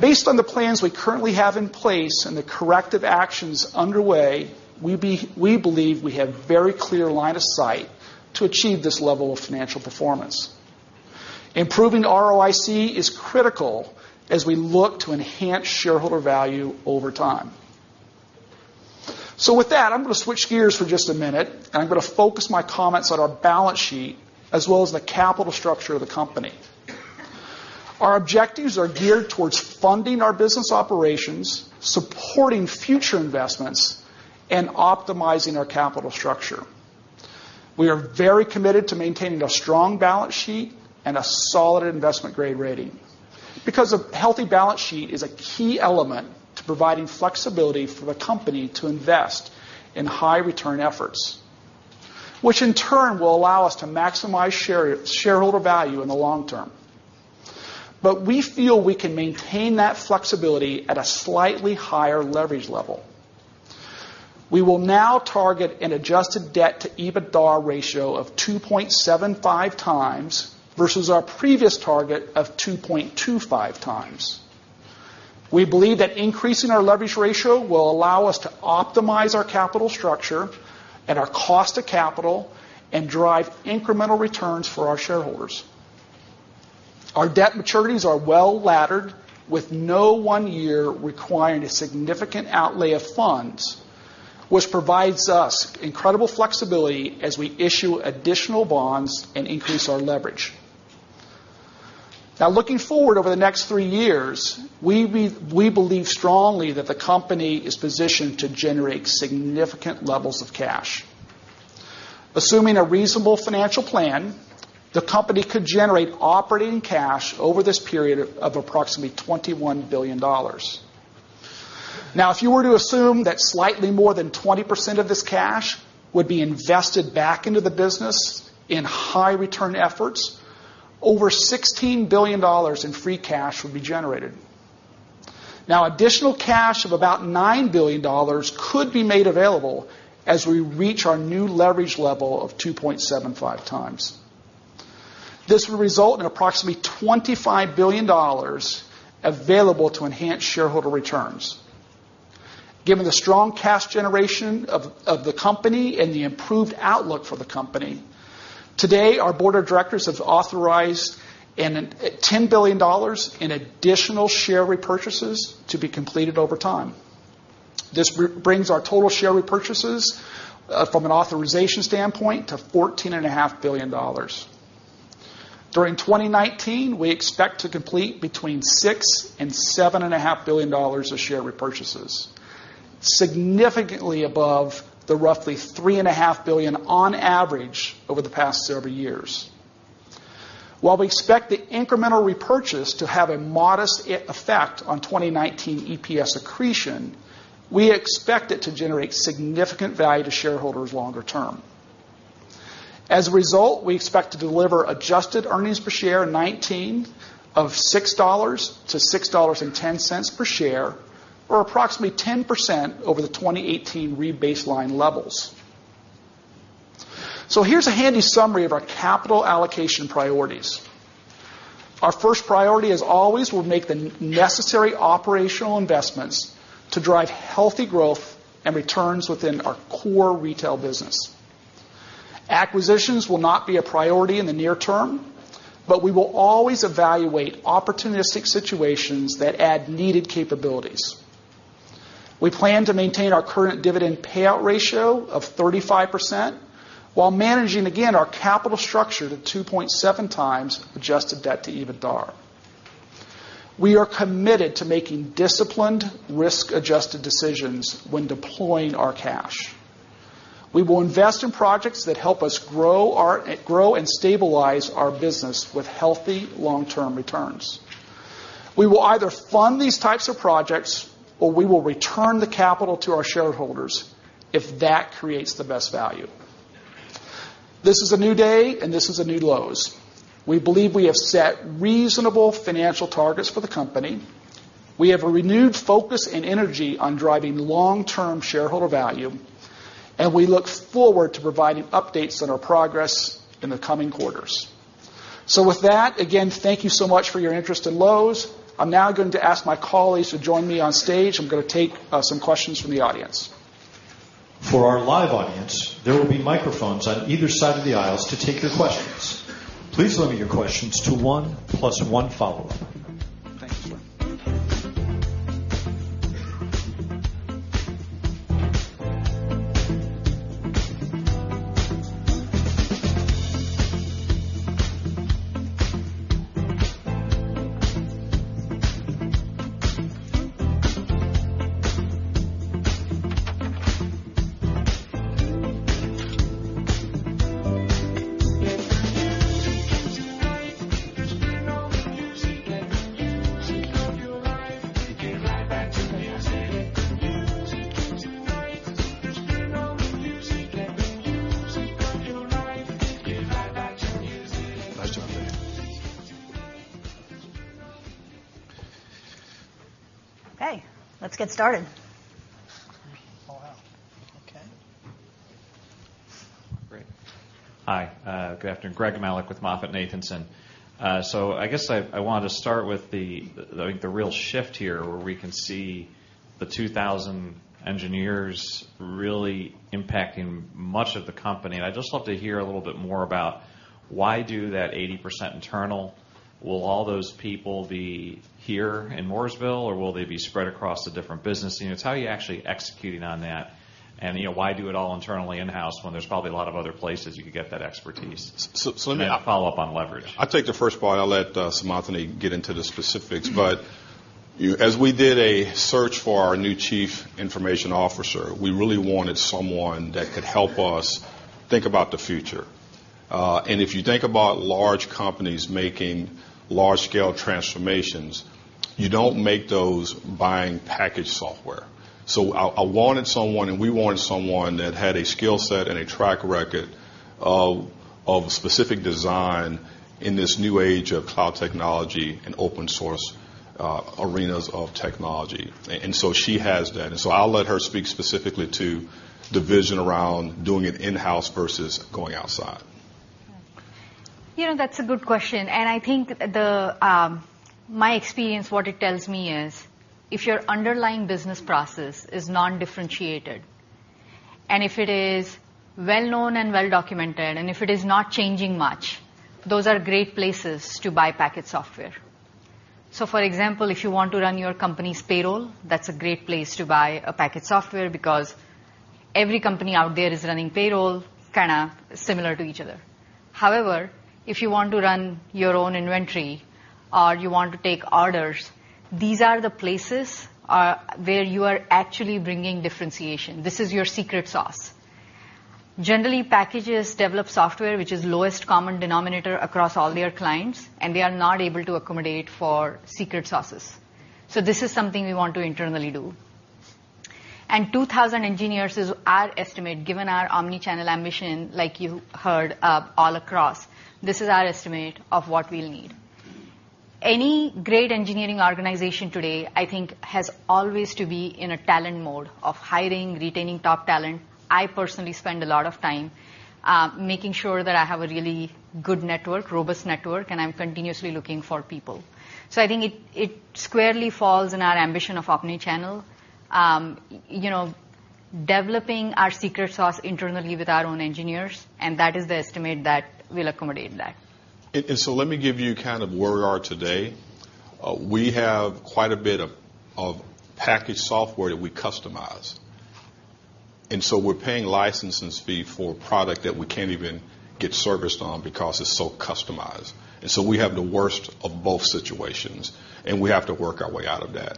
Based on the plans we currently have in place and the corrective actions underway, we believe we have very clear line of sight to achieve this level of financial performance. Improving ROIC is critical as we look to enhance shareholder value over time. With that, I'm going to switch gears for just a minute, and I'm going to focus my comments on our balance sheet as well as the capital structure of the company. Our objectives are geared towards funding our business operations, supporting future investments, and optimizing our capital structure. We are very committed to maintaining a strong balance sheet and a solid investment-grade rating. A healthy balance sheet is a key element to providing flexibility for the company to invest in high-return efforts, which in turn will allow us to maximize shareholder value in the long term. We feel we can maintain that flexibility at a slightly higher leverage level. We will now target an adjusted debt to EBITDA ratio of 2.75 times versus our previous target of 2.25 times. We believe that increasing our leverage ratio will allow us to optimize our capital structure and our cost of capital and drive incremental returns for our shareholders. Our debt maturities are well-laddered, with no one year requiring a significant outlay of funds, which provides us incredible flexibility as we issue additional bonds and increase our leverage. Looking forward over the next three years, we believe strongly that the company is positioned to generate significant levels of cash. Assuming a reasonable financial plan, the company could generate operating cash over this period of approximately $21 billion. If you were to assume that slightly more than 20% of this cash would be invested back into the business in high-return efforts, over $16 billion in free cash would be generated. Additional cash of about $9 billion could be made available as we reach our new leverage level of 2.75 times. This will result in approximately $25 billion available to enhance shareholder returns. Given the strong cash generation of the company and the improved outlook for the company, today our board of directors has authorized $10 billion in additional share repurchases to be completed over time. This brings our total share repurchases from an authorization standpoint to $14.5 billion. During 2019, we expect to complete between $6 billion and $7.5 billion of share repurchases, significantly above the roughly $3.5 billion on average over the past several years. While we expect the incremental repurchase to have a modest effect on 2019 EPS accretion, we expect it to generate significant value to shareholders longer term. As a result, we expect to deliver adjusted earnings per share in 2019 of $6 to $6.10 per share, or approximately 10% over the 2018 re-baseline levels. Here's a handy summary of our capital allocation priorities. Our first priority, as always, we'll make the necessary operational investments to drive healthy growth and returns within our core retail business. Acquisitions will not be a priority in the near term, but we will always evaluate opportunistic situations that add needed capabilities. We plan to maintain our current dividend payout ratio of 35% while managing, again, our capital structure to 2.7x adjusted debt to EBITDA. We are committed to making disciplined, risk-adjusted decisions when deploying our cash. We will invest in projects that help us grow and stabilize our business with healthy long-term returns. We will either fund these types of projects or we will return the capital to our shareholders if that creates the best value. This is a new day, and this is a new Lowe's. We believe we have set reasonable financial targets for the company. We have a renewed focus and energy on driving long-term shareholder value, and we look forward to providing updates on our progress in the coming quarters. With that, again, thank you so much for your interest in Lowe's. I'm now going to ask my colleagues to join me on stage. I'm going to take some questions from the audience. For our live audience, there will be microphones on either side of the aisles to take your questions. Please limit your questions to one plus one follow-up. Thank you Let the music in tonight. There's been no music. Let the music of your life get right back to music. Let the music in tonight. There's been no music. Let the music of your life get right back to music. Nice job, Dave. Let the music in tonight. There's been no music. Okay, let's get started. Oh, wow. Okay. Great. Hi, good afternoon. Greg Melich with MoffettNathanson. I guess I wanted to start with, I think the real shift here, where we can see the 2,000 engineers really impacting much of the company. I'd just love to hear a little bit more about why do that 80% internal. Will all those people be here in Mooresville, or will they be spread across the different business units? How are you actually executing on that? Why do it all internally in-house when there's probably a lot of other places you could get that expertise? So, let me- I'll follow up on leverage. I'll take the first part, and I'll let Seemantini get into the specifics. As we did a search for our new Chief Information Officer, we really wanted someone that could help us think about the future. If you think about large companies making large-scale transformations, you don't make those buying package software. I wanted someone, and we wanted someone that had a skill set and a track record of specific design in this new age of cloud technology and open source arenas of technology. She has that. I'll let her speak specifically to the vision around doing it in-house versus going outside. Yeah, that's a good question. I think my experience, what it tells me is, if your underlying business process is non-differentiated, and if it is well-known and well-documented, and if it is not changing much, those are great places to buy package software. For example, if you want to run your company's payroll, that's a great place to buy a package software because every company out there is running payroll kind of similar to each other. However, if you want to run your own inventory or you want to take orders, these are the places where you are actually bringing differentiation. This is your secret sauce. Generally, packages develop software which is lowest common denominator across all their clients, and they are not able to accommodate for secret sauces. This is something we want to internally do. 2,000 engineers is our estimate, given our omni-channel ambition, like you heard, all across. This is our estimate of what we'll need. Any great engineering organization today, I think, has always to be in a talent mode of hiring, retaining top talent. I personally spend a lot of time making sure that I have a really good network, robust network, and I'm continuously looking for people. I think it squarely falls in our ambition of omni-channel. Developing our secret sauce internally with our own engineers, and that is the estimate that we'll accommodate that. Let me give you kind of where we are today. We have quite a bit of package software that we customize. We're paying licensing fee for a product that we can't even get serviced on because it's so customized. We have the worst of both situations, and we have to work our way out of that.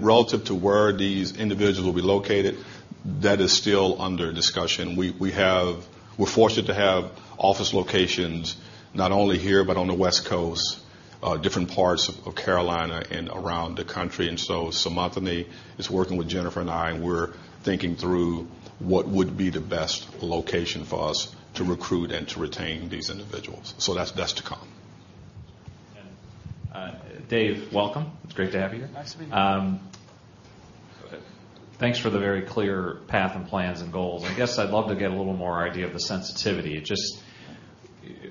Relative to where these individuals will be located, that is still under discussion. We're fortunate to have office locations, not only here, but on the West Coast, different parts of Carolina and around the country. Seemantini is working with Jennifer and I, and we're thinking through what would be the best location for us to recruit and to retain these individuals. That's to come. Dave, welcome. It's great to have you here. Nice to be here. Thanks for the very clear path and plans and goals. I guess I'd love to get a little more idea of the sensitivity. Just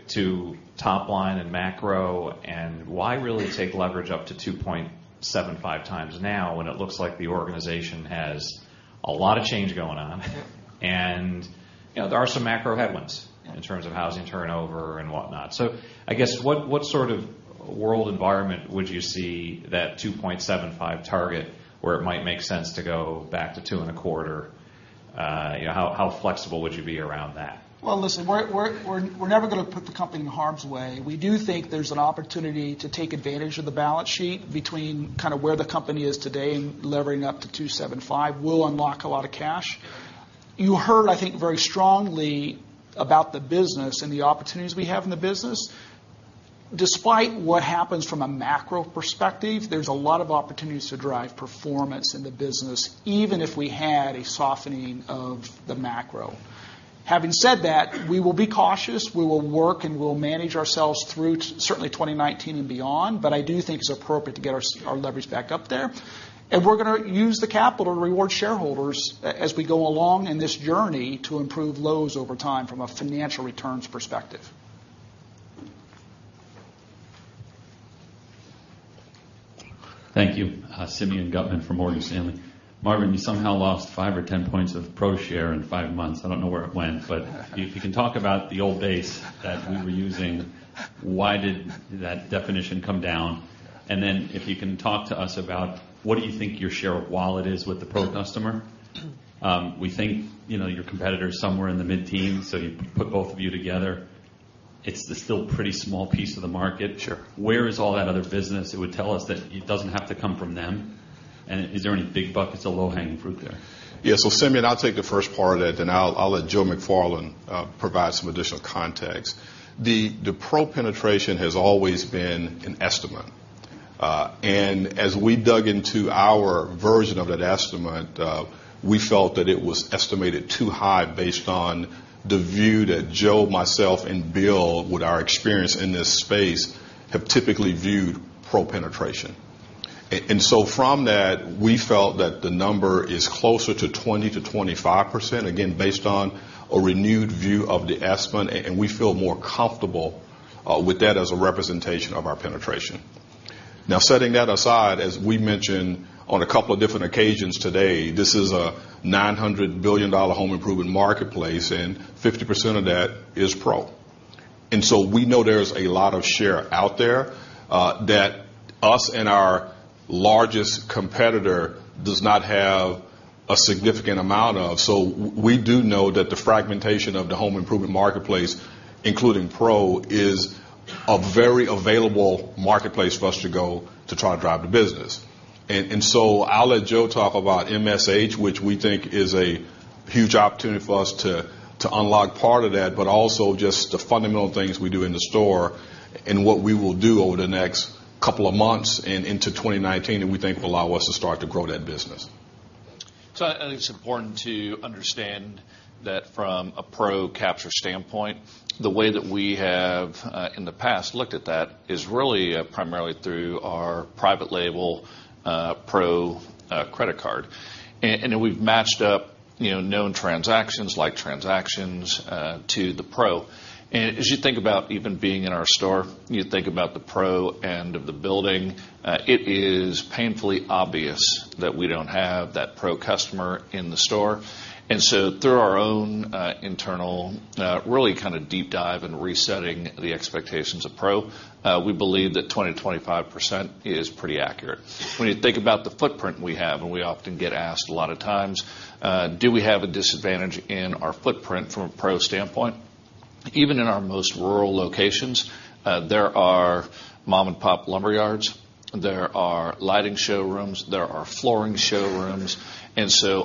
to top line and macro and why really take leverage up to 2.75x now when it looks like the organization has a lot of change going on? Yeah. There are some macro headwinds- Yeah in terms of housing turnover and whatnot. I guess what sort of world environment would you see that 2.75 target where it might make sense to go back to two and a quarter? How flexible would you be around that? Well, listen, we're never going to put the company in harm's way. We do think there's an opportunity to take advantage of the balance sheet between where the company is today and levering up to 2.75 will unlock a lot of cash. You heard, I think, very strongly about the business and the opportunities we have in the business. Despite what happens from a macro perspective, there's a lot of opportunities to drive performance in the business, even if we had a softening of the macro. Having said that, we will be cautious. We will work, and we'll manage ourselves through certainly 2019 and beyond. I do think it's appropriate to get our leverage back up there. We're going to use the capital to reward shareholders as we go along in this journey to improve Lowe's over time from a financial returns perspective. Thank you. Thank you. Simeon Gutman from Morgan Stanley Marvin, you somehow lost five or 10 points of pro share in five months. I don't know where it went, but if you can talk about the old base that we were using, why did that definition come down? Then if you can talk to us about what do you think your share of wallet is with the pro customer. We think your competitor is somewhere in the mid-teen, so you put both of you together, it's still pretty small piece of the market. Sure. Where is all that other business that would tell us that it doesn't have to come from them? Is there any big buckets of low-hanging fruit there? Simeon, I'll take the first part of that, then I'll let Joe McFarland provide some additional context. The pro penetration has always been an estimate. As we dug into our version of that estimate, we felt that it was estimated too high based on the view that Joe, myself, and Bill, with our experience in this space, have typically viewed pro penetration. From that, we felt that the number is closer to 20%-25%, again, based on a renewed view of the estimate, and we feel more comfortable with that as a representation of our penetration. Now setting that aside, as we mentioned on a couple of different occasions today, this is a $900 billion home improvement marketplace, and 50% of that is pro. We know there's a lot of share out there that us and our largest competitor does not have a significant amount of. We do know that the fragmentation of the home improvement marketplace, including pro, is a very available marketplace for us to go to try to drive the business. I'll let Joe talk about MSH, which we think is a huge opportunity for us to unlock part of that, but also just the fundamental things we do in the store and what we will do over the next couple of months and into 2019 that we think will allow us to start to grow that business. I think it's important to understand that from a pro capture standpoint, the way that we have, in the past, looked at that is really primarily through our private label pro credit card. Then we've matched up known transactions, like transactions, to the pro. As you think about even being in our store, you think about the pro end of the building, it is painfully obvious that we don't have that pro customer in the store. Through our own internal, really kind of deep dive and resetting the expectations of pro, we believe that 20%-25% is pretty accurate. When you think about the footprint we have, and we often get asked a lot of times, do we have a disadvantage in our footprint from a pro standpoint? Even in our most rural locations, there are mom-and-pop lumber yards, there are lighting showrooms, there are flooring showrooms.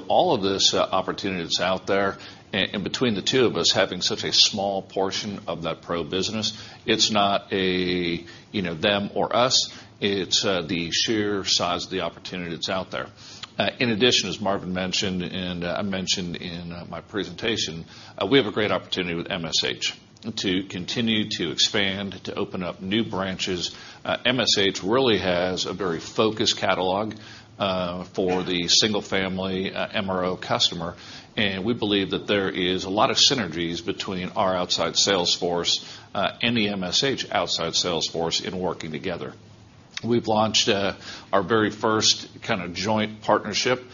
All of this opportunity that's out there, and between the two of us having such a small portion of that pro business, it's not a them or us. It's the sheer size of the opportunity that's out there. In addition, as Marvin mentioned, and I mentioned in my presentation, we have a great opportunity with MSH to continue to expand, to open up new branches. MSH really has a very focused catalog for the single-family MRO customer, and we believe that there is a lot of synergies between our outside sales force and the MSH outside sales force in working together. We've launched our very first kind of joint partnership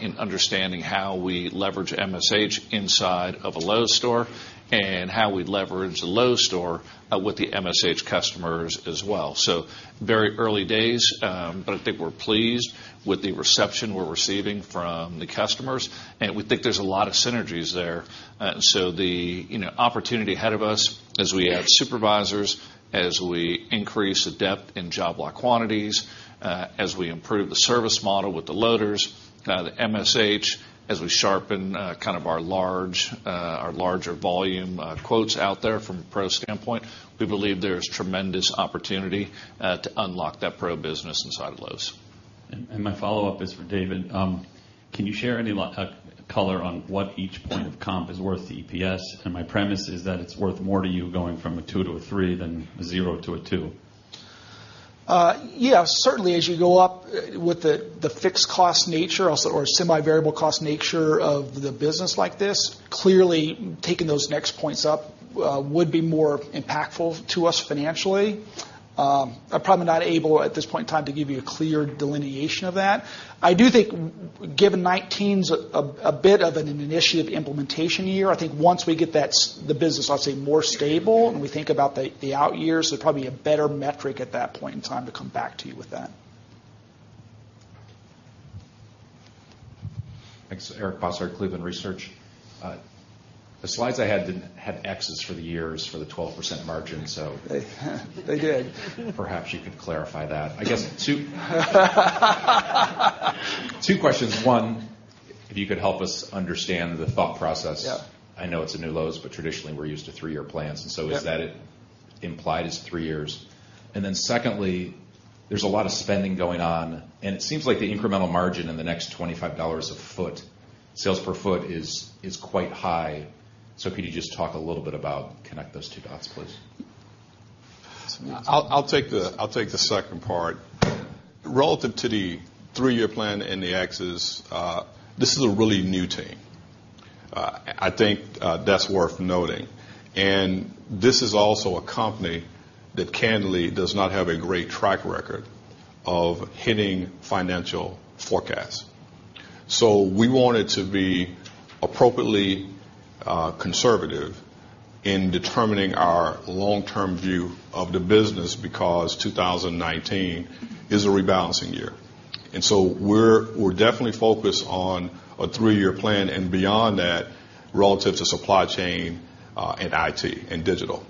in understanding how we leverage MSH inside of a Lowe's store, and how we leverage the Lowe's store with the MSH customers as well. Very early days, but I think we're pleased with the reception we're receiving from the customers, and we think there's a lot of synergies there. The opportunity ahead of us as we add supervisors, as we increase the depth in job lot quantities, as we improve the service model with the loaders, the MSH, as we sharpen our larger volume quotes out there from a pro standpoint, we believe there is tremendous opportunity to unlock that pro business inside of Lowe's. My follow-up is for David. Can you share any color on what each point of comp is worth to EPS? My premise is that it's worth more to you going from a two to a three than zero to a two. Yeah. Certainly, as you go up with the fixed cost nature or semi-variable cost nature of the business like this, clearly, taking those next points up would be more impactful to us financially. I'm probably not able, at this point in time, to give you a clear delineation of that. I do think given 2019's a bit of an initiative implementation year, I think once we get the business, I'll say, more stable and we think about the out years, there's probably a better metric at that point in time to come back to you with that. Thanks. Eric Bosshard at Cleveland Research. The slides I had didn't have X's for the years for the 12% margin. They did Perhaps you could clarify that. I guess Two questions. One, if you could help us understand the thought process. Yeah. I know it's a new Lowe's. Traditionally we're used to three-year plans. Yeah. Is that it implied is three years? Secondly, there's a lot of spending going on, and it seems like the incremental margin in the next $25 a foot, sales per foot, is quite high. Could you just talk a little bit about connect those two dots, please? I'll take the second part. Relative to the three-year plan and the X's, this is a really new team. I think that's worth noting. This is also a company that candidly does not have a great track record of hitting financial forecasts. We wanted to be appropriately conservative in determining our long-term view of the business because 2019 is a rebalancing year. We're definitely focused on a three-year plan and beyond that relative to supply chain and IT, and digital.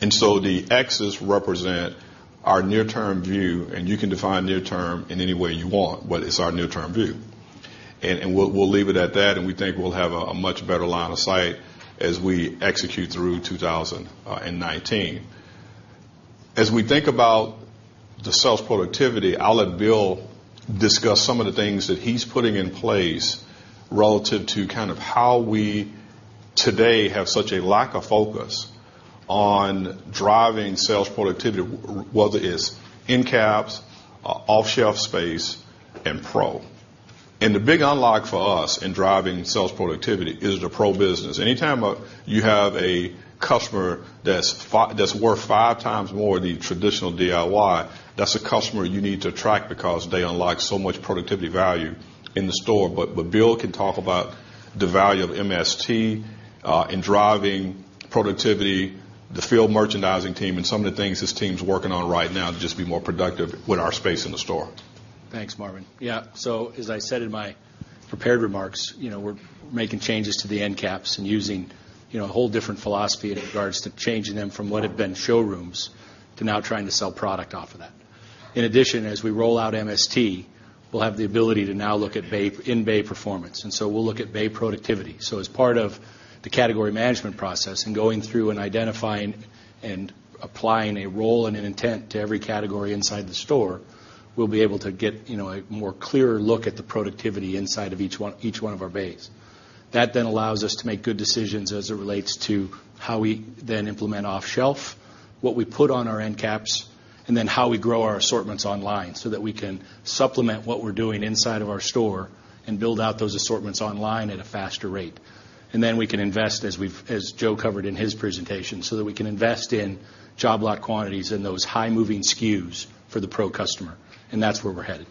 The X's represent our near-term view, and you can define near-term in any way you want, but it's our near-term view. We'll leave it at that, and we think we'll have a much better line of sight as we execute through 2019. As we think about the sales productivity, I'll let Bill discuss some of the things that he's putting in place relative to kind of how we today have such a lack of focus on driving sales productivity, whether it is end caps, off-shelf space and pro. The big unlock for us in driving sales productivity is the pro business. Anytime you have a customer that's worth 5x more than traditional DIY, that's a customer you need to track because they unlock so much productivity value in the store. Bill can talk about the value of MST in driving productivity, the field merchandising team, and some of the things his team's working on right now to just be more productive with our space in the store. Thanks, Marvin. As I said in my prepared remarks, we're making changes to the end caps and using a whole different philosophy in regards to changing them from what have been showrooms to now trying to sell product off of that. In addition, as we roll out MST, we'll have the ability to now look at in-bay performance. We'll look at bay productivity. As part of the category management process and going through and identifying and applying a role and an intent to every category inside the store, we'll be able to get a more clearer look at the productivity inside of each one of our bays. That then allows us to make good decisions as it relates to how we then implement off-shelf, what we put on our end caps, how we grow our assortments online, so that we can supplement what we're doing inside of our store and build out those assortments online at a faster rate. We can invest as Joe covered in his presentation, so that we can invest in job lot quantities and those high moving SKUs for the pro customer. That's where we're headed.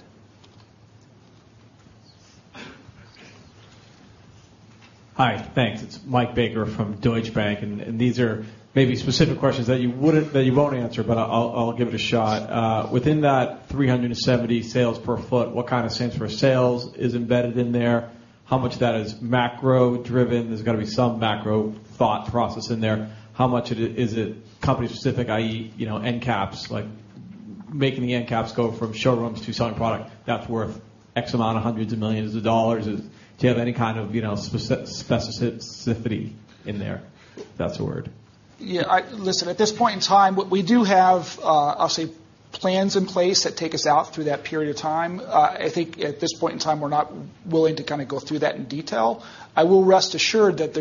Hi. Thanks. It's Mike Baker from Deutsche Bank, and these are maybe specific questions that you won't answer, but I'll give it a shot. Within that 370 sales per foot, what kind of same store sales is embedded in there? How much of that is macro-driven? There's got to be some macro thought process in there. How much of it is it company specific, i.e. end caps, like making the end caps go from showrooms to selling product that's worth X amount of hundreds of millions of dollars. Do you have any kind of specificity in there? If that's a word. Yeah. Listen, at this point in time, we do have, I'll say, plans in place that take us out through that period of time. I think at this point in time, we're not willing to go through that in detail. I will rest assured that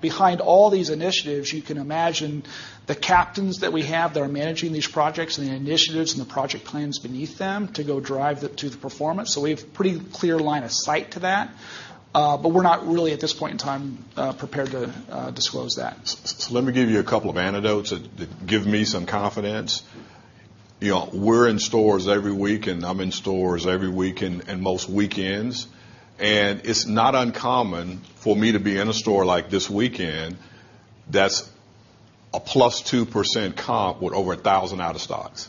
behind all these initiatives, you can imagine the captains that we have that are managing these projects and the initiatives and the project plans beneath them to go drive that to the performance. We have pretty clear line of sight to that. We're not really at this point in time prepared to disclose that. Let me give you a couple of anecdotes that give me some confidence. We're in stores every week, and I'm in stores every week and most weekends. It's not uncommon for me to be in a store like this weekend that's a plus 2% comp with over 1,000 out of stocks.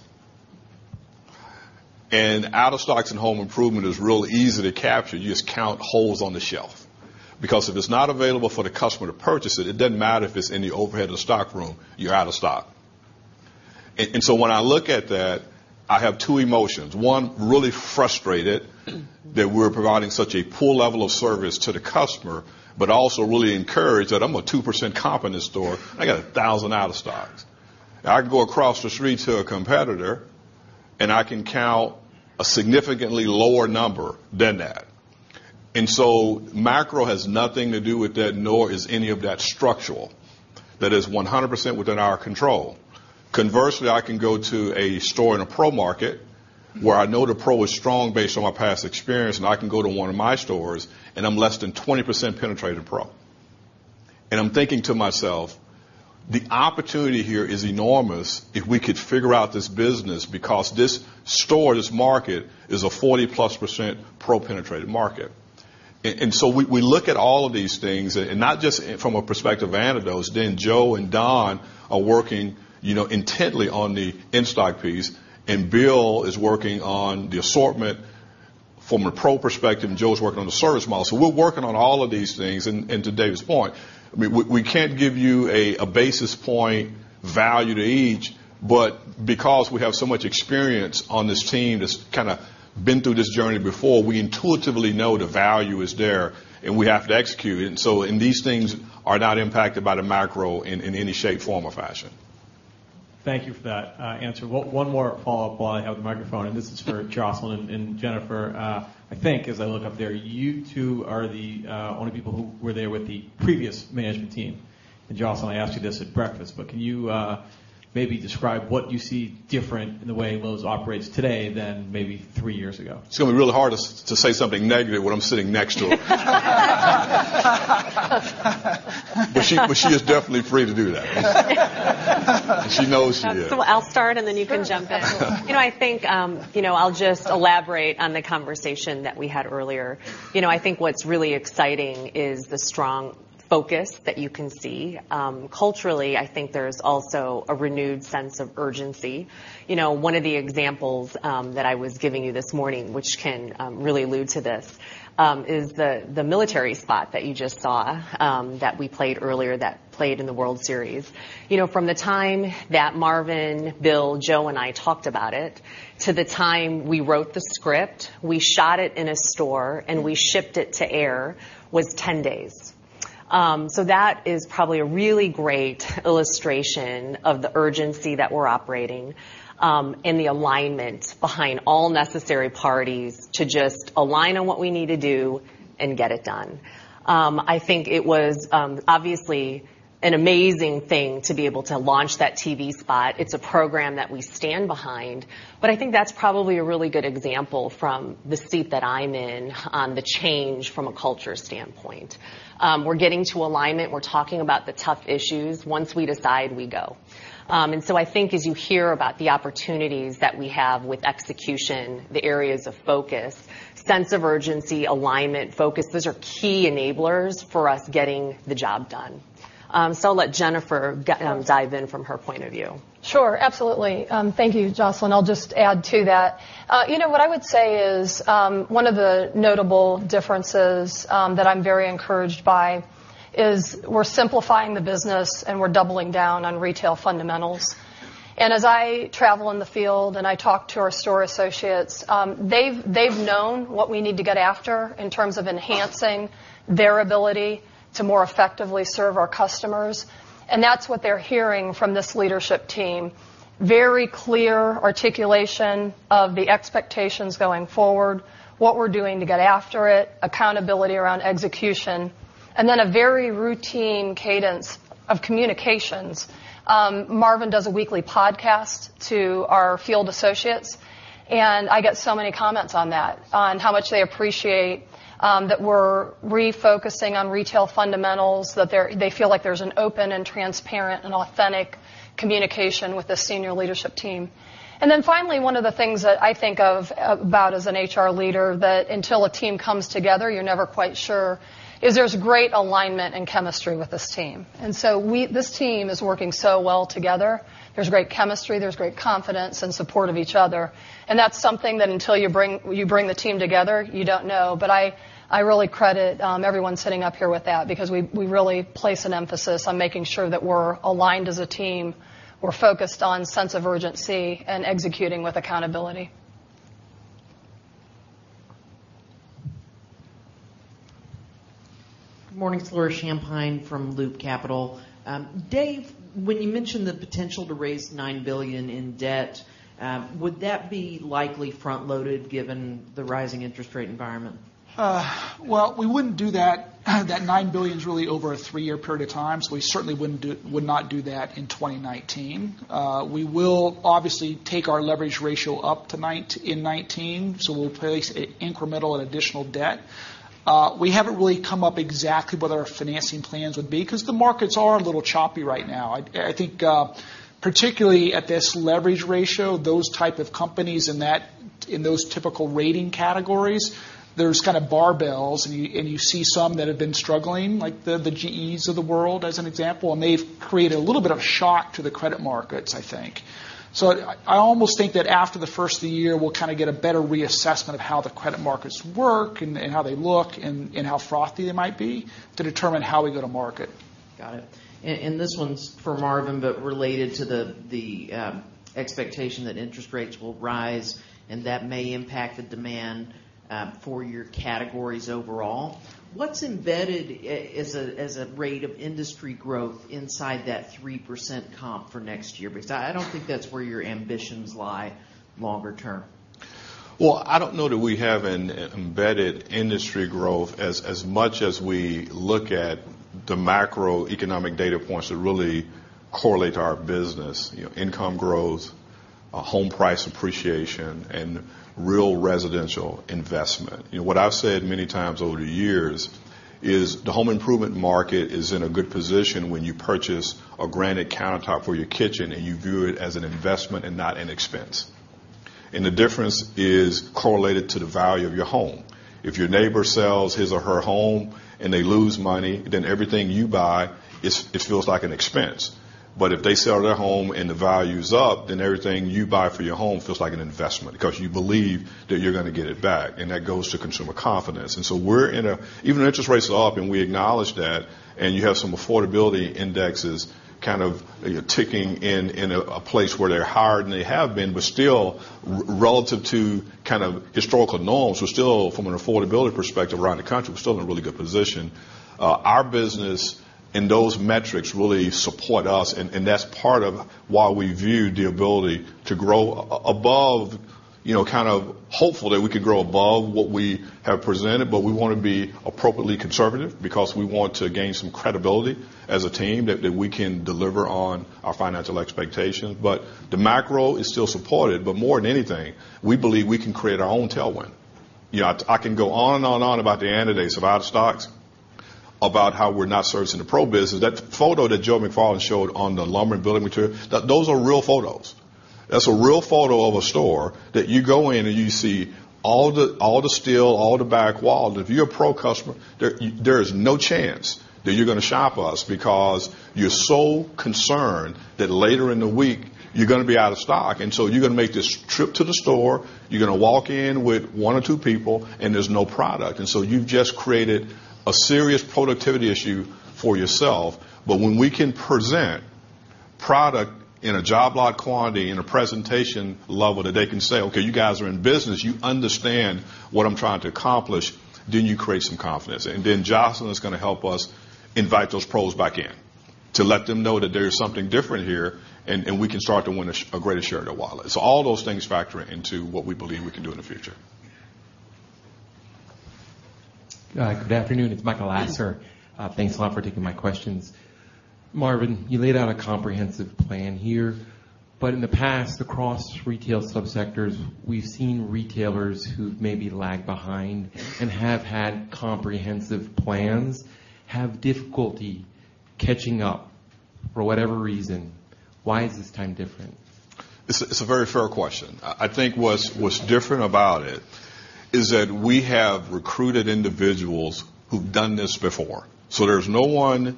Out of stocks in home improvement is real easy to capture. You just count holes on the shelf. Because if it's not available for the customer to purchase it doesn't matter if it's in the overhead or stockroom, you're out of stock. When I look at that, I have two emotions. One, really frustrated that we're providing such a poor level of service to the customer, but also really encouraged that I'm a 2% comp in the store. I got 1,000 out of stocks. I can go across the street to a competitor, and I can count a significantly lower number than that. Macro has nothing to do with that, nor is any of that structural. That is 100% within our control. Conversely, I can go to a store in a pro market where I know the pro is strong based on my past experience, and I can go to one of my stores and I'm less than 20% penetrated pro. I'm thinking to myself, "The opportunity here is enormous if we could figure out this business because this store, this market, is a 40-plus percent pro penetrated market." We look at all of these things, and not just from a perspective of anecdotes. Joe and Don are working intently on the in-stock piece, Bill is working on the assortment from a pro perspective, and Joe's working on the service model. We're working on all of these things. To Dave's point, we can't give you a basis point value to each. Because we have so much experience on this team that's kind of been through this journey before, we intuitively know the value is there and we have to execute. These things are not impacted by the macro in any shape, form, or fashion. Thank you for that answer. One more follow-up while I have the microphone, this is for Jocelyn and Jennifer. I think, as I look up there, you two are the only people who were there with the previous management team. Jocelyn, I asked you this at breakfast, but can you maybe describe what you see different in the way Lowe's operates today than maybe three years ago? It's going to be really hard to say something negative when I'm sitting next to her. She is definitely free to do that. She knows she is. That's cool. I'll start and then you can jump in. I think I'll just elaborate on the conversation that we had earlier. I think what's really exciting is the strong focus that you can see. Culturally, I think there's also a renewed sense of urgency. One of the examples that I was giving you this morning, which can really allude to this, is the military spot that you just saw that we played earlier that played in the World Series. From the time that Marvin, Bill, Joe, and I talked about it, to the time we wrote the script, we shot it in a store, and we shipped it to air, was 10 days. That is probably a really great illustration of the urgency that we're operating, and the alignment behind all necessary parties to just align on what we need to do and get it done. I think it was obviously an amazing thing to be able to launch that TV spot. It's a program that we stand behind, but I think that's probably a really good example from the seat that I'm in on the change from a culture standpoint. We're getting to alignment. We're talking about the tough issues. Once we decide, we go. I think as you hear about the opportunities that we have with execution, the areas of focus, sense of urgency, alignment, focus, those are key enablers for us getting the job done. I'll let Jennifer dive in from her point of view. Sure. Absolutely. Thank you, Jocelyn. I'll just add to that. What I would say is one of the notable differences that I'm very encouraged by is we're simplifying the business and we're doubling down on retail fundamentals. As I travel in the field and I talk to our store associates, they've known what we need to get after in terms of enhancing their ability to more effectively serve our customers, and that's what they're hearing from this leadership team. Very clear articulation of the expectations going forward, what we're doing to get after it, accountability around execution, and then a very routine cadence of communications. Marvin does a weekly podcast to our field associates. I get so many comments on that, on how much they appreciate that we're refocusing on retail fundamentals, that they feel like there's an open and transparent and authentic communication with the senior leadership team. Then finally, one of the things that I think about as an HR leader that until a team comes together, you're never quite sure, is there's great alignment and chemistry with this team. This team is working so well together. There's great chemistry. There's great confidence and support of each other, and that's something that until you bring the team together, you don't know. I really credit everyone sitting up here with that because we really place an emphasis on making sure that we're aligned as a team. We're focused on sense of urgency and executing with accountability. Good morning. Laura Champine from Loop Capital. Dave, when you mentioned the potential to raise $9 billion in debt, would that be likely front-loaded given the rising interest rate environment? Well, we wouldn't do that. That $9 billion is really over a three-year period of time. We certainly would not do that in 2019. We will obviously take our leverage ratio up in 2019. We'll place incremental and additional debt. We haven't really come up exactly what our financing plans would be because the markets are a little choppy right now. I think particularly at this leverage ratio, those type of companies in those typical rating categories, there's kind of barbells, and you see some that have been struggling, like the GEs of the world, as an example, and they've created a little bit of shock to the credit markets, I think. I almost think that after the first of the year, we'll get a better reassessment of how the credit markets work and how they look and how frothy they might be to determine how we go to market. Got it. This one's for Marvin, related to the expectation that interest rates will rise and that may impact the demand for your categories overall. What's embedded as a rate of industry growth inside that 3% comp for next year? I don't think that's where your ambitions lie longer term. Well, I don't know that we have an embedded industry growth as much as we look at the macroeconomic data points that really correlate to our business. Income growth, home price appreciation, and real residential investment. What I've said many times over the years is the home improvement market is in a good position when you purchase a granite countertop for your kitchen and you view it as an investment and not an expense. The difference is correlated to the value of your home. If your neighbor sells his or her home and they lose money, everything you buy, it feels like an expense. If they sell their home and the value is up, everything you buy for your home feels like an investment because you believe that you're going to get it back, and that goes to consumer confidence. Even if interest rates are up and we acknowledge that, and you have some affordability indexes ticking in a place where they're higher than they have been, but still relative to historical norms, we're still from an affordability perspective around the country, we're still in a really good position. Our business and those metrics really support us, and that's part of why we view the ability to grow above what we have presented, but we want to be appropriately conservative because we want to gain some credibility as a team that we can deliver on our financial expectations. The macro is still supported, but more than anything, we believe we can create our own tailwind. I can go on and on about the anecdotes of out-of-stocks, about how we're not servicing the pro business. That photo that Joe McFarland showed on the lumber and building material, those are real photos. That's a real photo of a store that you go in, and you see all the steel, all the back walls. If you're a pro customer, there is no chance that you're going to shop us because you're so concerned that later in the week you're going to be out of stock. You're going to make this trip to the store, you're going to walk in with one or two people, and there's no product. You've just created a serious productivity issue for yourself. When we can present product in a job lot quantity, in a presentation level that they can say, "Okay, you guys are in business. You understand what I'm trying to accomplish." You create some confidence. Jocelyn is going to help us invite those pros back in to let them know that there's something different here, and we can start to win a greater share of their wallet. All those things factor into what we believe we can do in the future. Good afternoon. It's Michael Lasser. Thanks a lot for taking my questions. Marvin, you laid out a comprehensive plan here, but in the past, across retail sub-sectors, we've seen retailers who've maybe lagged behind and have had comprehensive plans have difficulty catching up for whatever reason. Why is this time different? It's a very fair question. I think what's different about it is that we have recruited individuals who've done this before. There's no one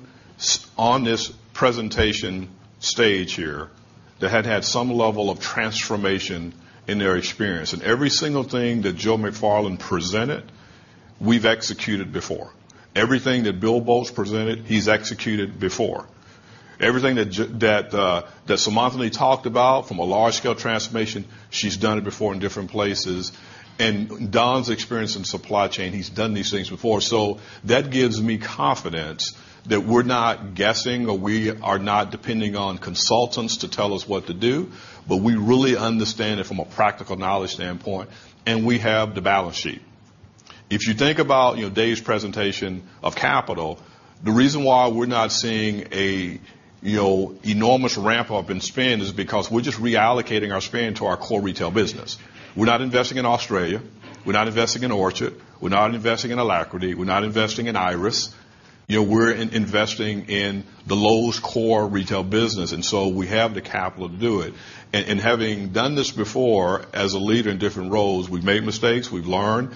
on this presentation stage here that hadn't had some level of transformation in their experience. Every single thing that Joe McFarland presented, we've executed before. Everything that Bill Boltz presented, he's executed before. Everything that Seemantini Godbole talked about from a large-scale transformation, she's done it before in different places. Don's experience in supply chain, he's done these things before. That gives me confidence that we're not guessing, or we are not depending on consultants to tell us what to do, but we really understand it from a practical knowledge standpoint, and we have the balance sheet. If you think about Dave's presentation of capital, the reason why we're not seeing an enormous ramp-up in spend is because we're just reallocating our spend to our core retail business. We're not investing in Australia, we're not investing in Orchard, we're not investing in Alacrity, we're not investing in Iris. We're investing in the Lowe's core retail business, and so we have the capital to do it. Having done this before as a leader in different roles, we've made mistakes, we've learned.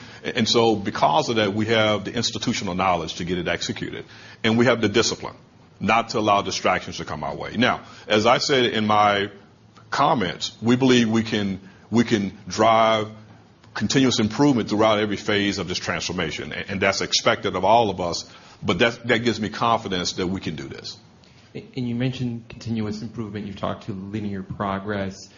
Because of that, we have the institutional knowledge to get it executed, and we have the discipline not to allow distractions to come our way. As I said in my comments, we believe we can drive continuous improvement throughout every phase of this transformation, and that's expected of all of us. That gives me confidence that we can do this. You mentioned continuous improvement. You've talked to linear progress.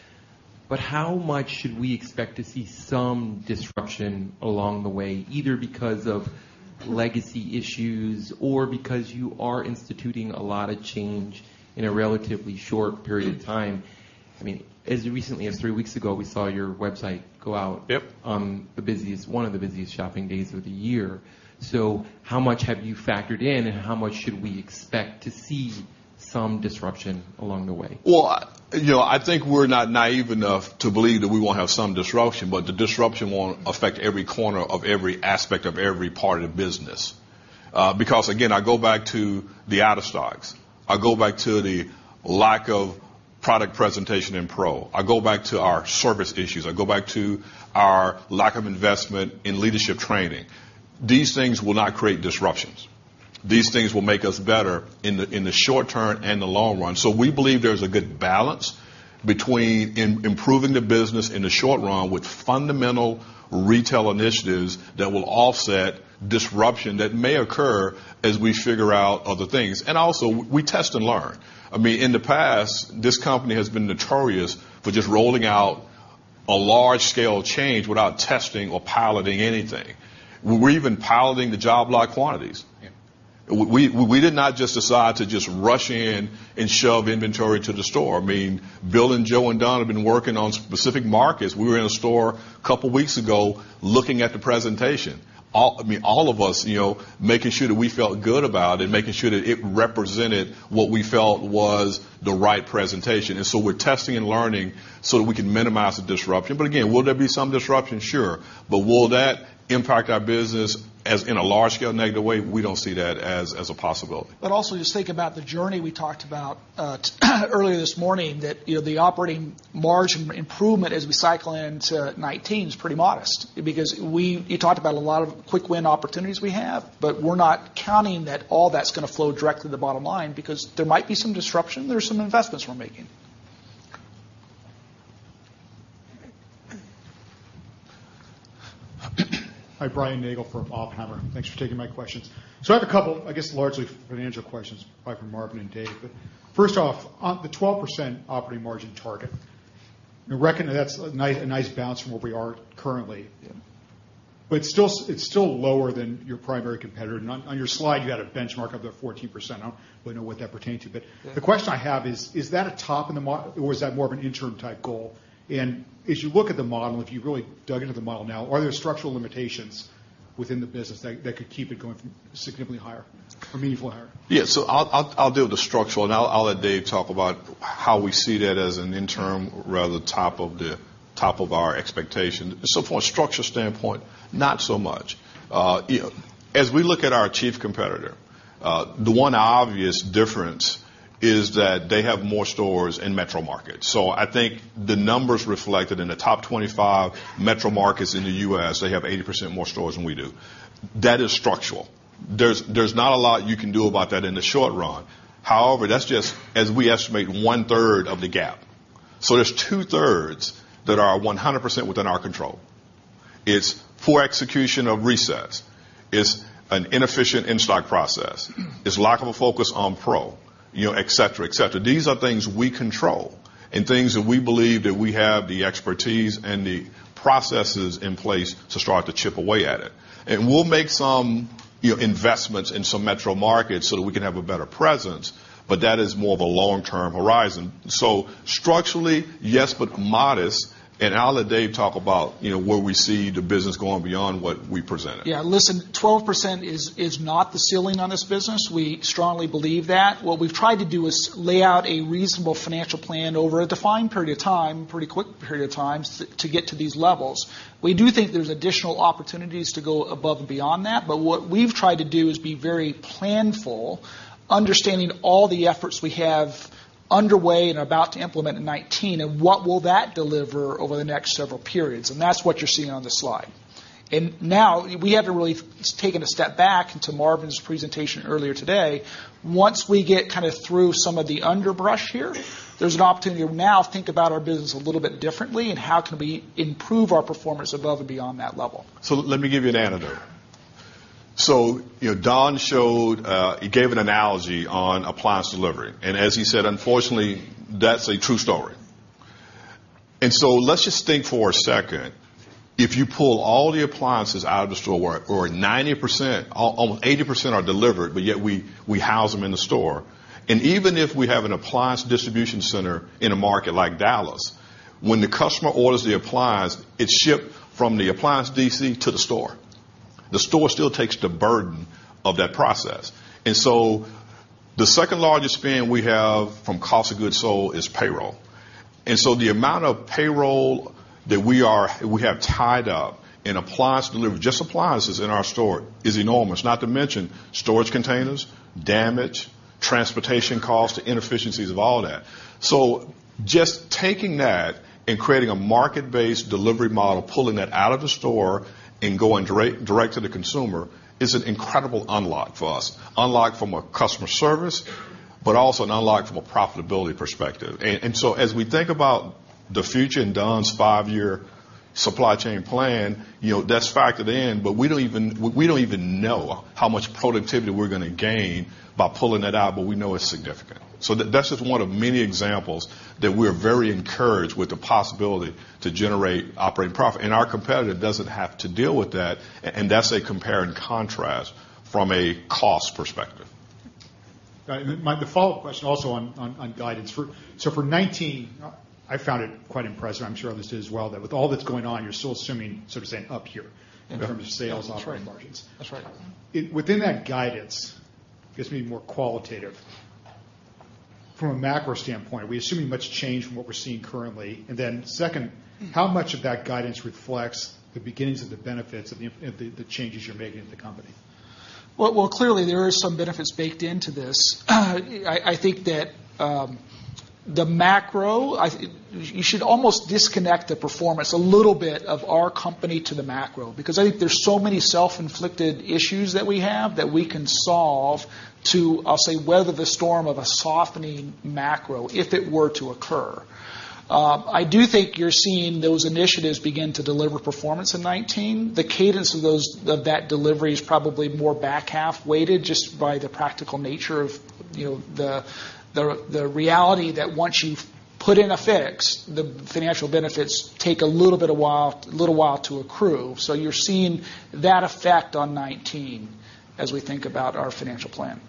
But how much should we expect to see some disruption along the way, either because of legacy issues or because you are instituting a lot of change in a relatively short period of time? As recently as three weeks ago, we saw your website go out- Yep on one of the busiest shopping days of the year. How much have you factored in, and how much should we expect to see some disruption along the way? I think we're not naive enough to believe that we won't have some disruption, the disruption won't affect every corner of every aspect of every part of the business. Again, I go back to the out-of-stocks. I go back to the lack of product presentation in pro. I go back to our service issues. I go back to our lack of investment in leadership training. These things will not create disruptions. These things will make us better in the short-term and the long run. We believe there's a good balance between improving the business in the short run with fundamental retail initiatives that will offset disruption that may occur as we figure out other things. Also, we test and learn. In the past, this company has been notorious for just rolling out a large-scale change without testing or piloting anything. We're even piloting the job lot quantities. Yeah. We did not just decide to just rush in and shove inventory to the store. Bill and Joe and Don have been working on specific markets. We were in a store a couple of weeks ago looking at the presentation. All of us making sure that we felt good about it, making sure that it represented what we felt was the right presentation. So we're testing and learning so that we can minimize the disruption. Again, will there be some disruption? Sure. Will that impact our business in a large-scale negative way? We don't see that as a possibility. Also just think about the journey we talked about earlier this morning, that the operating margin improvement as we cycle into 2019 is pretty modest. You talked about a lot of quick win opportunities we have, but we're not counting that all that's going to flow directly to the bottom line because there might be some disruption. There's some investments we're making. Hi, Brian Nagel from Oppenheimer. Thanks for taking my questions. I have a couple, I guess, largely financial questions, probably for Marvin and Dave. First off, on the 12% operating margin target, I reckon that's a nice bounce from where we are currently. Yeah. It's still lower than your primary competitor. On your slide, you had a benchmark of the 14%. I don't really know what that pertained to. Yeah The question I have is that a top in the model, or is that more of an interim type goal? As you look at the model, if you really dug into the model now, are there structural limitations within the business that could keep it going significantly higher or meaningfully higher? Yeah. I'll deal with the structural, and I'll let Dave talk about how we see that as an interim rather than top of our expectation. From a structure standpoint, not so much. As we look at our chief competitor, the one obvious difference is that they have more stores in metro markets. I think the numbers reflected in the top 25 metro markets in the U.S., they have 80% more stores than we do. That is structural. There's not a lot you can do about that in the short run. However, that's just as we estimate one-third of the gap. There's two-thirds that are 100% within our control. It's poor execution of resets. It's an inefficient in-stock process. It's lack of a focus on pro, et cetera. These are things we control and things that we believe that we have the expertise and the processes in place to start to chip away at it. We'll make some investments in some metro markets so that we can have a better presence, but that is more of a long-term horizon. Structurally, yes, but modest. I'll let Dave talk about where we see the business going beyond what we presented. Yeah. Listen, 12% is not the ceiling on this business. We strongly believe that. What we've tried to do is lay out a reasonable financial plan over a defined period of time, pretty quick period of time, to get to these levels. We do think there's additional opportunities to go above and beyond that, but what we've tried to do is be very planful, understanding all the efforts we have underway and are about to implement in 2019, and what will that deliver over the next several periods. That's what you're seeing on the slide. Now, we haven't really taken a step back into Marvin's presentation earlier today. Once we get through some of the underbrush here, there's an opportunity to now think about our business a little bit differently and how can we improve our performance above and beyond that level. Let me give you an anecdote. Don showed, he gave an analogy on appliance delivery. As he said, unfortunately, that's a true story. Let's just think for a second. If you pull all the appliances out of the store, or 90%, almost 80% are delivered, but yet we house them in the store. Even if we have an appliance distribution center in a market like Dallas, when the customer orders the appliance, it's shipped from the appliance DC to the store. The store still takes the burden of that process. The second-largest spend we have from cost of goods sold is payroll. The amount of payroll that we have tied up in appliance delivery, just appliances in our store, is enormous. Not to mention storage containers, damage, transportation costs, the inefficiencies of all that. Just taking that and creating a market-based delivery model, pulling that out of the store and going direct to the consumer is an incredible unlock for us. Unlock from a customer service, but also an unlock from a profitability perspective. As we think about the future and Don's five-year supply chain plan, that's factored in, but we don't even know how much productivity we're going to gain by pulling that out, but we know it's significant. That's just one of many examples that we're very encouraged with the possibility to generate operating profit. Our competitor doesn't have to deal with that, and that's a compare and contrast from a cost perspective. My follow-up question also on guidance. For 2019, I found it quite impressive. I'm sure others did as well. With all that's going on, you're still assuming, so to say, up here in terms of sales- That's right. operating margins. That's right. Within that guidance, this may be more qualitative. From a macro standpoint, are we assuming much change from what we're seeing currently? Second, how much of that guidance reflects the beginnings of the benefits of the changes you're making at the company? Well, clearly, there are some benefits baked into this. I think that the macro, you should almost disconnect the performance a little bit of our company to the macro because I think there's so many self-inflicted issues that we have that we can solve to, I'll say, weather the storm of a softening macro if it were to occur. I do think you're seeing those initiatives begin to deliver performance in 2019. The cadence of that delivery is probably more back-half weighted just by the practical nature of the reality that once you've put in a fix, the financial benefits take a little while to accrue. You're seeing that effect on 2019 as we think about our financial plan.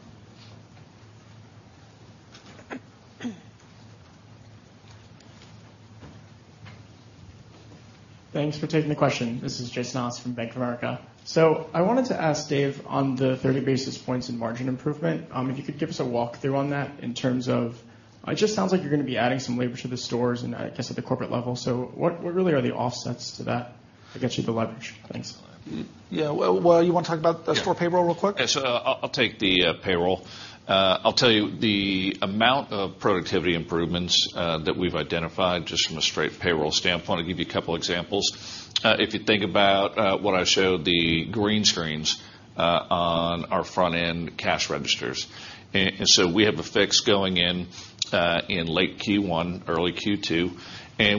Thanks for taking the question. This is Jason Haas from Bank of America. I wanted to ask Dave on the 30 basis points in margin improvement, if you could give us a walkthrough on that in terms of It just sounds like you're going to be adding some labor to the stores and I guess at the corporate level. What really are the offsets to that that gets you the leverage? Thanks. Yeah. Well, you want to talk about the store payroll real quick? Yeah. I'll take the payroll. I'll tell you the amount of productivity improvements that we've identified just from a straight payroll standpoint. I'll give you a couple examples. If you think about what I showed, the green screens on our front-end cash registers. We have a fix going in late Q1, early Q2.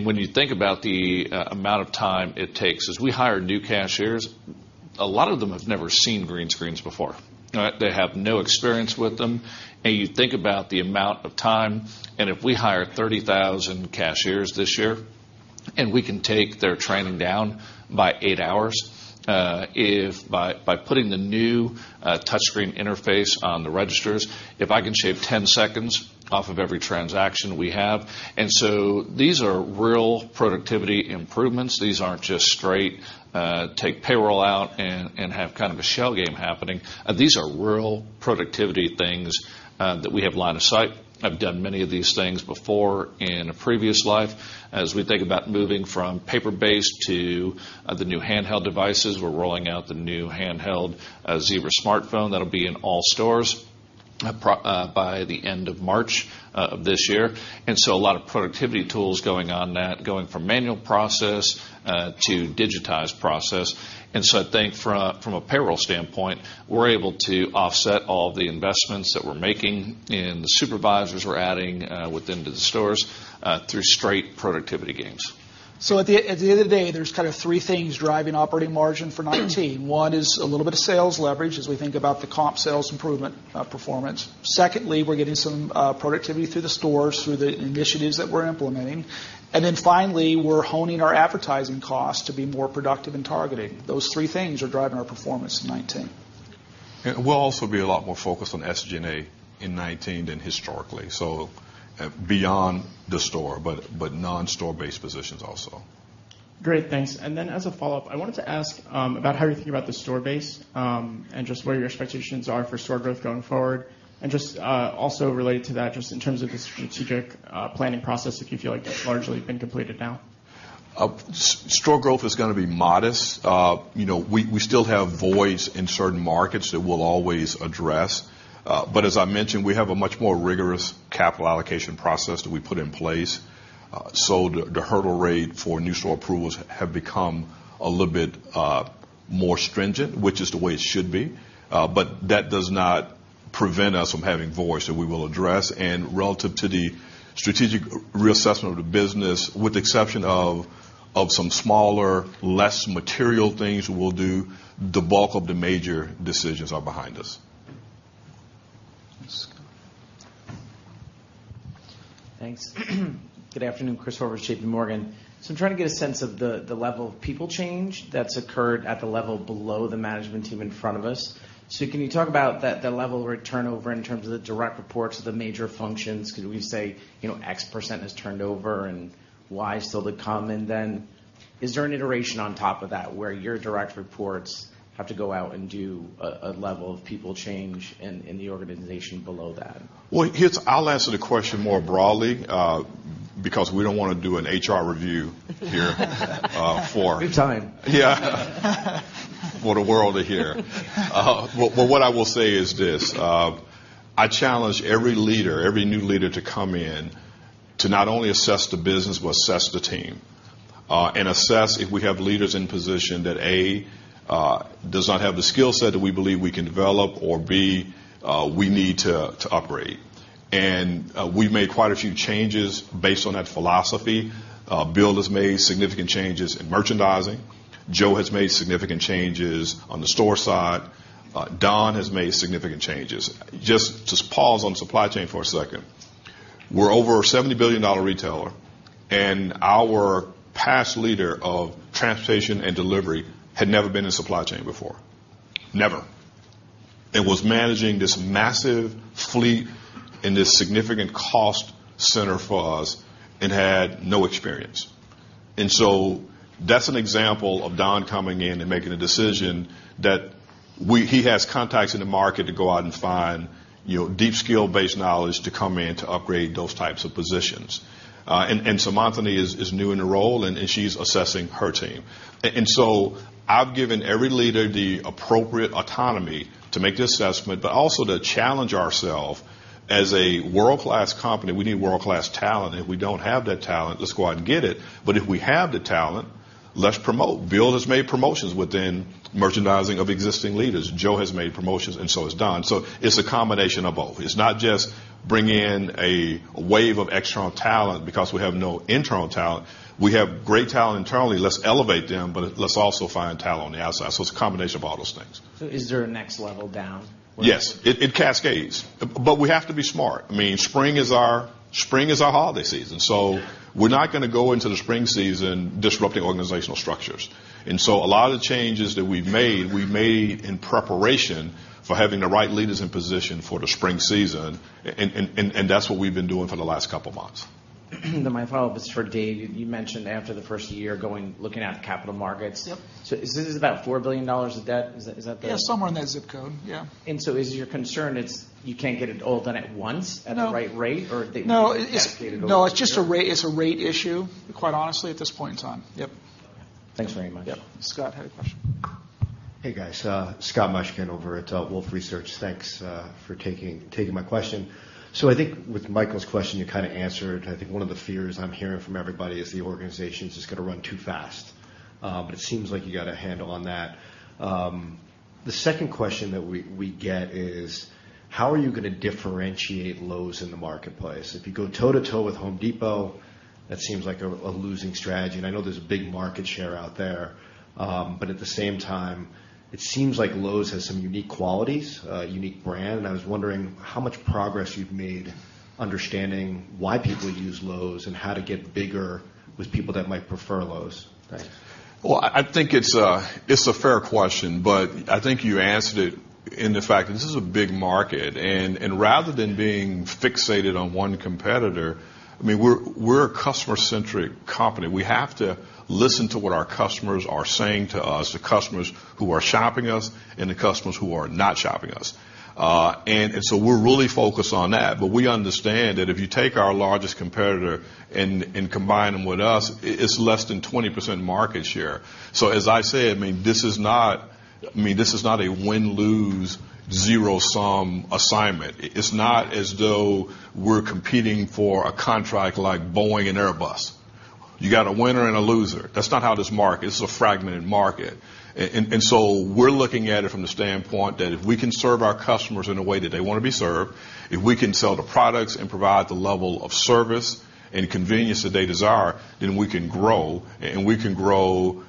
When you think about the amount of time it takes, as we hire new cashiers A lot of them have never seen green screens before. They have no experience with them. You think about the amount of time, and if we hire 30,000 cashiers this year, and we can take their training down by eight hours, if by putting the new touchscreen interface on the registers, if I can shave 10 seconds off of every transaction we have. These are real productivity improvements. These aren't just straight take payroll out and have kind of a shell game happening. These are real productivity things that we have line of sight. I've done many of these things before in a previous life. As we think about moving from paper-based to the new handheld devices, we're rolling out the new handheld Zebra smartphone that'll be in all stores by the end of March of this year. A lot of productivity tools going on that, going from manual process to digitized process. I think from a payroll standpoint, we're able to offset all the investments that we're making and the supervisors we're adding within the stores through straight productivity gains. At the end of the day, there's kind of three things driving operating margin for '19. One is a little bit of sales leverage as we think about the comp sales improvement performance. Secondly, we're getting some productivity through the stores, through the initiatives that we're implementing. Finally, we're honing our advertising costs to be more productive in targeting. Those three things are driving our performance in '19. We'll also be a lot more focused on SG&A in 2019 than historically. Beyond the store, but non-store-based positions also. Great, thanks. As a follow-up, I wanted to ask about how you're thinking about the store base, and just where your expectations are for store growth going forward. Just also related to that, just in terms of the strategic planning process, if you feel like that's largely been completed now. Store growth is going to be modest. We still have voids in certain markets that we'll always address. As I mentioned, we have a much more rigorous capital allocation process that we put in place. The hurdle rate for new store approvals have become a little bit more stringent, which is the way it should be. That does not prevent us from having voids that we will address. Relative to the strategic reassessment of the business, with the exception of some smaller, less material things we'll do, the bulk of the major decisions are behind us. Scott. Thanks. Good afternoon, Christopher JPMorgan. I'm trying to get a sense of the level of people change that's occurred at the level below the management team in front of us. Can you talk about the level of turnover in terms of the direct reports of the major functions? Could we say, X% has turned over and Y still to come? Is there an iteration on top of that where your direct reports have to go out and do a level of people change in the organization below that? Well, I'll answer the question more broadly because we don't want to do an HR review here. Good time. For the world to hear. What I will say is this: I challenge every leader, every new leader to come in to not only assess the business, but assess the team. Assess if we have leaders in position that, A, does not have the skill set that we believe we can develop, or B, we need to upgrade. We've made quite a few changes based on that philosophy. Bill has made significant changes in merchandising. Joe has made significant changes on the store side. Don has made significant changes. Just pause on supply chain for a second. We're over a $70 billion retailer, our past leader of transportation and delivery had never been in supply chain before. Never. Was managing this massive fleet and this significant cost center for us and had no experience. That's an example of Don coming in and making a decision that he has contacts in the market to go out and find deep skill-based knowledge to come in to upgrade those types of positions. is new in her role, and she's assessing her team. I've given every leader the appropriate autonomy to make the assessment, but also to challenge ourselves. As a world-class company, we need world-class talent, and if we don't have that talent, let's go out and get it. If we have the talent, let's promote. Bill has made promotions within merchandising of existing leaders. Joe has made promotions, and so has Don. It's a combination of both. It's not just bring in a wave of external talent because we have no internal talent. We have great talent internally, let's elevate them, but let's also find talent on the outside. It's a combination of all those things. Is there a next level down where? Yes, it cascades. We have to be smart. I mean, spring is our holiday season, we're not going to go into the spring season disrupting organizational structures. A lot of the changes that we've made, we've made in preparation for having the right leaders in position for the spring season, and that's what we've been doing for the last couple of months. My follow-up is for Dave. You mentioned after the first year looking at capital markets. Yep. This is about $4 billion of debt. Is that the? Yeah, somewhere in that zip code. Yeah. Is your concern, it's you can't get it all done at once, No at the right rate? Or that you need to cascade it over a period of time? It's a rate issue, quite honestly, at this point in time. Yep. Thanks very much. Yep. Scott had a question. Hey, guys. Scott Mushkin over at Wolfe Research. Thanks for taking my question. I think with Michael's question, you kind of answered. I think one of the fears I'm hearing from everybody is the organization's just going to run too fast. It seems like you got a handle on that. The second question that we get is: how are you going to differentiate Lowe's in the marketplace? If you go toe-to-toe with Home Depot, that seems like a losing strategy. I know there's a big market share out there. At the same time, it seems like Lowe's has some unique qualities, a unique brand, and I was wondering how much progress you've made understanding why people use Lowe's and how to get bigger with people that might prefer Lowe's. Thanks. Well, I think it's a fair question, I think you answered it in the fact that this is a big market. Rather than being fixated on one competitor, we're a customer-centric company. We have to listen to what our customers are saying to us, the customers who are shopping us and the customers who are not shopping us. We're really focused on that. We understand that if you take our largest competitor and combine them with us, it's less than 20% market share. As I said, this is not a win-lose zero-sum assignment. It's not as though we're competing for a contract like Boeing and Airbus. You got a winner and a loser. It's a fragmented market. We're looking at it from the standpoint that if we can serve our customers in a way that they want to be served, if we can sell the products and provide the level of service and convenience that they desire, then we can grow, and we can grow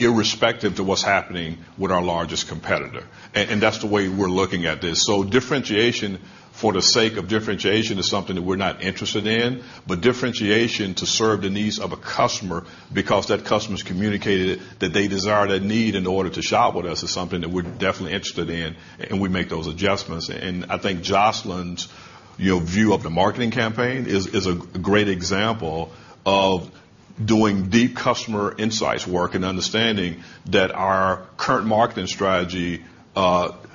irrespective of what's happening with our largest competitor. That's the way we're looking at this. Differentiation for the sake of differentiation is something that we're not interested in, differentiation to serve the needs of a customer because that customer's communicated that they desire that need in order to shop with us is something that we're definitely interested in, and we make those adjustments. I think Jocelyn's view of the marketing campaign is a great example of doing deep customer insights work and understanding that our current marketing strategy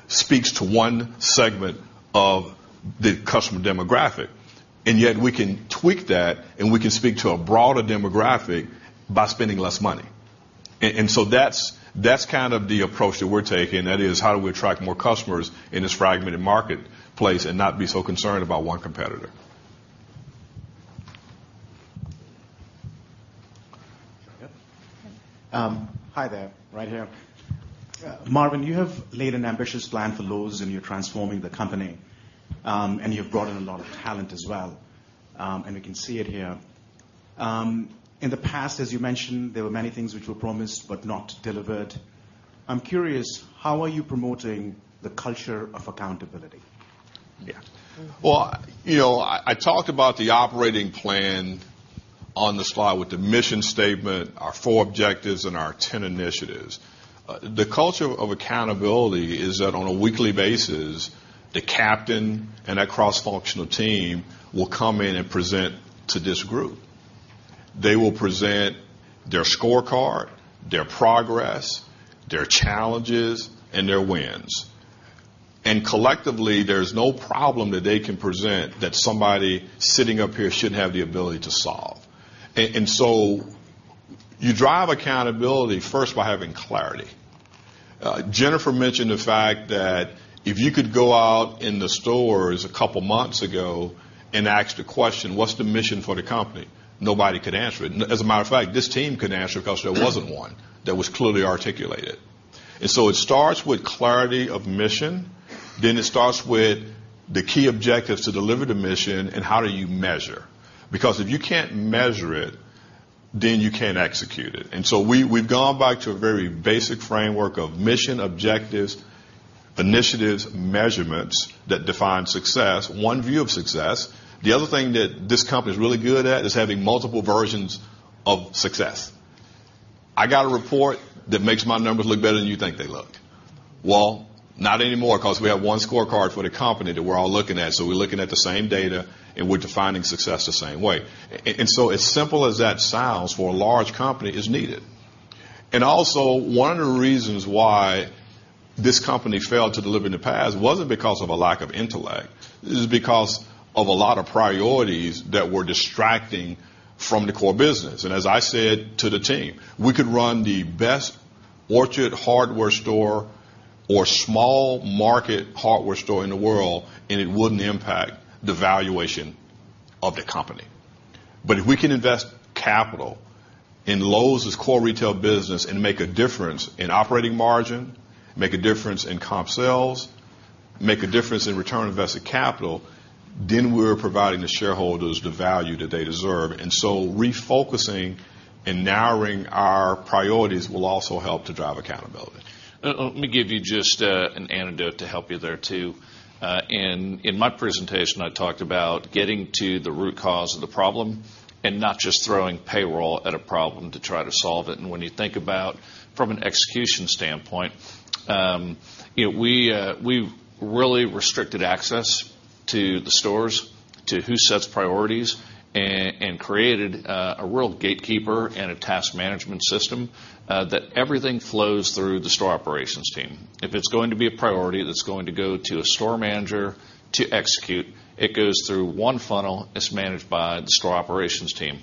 speaks to one segment of the customer demographic. Yet we can tweak that, and we can speak to a broader demographic by spending less money. That's the approach that we're taking, that is, how do we attract more customers in this fragmented marketplace and not be so concerned about one competitor? Hi there. Right here. Yeah. Marvin, you have laid an ambitious plan for Lowe's and you're transforming the company. You've brought in a lot of talent as well. We can see it here. In the past, as you mentioned, there were many things which were promised but not delivered. I'm curious, how are you promoting the culture of accountability? Well, I talked about the operating plan on the slide with the mission statement, our four objectives, and our 10 initiatives. The culture of accountability is that on a weekly basis, the captain and that cross-functional team will come in and present to this group. They will present their scorecard, their progress, their challenges, and their wins. Collectively, there's no problem that they can present that somebody sitting up here shouldn't have the ability to solve. You drive accountability first by having clarity. Jennifer mentioned the fact that if you could go out in the stores a couple of months ago and ask the question, what's the mission for the company? Nobody could answer it. As a matter of fact, this team couldn't answer it because there wasn't one that was clearly articulated. It starts with clarity of mission, then it starts with the key objectives to deliver the mission, and how do you measure. If you can't measure it, then you can't execute it. We've gone back to a very basic framework of mission objectives, initiatives, measurements that define success, one view of success. The other thing that this company is really good at is having multiple versions of success. I got a report that makes my numbers look better than you think they looked. Well, not anymore because we have one scorecard for the company that we're all looking at. We're looking at the same data, and we're defining success the same way. As simple as that sounds for a large company is needed. One of the reasons why this company failed to deliver in the past wasn't because of a lack of intellect. It is because of a lot of priorities that were distracting from the core business. As I said to the team, we could run the best Orchard hardware store or small market hardware store in the world, and it wouldn't impact the valuation of the company. If we can invest capital in Lowe's as core retail business and make a difference in operating margin, make a difference in comp sales, make a difference in return on invested capital, we're providing the shareholders the value that they deserve. Refocusing and narrowing our priorities will also help to drive accountability. Let me give you just an anecdote to help you there, too. In my presentation, I talked about getting to the root cause of the problem and not just throwing payroll at a problem to try to solve it. When you think about from an execution standpoint, we really restricted access to the stores to who sets priorities and created a real gatekeeper and a task management system that everything flows through the store operations team. If it's going to be a priority that's going to go to a store manager to execute, it goes through one funnel. It's managed by the store operations team.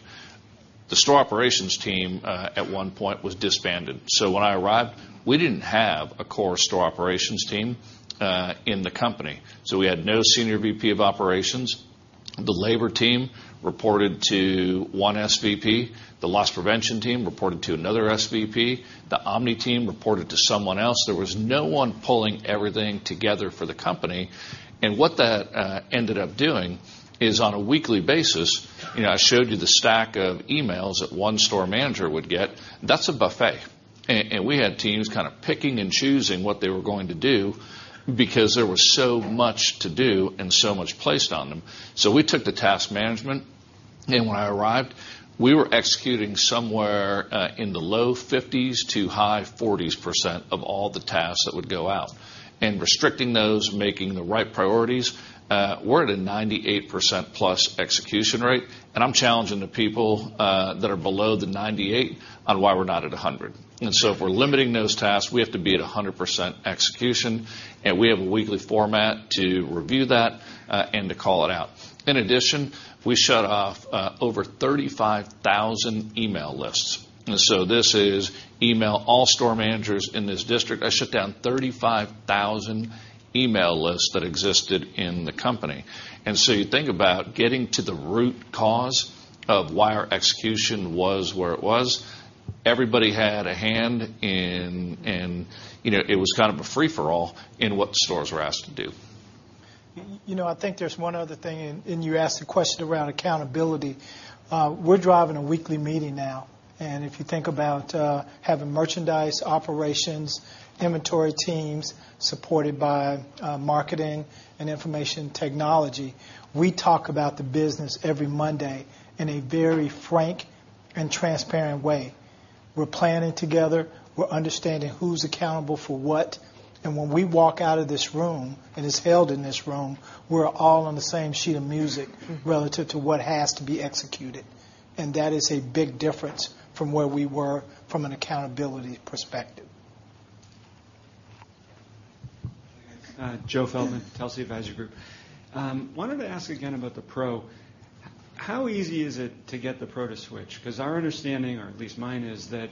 The store operations team, at one point was disbanded. When I arrived, we didn't have a core store operations team in the company. We had no Senior VP of Operations. The labor team reported to one SVP. The loss prevention team reported to another SVP. The omni team reported to someone else. There was no one pulling everything together for the company. What that ended up doing is on a weekly basis, I showed you the stack of emails that one store manager would get. That's a buffet. We had teams picking and choosing what they were going to do because there was so much to do and so much placed on them. We took the task management, and when I arrived, we were executing somewhere in the low 50s to high 40s% of all the tasks that would go out. Restricting those, making the right priorities, we're at a 98%-plus execution rate, and I'm challenging the people that are below the 98 on why we're not at 100. If we're limiting those tasks, we have to be at 100% execution, and we have a weekly format to review that and to call it out. In addition, we shut off over 35,000 email lists. This is email all store managers in this district. I shut down 35,000 email lists that existed in the company. You think about getting to the root cause of why our execution was where it was. Everybody had a hand in. It was a free-for-all in what the stores were asked to do. I think there's one other thing, you asked the question around accountability. We're driving a weekly meeting now, if you think about having merchandise operations, inventory teams, supported by marketing and information technology, we talk about the business every Monday in a very frank and transparent way. We're planning together. We're understanding who's accountable for what. When we walk out of this room, it is held in this room, we're all on the same sheet of music relative to what has to be executed. That is a big difference from where we were from an accountability perspective. Joseph Feldman, Telsey Advisory Group. Wanted to ask again about the pro. How easy is it to get the pro to switch? Because our understanding, or at least mine, is that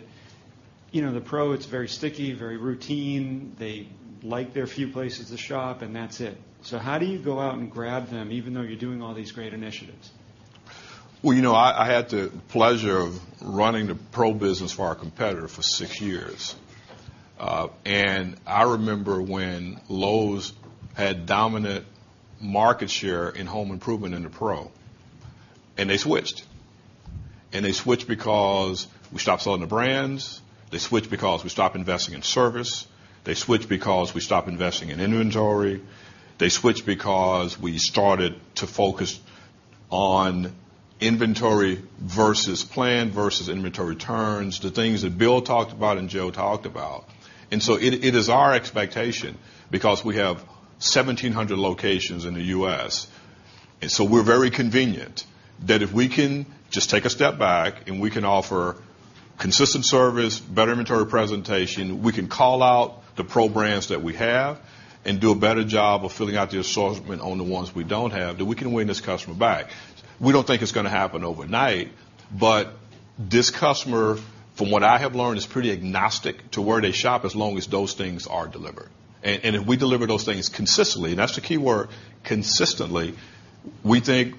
the pro, it's very sticky, very routine. They like their few places to shop, and that's it. How do you go out and grab them even though you're doing all these great initiatives? Well, I had the pleasure of running the pro business for our competitor for six years. I remember when Lowe's had dominant market share in home improvement in the pro, they switched. They switched because we stopped selling the brands. They switched because we stopped investing in service. They switched because we stopped investing in inventory. They switched because we started to focus on inventory versus plan versus inventory turns, the things that Bill talked about and Joe talked about. It is our expectation because we have 1,700 locations in the U.S., we're very convenient, that if we can just take a step back we can offer consistent service, better inventory presentation, we can call out the pro brands that we have and do a better job of filling out the assortment on the ones we don't have, that we can win this customer back. We don't think it's going to happen overnight, but this customer, from what I have learned, is pretty agnostic to where they shop as long as those things are delivered. If we deliver those things consistently, that's the key word, consistently, we think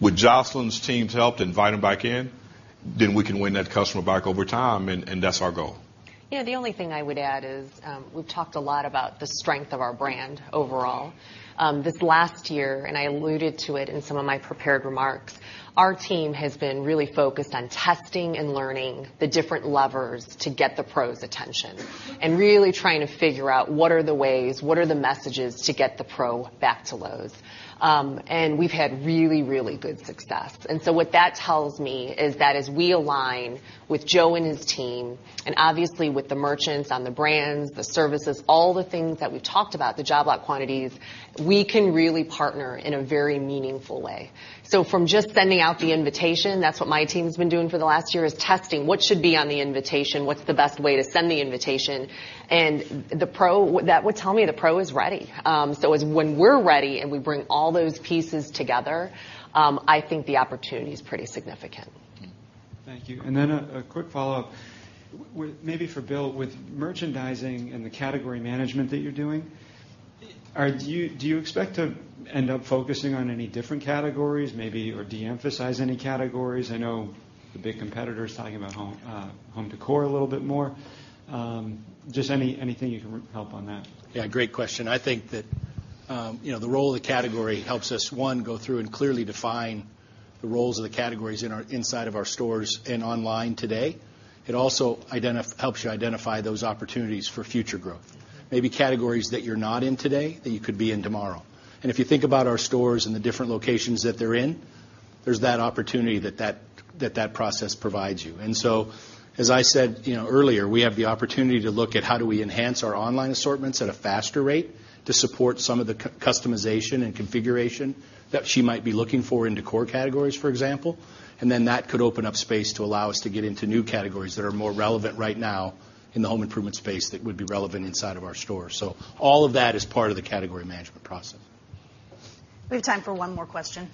with Jocelyn's team's help to invite them back in, we can win that customer back over time, that's our goal. The only thing I would add is we've talked a lot about the strength of our brand overall. This last year, and I alluded to it in some of my prepared remarks, our team has been really focused on testing and learning the different levers to get the pros' attention and really trying to figure out what are the ways, what are the messages to get the pro back to Lowe's. We've had really good success. What that tells me is that as we align with Joe and his team, and obviously with the merchants on the brands, the services, all the things that we've talked about, the job lot quantities, we can really partner in a very meaningful way. From just sending out the invitation, that's what my team's been doing for the last year, is testing what should be on the invitation, what's the best way to send the invitation. That would tell me the pro is ready. It's when we're ready and we bring all those pieces together, I think the opportunity is pretty significant. Thank you. A quick follow-up, maybe for Bill. With merchandising and the category management that you're doing, do you expect to end up focusing on any different categories maybe, or de-emphasize any categories? I know the big competitor is talking about home decor a little bit more. Just anything you can help on that. Yeah, great question. I think that the role of the category helps us, one, go through and clearly define the roles of the categories inside of our stores and online today. It also helps you identify those opportunities for future growth. Maybe categories that you're not in today that you could be in tomorrow. If you think about our stores and the different locations that they're in, there's that opportunity that that process provides you. As I said earlier, we have the opportunity to look at how do we enhance our online assortments at a faster rate to support some of the customization and configuration that she might be looking for in decor categories, for example. That could open up space to allow us to get into new categories that are more relevant right now in the home improvement space that would be relevant inside of our stores. All of that is part of the category management process. We have time for one more question.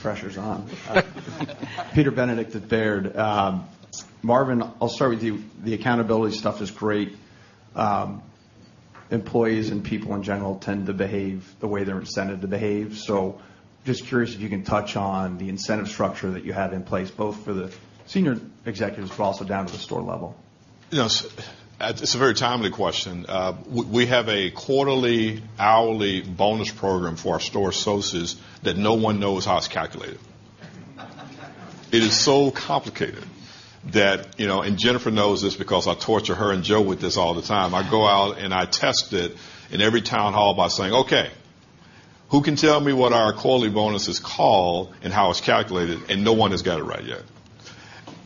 Pressure's on. Peter Benedict at Baird. Marvin, I'll start with you. The accountability stuff is great. Employees and people, in general, tend to behave the way they're incented to behave. Just curious if you can touch on the incentive structure that you have in place, both for the senior executives, but also down to the store level. Yes. It's a very timely question. We have a quarterly, hourly bonus program for our store associates that no one knows how it's calculated. It is so complicated that Jennifer knows this because I torture her and Joe with this all the time. I go out and I test it in every town hall by saying, "Okay, who can tell me what our quarterly bonus is called and how it's calculated?" No one has got it right yet.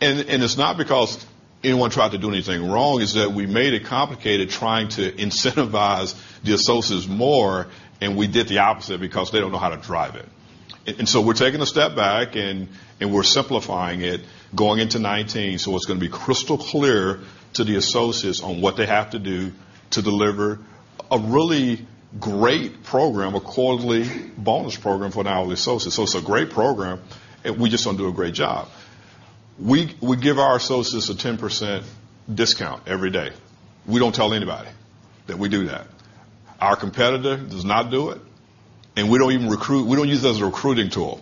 It's not because anyone tried to do anything wrong. It's that we made it complicated trying to incentivize the associates more, and we did the opposite because they don't know how to drive it. We're taking a step back and we're simplifying it going into 2019, so it's going to be crystal clear to the associates on what they have to do to deliver a really great program, a quarterly bonus program for an hourly associate. It's a great program. We just don't do a great job. We give our associates a 10% discount every day. We don't tell anybody that we do that. Our competitor does not do it, and we don't use it as a recruiting tool.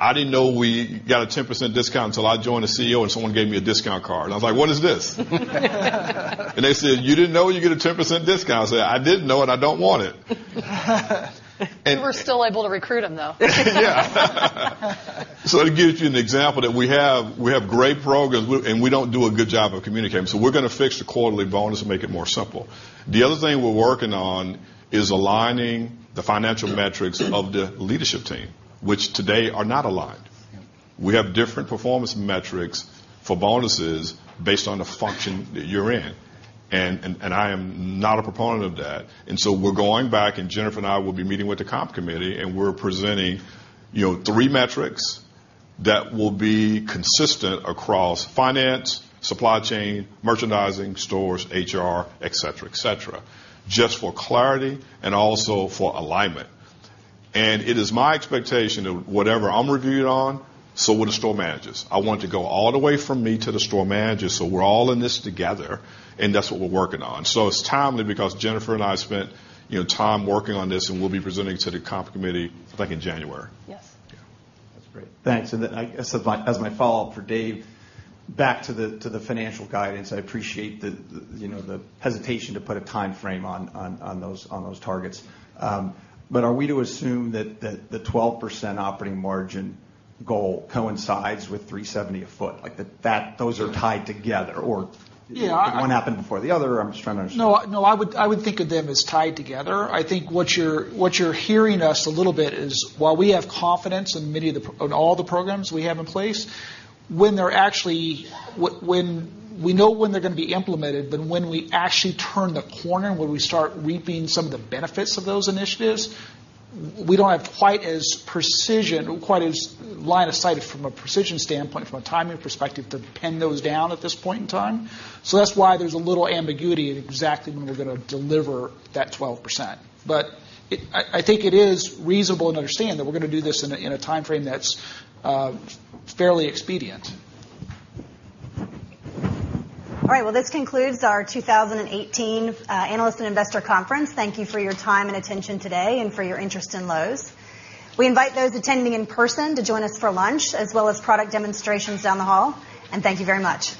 I didn't know we got a 10% discount until I joined the CEO and someone gave me a discount card, and I was like, "What is this?" They said, "You didn't know you get a 10% discount?" I said, "I didn't know, and I don't want it. You were still able to recruit them, though. Yeah. It gives you an example that we have great programs, and we don't do a good job of communicating. We're going to fix the quarterly bonus and make it more simple. The other thing we're working on is aligning the financial metrics of the leadership team, which today are not aligned. Yeah. We have different performance metrics for bonuses based on the function that you're in. I am not a proponent of that. We're going back, and Jennifer and I will be meeting with the comp committee, and we're presenting three metrics that will be consistent across finance, supply chain, merchandising, stores, HR, et cetera, et cetera, just for clarity and also for alignment. It is my expectation that whatever I'm reviewed on, so will the store managers. I want it to go all the way from me to the store managers, so we're all in this together, and that's what we're working on. It's timely because Jennifer and I spent time working on this, and we'll be presenting to the comp committee, I think, in January. Yes. That's great. Thanks. I guess as my follow-up for Dave, back to the financial guidance. I appreciate the hesitation to put a timeframe on those targets. Are we to assume that the 12% operating margin goal coincides with $370 a foot? Like those are tied together or- Yeah. One happened before the other. I'm just trying to understand. I would think of them as tied together. I think what you're hearing us a little bit is while we have confidence in all the programs we have in place. We know when they're going to be implemented, when we actually turn the corner, when we start reaping some of the benefits of those initiatives, we don't have quite as precision, quite as line of sight from a precision standpoint, from a timing perspective to pin those down at this point in time. That's why there's a little ambiguity in exactly when we're going to deliver that 12%. I think it is reasonable and understand that we're going to do this in a timeframe that's fairly expedient. This concludes our 2018 Analyst and Investor Conference. Thank you for your time and attention today and for your interest in Lowe's. We invite those attending in person to join us for lunch, as well as product demonstrations down the hall. Thank you very much.